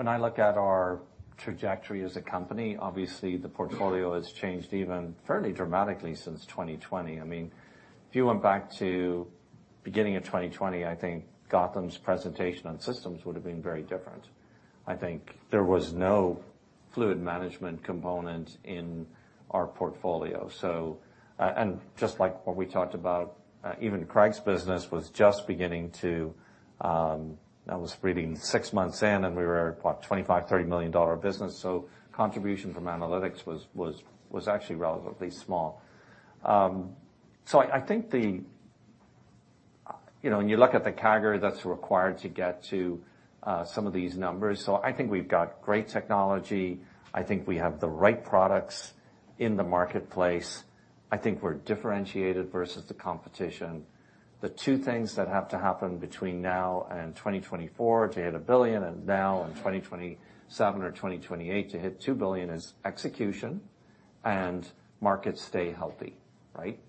when I look at our trajectory as a company, obviously the portfolio has changed even fairly dramatically since 2020. I mean, if you went back to beginning of 2020, I think Gautam's presentation on systems would have been very different. I think there was no fluid management component in our portfolio. And just like what we talked about, even Craig's business was just beginning to. I was reading six months in, and we were, what, $25 million-$30 million business. Contribution from analytics was actually relatively small. I think the. You know, when you look at the CAGR that's required to get to some of these numbers. I think we've got great technology. I think we have the right products in the marketplace. I think we're differentiated versus the competition. The two things that have to happen between now and 2024 to hit $1 billion, and now and 2027 or 2028 to hit $2 billion is execution and markets stay healthy, right?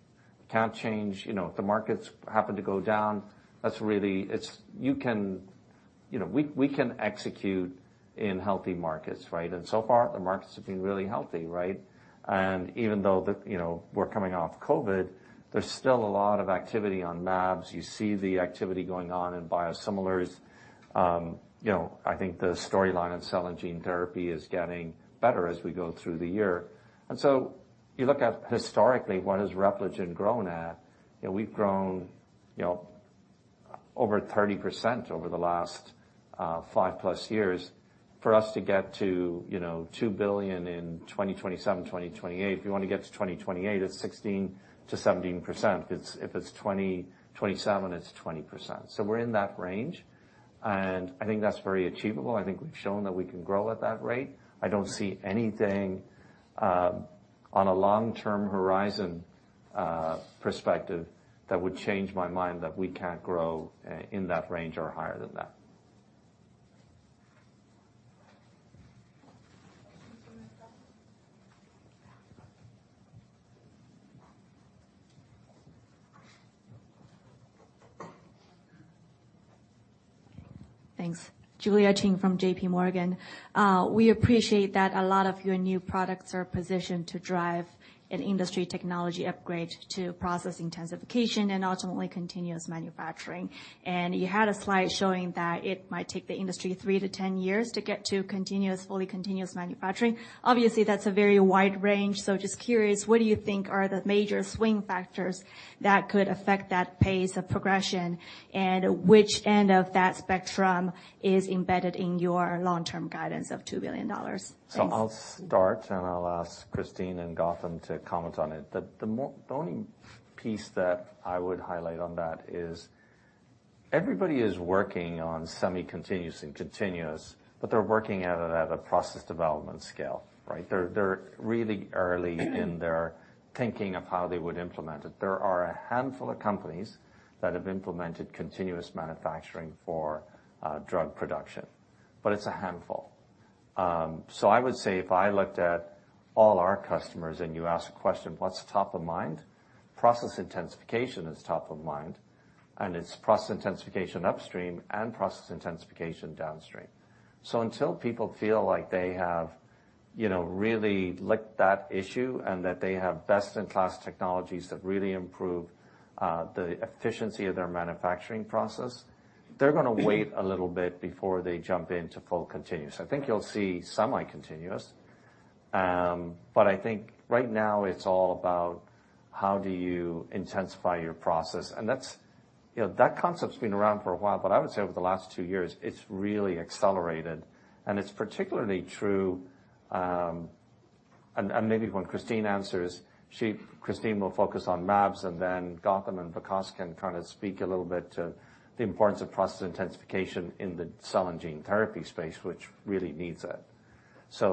Can't change, you know, if the markets happen to go down, you can, you know, we can execute in healthy markets, right? So far, the markets have been really healthy, right? Even though the, you know, we're coming off COVID, there's still a lot of activity in labs. You see the activity going on in biosimilars. You know, I think the storyline in cell and gene therapy is getting better as we go through the year. You look at historically, what has Repligen grown at, you know, we've grown, you know, over 30% over the last 5+ years. For us to get to, you know, $2 billion in 2027, 2028, if you wanna get to 2028, it's 16%-17%. If it's 2027, it's 20%. We're in that range, and I think that's very achievable. I think we've shown that we can grow at that rate. I don't see anything on a long-term horizon perspective that would change my mind that we can't grow in that range or higher than that.
Thanks. Julia Qin from JPMorgan. We appreciate that a lot of your new products are positioned to drive an industry technology upgrade to process intensification and ultimately continuous manufacturing. You had a slide showing that it might take the industry three-10 years to get to continuous, fully continuous manufacturing. Obviously, that's a very wide range. Just curious, what do you think are the major swing factors that could affect that pace of progression? Which end of that spectrum is embedded in your long-term guidance of $2 billion? Thanks.
I'll start, and I'll ask Christine and Gautam to comment on it. The only piece that I would highlight on that is everybody is working on semi-continuous and continuous, but they're working at it at a process development scale, right? They're really early in their thinking of how they would implement it. There are a handful of companies that have implemented continuous manufacturing for drug production, but it's a handful. I would say if I looked at all our customers and you ask a question, what's top of mind? Process intensification is top of mind, and it's process intensification upstream and process intensification downstream. Until people feel like they have, you know, really licked that issue and that they have best-in-class technologies that really improve the efficiency of their manufacturing process, they're gonna wait a little bit before they jump into full continuous. I think you'll see semi-continuous. I think right now it's all about how do you intensify your process. That's, you know, that concept's been around for a while, but I would say over the last two years, it's really accelerated, and it's particularly true. Maybe when Christine answers, she will focus on mAbs, and then Gautam and Vikas can kind of speak a little bit to the importance of process intensification in the cell and gene therapy space, which really needs it.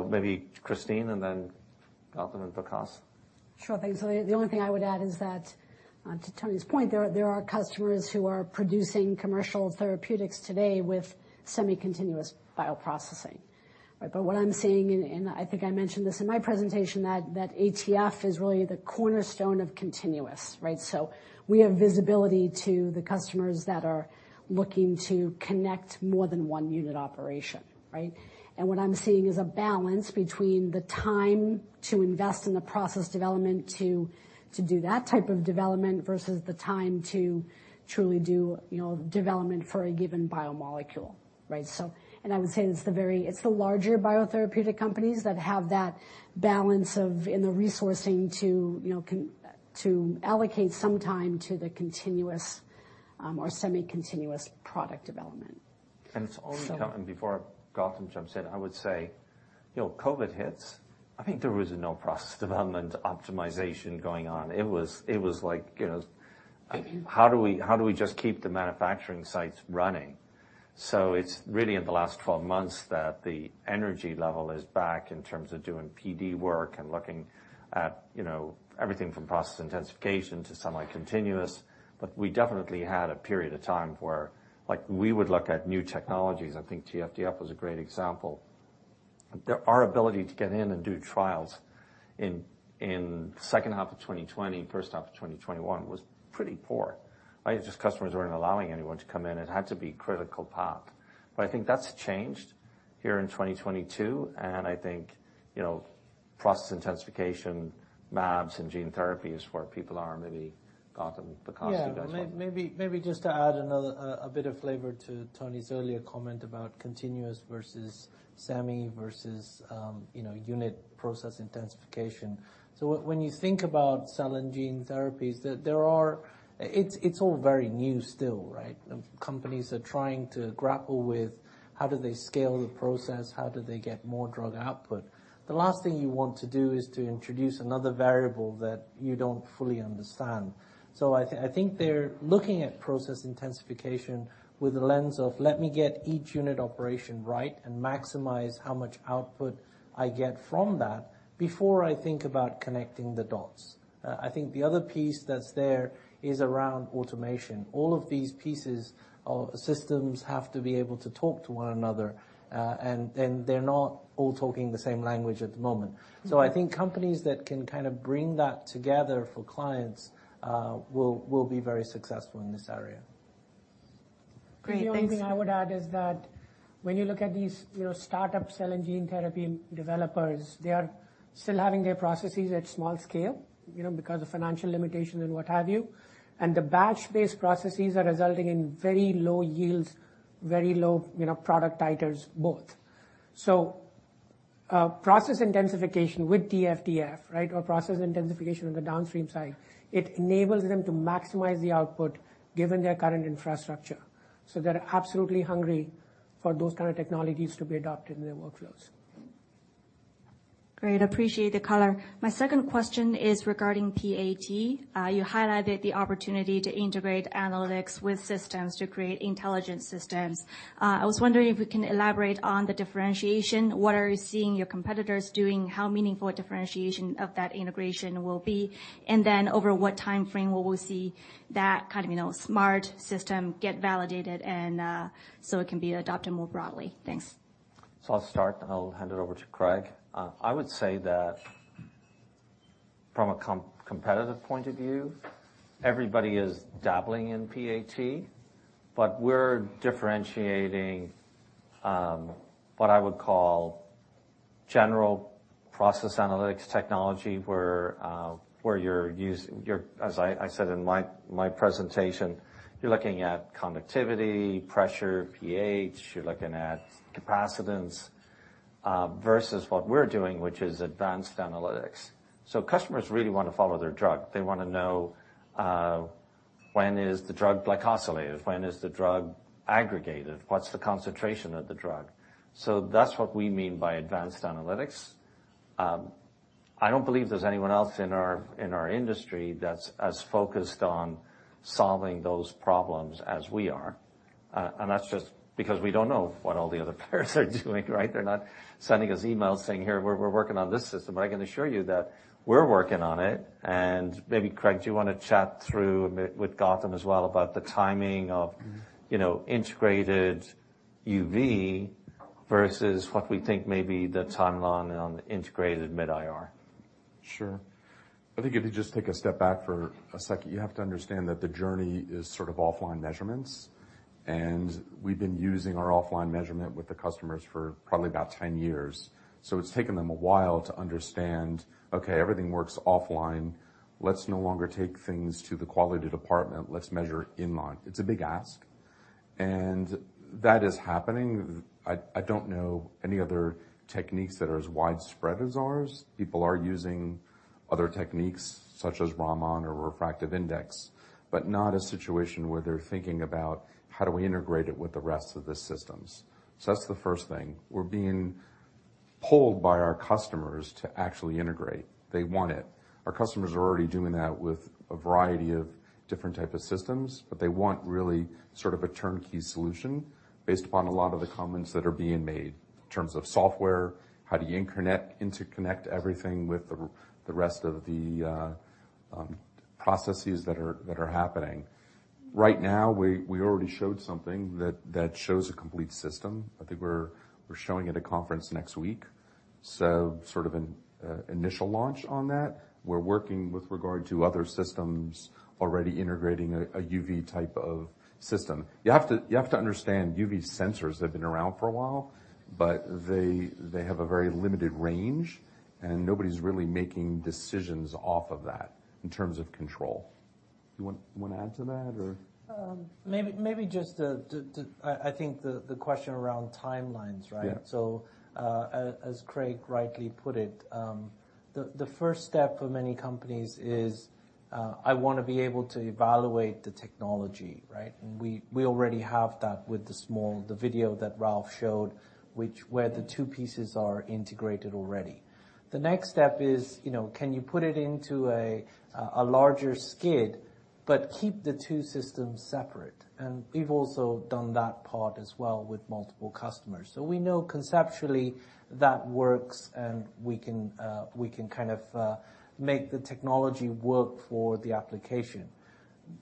Maybe Christine and then Gautam and Vikas.
Sure thing. The only thing I would add is that to Tony's point, there are customers who are producing commercial therapeutics today with semi-continuous bioprocessing, right? What I'm seeing, and I think I mentioned this in my presentation, that ATF is really the cornerstone of continuous, right? We have visibility to the customers that are looking to connect more than one unit operation, right? What I'm seeing is a balance between the time to invest in the process development to do that type of development versus the time to truly do, you know, development for a given biomolecule, right? I would say it's the larger biotherapeutic companies that have that balance of, and the resourcing to, you know, to allocate some time to the continuous or semi-continuous product development.
It's only coming.
So-
Before Gautam jumps in, I would say, you know, COVID hits, I think there was no process development optimization going on. It was like, you know, how do we, how do we just keep the manufacturing sites running? It's really in the last 12 months that the energy level is back in terms of doing PD work and looking at, you know, everything from process intensification to semi-continuous. We definitely had a period of time where, like, we would look at new technologies, I think TFDF was a great example. Our ability to get in and do trials in second half of 2020, first half of 2021 was pretty poor, right? Just customers weren't allowing anyone to come in. It had to be critical path. I think that's changed here in 2022, and I think, you know, process intensification, mAbs and gene therapy is where people are. Maybe Gautam, Vikas, you guys wanna-
Yeah.
Yeah. Maybe just to add another bit of flavor to Tony's earlier comment about continuous versus semi versus, you know, unit process intensification. When you think about cell and gene therapies, there are. It's all very new still, right? Companies are trying to grapple with how do they scale the process, how do they get more drug output. The last thing you want to do is to introduce another variable that you don't fully understand. I think they're looking at process intensification with the lens of, let me get each unit operation right and maximize how much output I get from that before I think about connecting the dots. I think the other piece that's there is around automation. All of these pieces or systems have to be able to talk to one another. They're not all talking the same language at the moment. I think companies that can kind of bring that together for clients will be very successful in this area.
Great. Thanks.
The only thing I would add is that when you look at these, you know, startup cell and gene therapy developers, they are still having their processes at small scale, you know, because of financial limitations and what have you. The batch-based processes are resulting in very low yields, very low, you know, product titers, both. Process intensification with TFDF, right, or process intensification on the downstream side, it enables them to maximize the output given their current infrastructure. They're absolutely hungry for those kind of technologies to be adopted in their workflows.
Great. Appreciate the color. My second question is regarding PAT. You highlighted the opportunity to integrate analytics with systems to create intelligent systems. I was wondering if we can elaborate on the differentiation. What are you seeing your competitors doing? How meaningful a differentiation of that integration will be? And then over what timeframe will we see that kind of, you know, smart system get validated and, so it can be adopted more broadly? Thanks.
I'll start, and I'll hand it over to Craig. I would say that from a competitive point of view, everybody is dabbling in PAT, but we're differentiating what I would call general process analytics technology, where you're using. As I said in my presentation, you're looking at conductivity, pressure, pH. You're looking at capacitance versus what we're doing, which is advanced analytics. Customers really wanna follow their drug. They wanna know when is the drug glycosylated? When is the drug aggregated? What's the concentration of the drug? That's what we mean by advanced analytics. I don't believe there's anyone else in our industry that's as focused on solving those problems as we are. And that's just because we don't know what all the other peers are doing, right? They're not sending us emails saying, "Here, we're working on this system." I can assure you that we're working on it. Maybe Craig, do you wanna chat through a bit with Gautam as well about the timing of.
Mm-hmm.
You know, integrated UV versus what we think may be the timeline on the integrated Mid-IR?
Sure. I think if you just take a step back for a second, you have to understand that the journey is sort of offline measurements, and we've been using our offline measurement with the customers for probably about 10 years. It's taken them a while to understand, okay, everything works offline. Let's no longer take things to the quality department. Let's measure inline. It's a big ask, and that is happening. I don't know any other techniques that are as widespread as ours. People are using other techniques, such as Raman or refractive index, but not a situation where they're thinking about, "How do we integrate it with the rest of the systems?" That's the first thing. We're being pulled by our customers to actually integrate. They want it. Our customers are already doing that with a variety of different type of systems, but they want really sort of a turnkey solution based upon a lot of the comments that are being made in terms of software, how do you interconnect everything with the rest of the processes that are happening. Right now, we already showed something that shows a complete system. I think we're showing at a conference next week, so sort of an initial launch on that. We're working with regard to other systems already integrating a UV type of system. You have to understand, UV sensors have been around for a while, but they have a very limited range, and nobody's really making decisions off of that in terms of control. Do you want, you wanna add to that or?
I think the question around timelines, right?
Yeah.
As Craig rightly put it, the first step for many companies is I wanna be able to evaluate the technology, right? We already have that with the video that Ralf showed, which where the two pieces are integrated already. The next step is, you know, can you put it into a larger skid but keep the two systems separate? We've also done that part as well with multiple customers. We know conceptually that works, and we can kind of make the technology work for the application.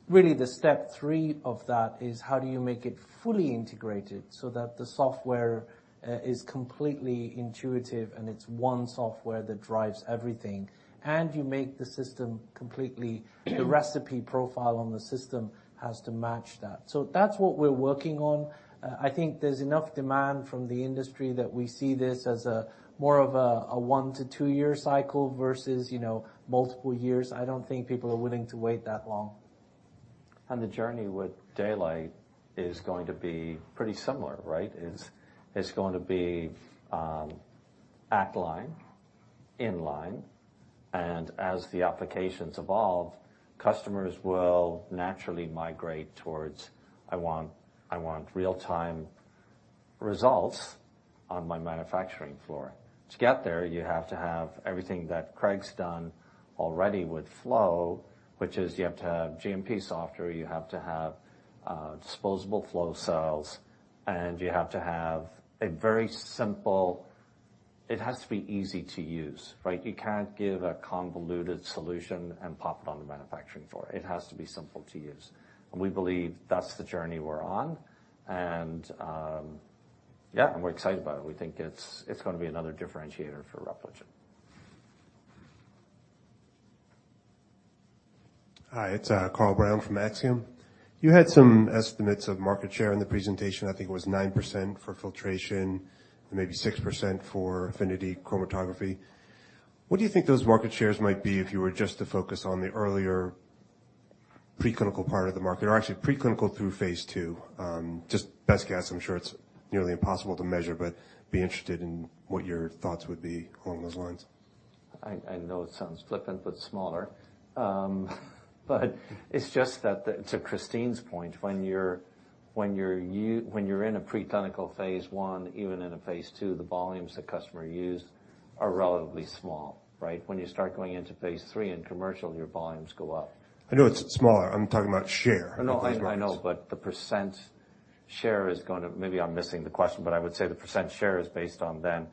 Really, the step three of that is how do you make it fully integrated so that the software is completely intuitive and it's one software that drives everything, and you make the system completely. The recipe profile on the system has to match that. That's what we're working on. I think there's enough demand from the industry that we see this as a more of a 1-2-year cycle versus, you know, multiple years. I don't think people are willing to wait that long.
The journey with Daylight is going to be pretty similar, right? It's going to be at-line, in-line, and as the applications evolve, customers will naturally migrate towards, "I want real-time results on my manufacturing floor." To get there, you have to have everything that Craig's done already with Flo, which is you have to have GMP software. You have to have disposable Flo cells, and you have to have a very simple. It has to be easy to use, right? You can't give a convoluted solution and pop it on the manufacturing floor. It has to be simple to use. We believe that's the journey we're on. We're excited about it. We think it's gonna be another differentiator for Repligen.
Hi, it's Carl Brown from Axiom. You had some estimates of market share in the presentation. I think it was 9% for filtration and maybe 6% for affinity chromatography. What do you think those market shares might be if you were just to focus on the earlier preclinical part of the market or actually preclinical through phase two? Just best guess. I'm sure it's nearly impossible to measure, but be interested in what your thoughts would be along those lines.
I know it sounds flippant but smaller. To Christine's point, when you're in a preclinical Phase I, even in a Phase II, the volumes the customer use are relatively small, right? When you start going into Phase III and commercial, your volumes go up.
I know it's smaller. I'm talking about share-
No, I know.
In those markets.
The % share is gonna. Maybe I'm missing the question, but I would say the percent share is based on then,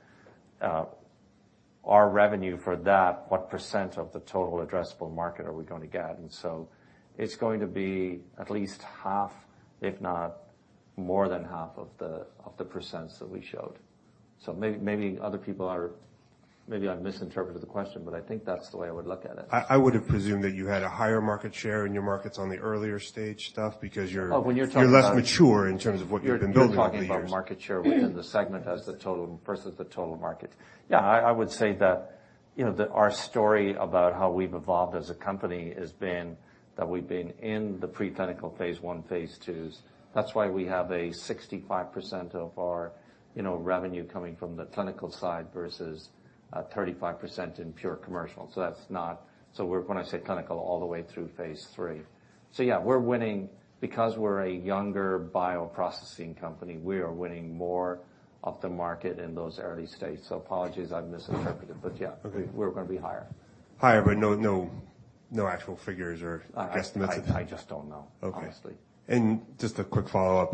our revenue for that, what percent of the total addressable market are we gonna get? It's going to be at least half, if not more than half of the percent that we showed. Maybe I've misinterpreted the question, but I think that's the way I would look at it.
I would have presumed that you had a higher market share in your markets on the earlier stage stuff because you're.
Oh, when you're talking about.
You're less mature in terms of what you've been building over the years.
You're talking about market share within the segment as the total versus the total market. Yeah, I would say that, you know, our story about how we've evolved as a company has been that we've been in the preclinical Phase I, Phase IIs. That's why we have 65% of our, you know, revenue coming from the clinical side versus 35% in pure commercial. That's not. We're, when I say clinical, all the way through Phase III. Yeah, we're winning because we're a younger bioprocessing company, we are winning more of the market in those early stages. Apologies, I've misinterpreted. Yeah
Okay.
We're gonna be higher.
Higher, but no actual figures or guesstimates?
I just don't know.
Okay.
Honestly.
Just a quick follow-up.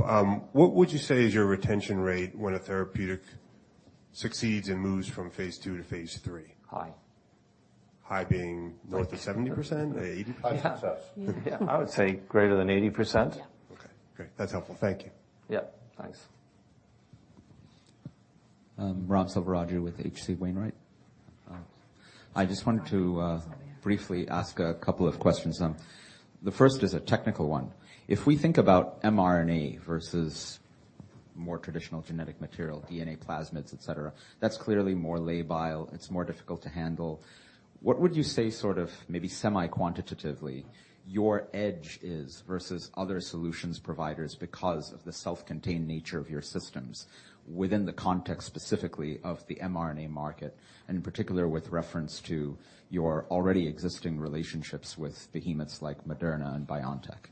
What would you say is your retention rate when a therapeutic succeeds and moves from phase two to phase three?
High.
High being north of 70%, 80%?
Yeah.
High success.
I would say greater than 80%.
Yeah.
Okay, great. That's helpful. Thank you.
Yeah, thanks.
Ram Selvaraju with H.C. Wainwright & Co. I just wanted to briefly ask a couple of questions. The first is a technical one. If we think about mRNA versus more traditional genetic material, DNA plasmids, et cetera, that's clearly more labile, it's more difficult to handle. What would you say sort of maybe semi-quantitatively your edge is versus other solutions providers because of the self-contained nature of your systems within the context specifically of the mRNA market, and in particular with reference to your already existing relationships with behemoths like Moderna and BioNTech?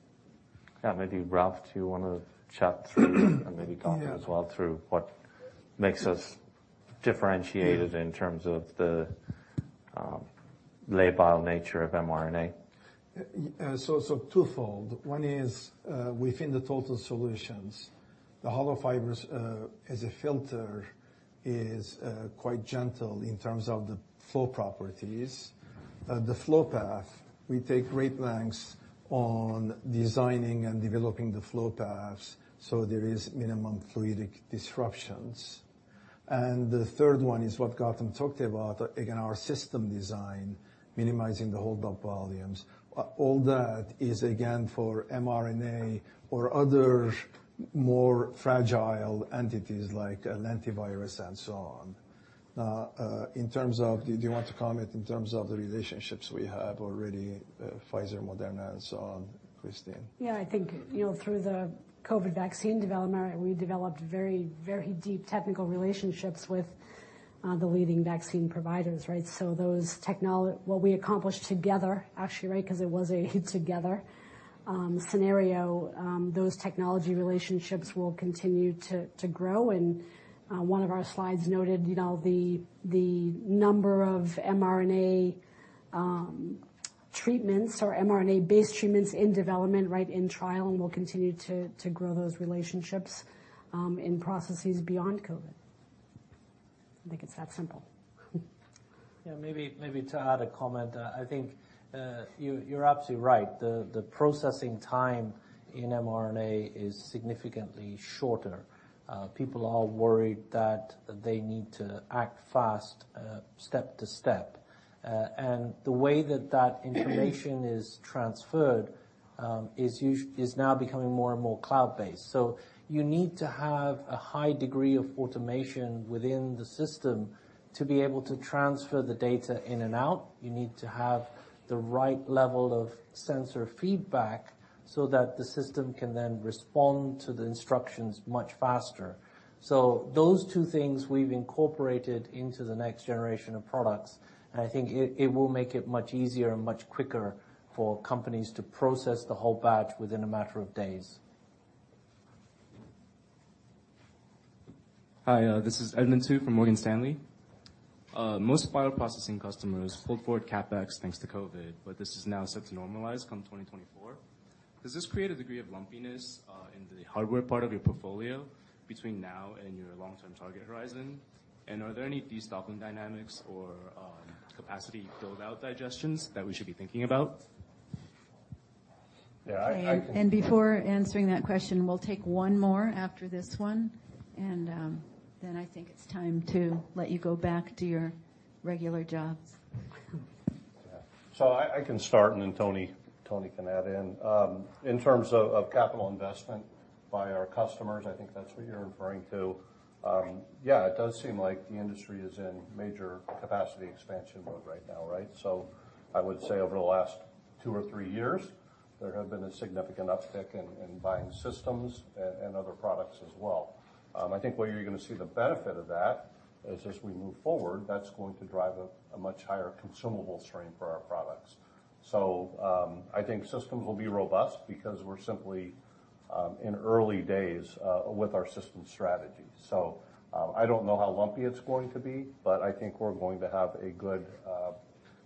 Ralf, do you wanna chat through what makes us differentiated in terms of the labile nature of mRNA? Maybe Gautam as well.
Twofold. One is within the total solutions, the hollow fibers as a filter is quite gentle in terms of the flow properties. The flow path, we take great lengths on designing and developing the flow paths, so there is minimum fluidic disruptions. The third one is what Gautam talked about, again, our system design, minimizing the holdup volumes. All that is again for mRNA or other more fragile entities like an adeno virus and so on. Now, in terms of do you want to comment in terms of the relationships we have already, Pfizer, Moderna, and so on, Christine?
Yeah, I think, you know, through the COVID vaccine development, we developed very, very deep technical relationships with the leading vaccine providers, right? What we accomplished together, actually, right, 'cause it was a together scenario, those technology relationships will continue to grow. One of our slides noted, you know, the number of mRNA treatments or mRNA-based treatments in development, right, in trial, and we'll continue to grow those relationships in processes beyond COVID. I think it's that simple.
Yeah, maybe to add a comment. I think you're absolutely right. The processing time in mRNA is significantly shorter. People are worried that they need to act fast, step to step. The way that that information is transferred is now becoming more and more cloud-based. You need to have a high degree of automation within the system to be able to transfer the data in and out. You need to have the right level of sensor feedback so that the system can then respond to the instructions much faster. Those two things we've incorporated into the next generation of products, and I think it will make it much easier and much quicker for companies to process the whole batch within a matter of days.
Hi, this is Edmund Tu from Morgan Stanley. Most bioprocessing customers pulled forward CapEx thanks to COVID, but this is now set to normalize come 2024. Does this create a degree of lumpiness in the hardware part of your portfolio between now and your long-term target horizon? Are there any destocking dynamics or capacity build-out decisions that we should be thinking about?
Yeah, I
Before answering that question, we'll take one more after this one, and then I think it's time to let you go back to your regular jobs.
I can start, and then Tony can add in. In terms of capital investment by our customers, I think that's what you're referring to. Yeah, it does seem like the industry is in major capacity expansion mode right now, right? I would say over the last two or three years, there have been a significant uptick in buying systems and other products as well. I think where you're gonna see the benefit of that is, as we move forward, that's going to drive a much higher consumable stream for our products. I think systems will be robust because we're simply in early days with our system strategy. I don't know how lumpy it's going to be, but I think we're going to have a good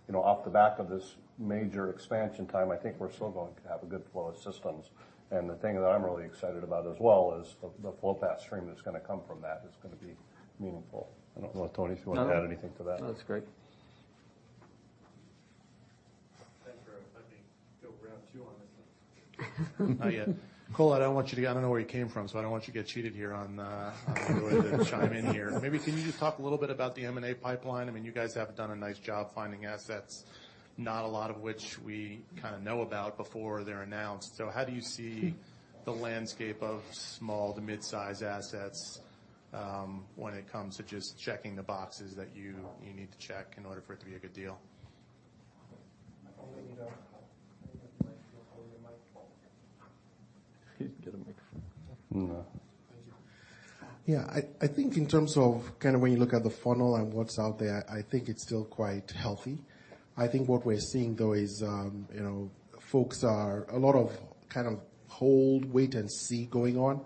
you know off the back of this major expansion time. I think we're still going to have a good flow of systems. The thing that I'm really excited about as well is the flow path stream that's gonna come from that is gonna be meaningful. I don't know, Tony, if you want to add anything to that.
No, that's great.
Go round two on this one.
Not yet. Kola, I don't know where you came from, so I don't want you to get cheated here on, go ahead and chime in here. Maybe can you just talk a little bit about the M&A pipeline? I mean, you guys have done a nice job finding assets, not a lot of which we kinda know about before they're announced. How do you see the landscape of small to mid-size assets, when it comes to just checking the boxes that you need to check in order for it to be a good deal?
Kola, you know, can you get Mike to hold your mic for you?
He can get a microphone. No.
Thank you. Yeah, I think in terms of kind of when you look at the funnel and what's out there, I think it's still quite healthy. I think what we're seeing though is, you know, folks are a lot of kind of hold, wait and see going on,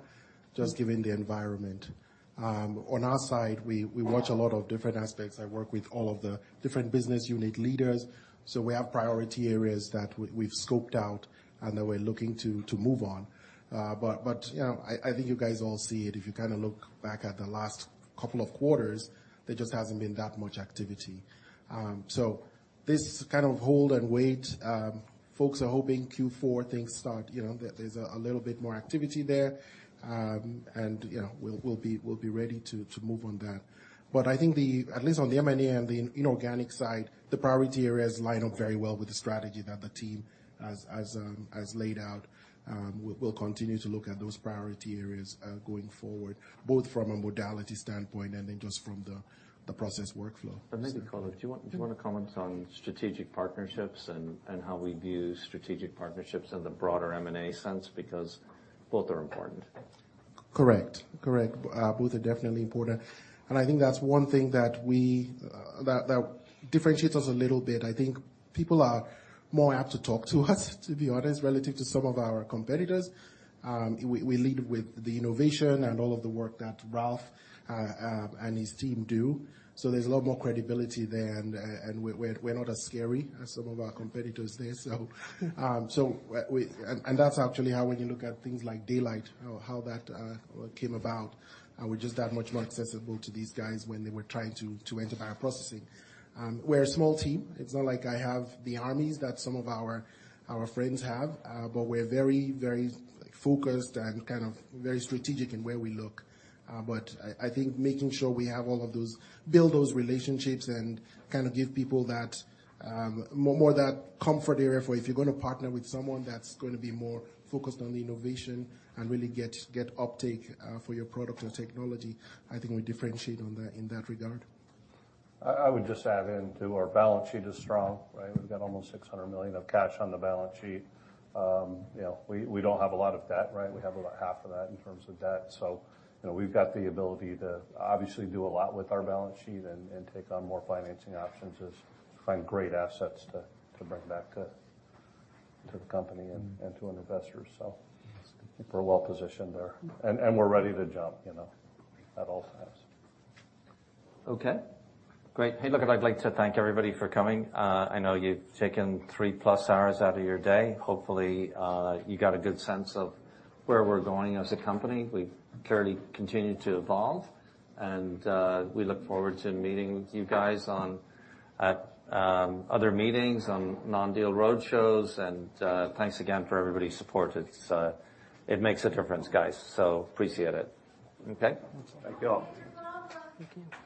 just given the environment. On our side, we watch a lot of different aspects. I work with all of the different business unit leaders, so we have priority areas that we've scoped out and that we're looking to move on. But, you know, I think you guys all see it. If you kinda look back at the last couple of quarters, there just hasn't been that much activity. This kind of hold and wait, folks are hoping Q4 things start, you know, there's a little bit more activity there. You know, we'll be ready to move on that. I think at least on the M&A and the inorganic side, the priority areas line up very well with the strategy that the team has laid out. We'll continue to look at those priority areas going forward, both from a modality standpoint and then just from the process workflow.
Maybe, Kola, do you wanna comment on strategic partnerships and how we view strategic partnerships in the broader M&A sense? Because both are important.
Correct. Both are definitely important. I think that's one thing that differentiates us a little bit. I think people are more apt to talk to us to be honest, relative to some of our competitors. We lead with the innovation and all of the work that Ralf and his team do. There's a lot more credibility there and we're not as scary as some of our competitors there. That's actually how, when you look at things like Daylight or how that came about, we're just that much more accessible to these guys when they were trying to enter bioprocessing. We're a small team. It's not like I have the armies that some of our friends have, but we're very focused and kind of very strategic in where we look. I think making sure we have all of those, build those relationships and kinda give people that more that comfort area for if you're gonna partner with someone that's gonna be more focused on the innovation and really get uptake for your product or technology. I think we differentiate on that, in that regard.
I would just add in too, our balance sheet is strong, right? We've got almost $600 million of cash on the balance sheet. You know, we don't have a lot of debt, right? We have about half of that in terms of debt. You know, we've got the ability to obviously do a lot with our balance sheet and take on more financing options as we find great assets to bring back to the company and to an investor. We're well positioned there. We're ready to jump, you know, at all times.
Okay, great. Hey, look, I'd like to thank everybody for coming. I know you've taken three-plus hours out of your day. Hopefully, you got a good sense of where we're going as a company. We clearly continue to evolve, and we look forward to meeting you guys at other meetings, on non-deal roadshows. Thanks again for everybody's support. It makes a difference, guys, so appreciate it. Okay?
Thank y'all.
Thank you.
Thank you.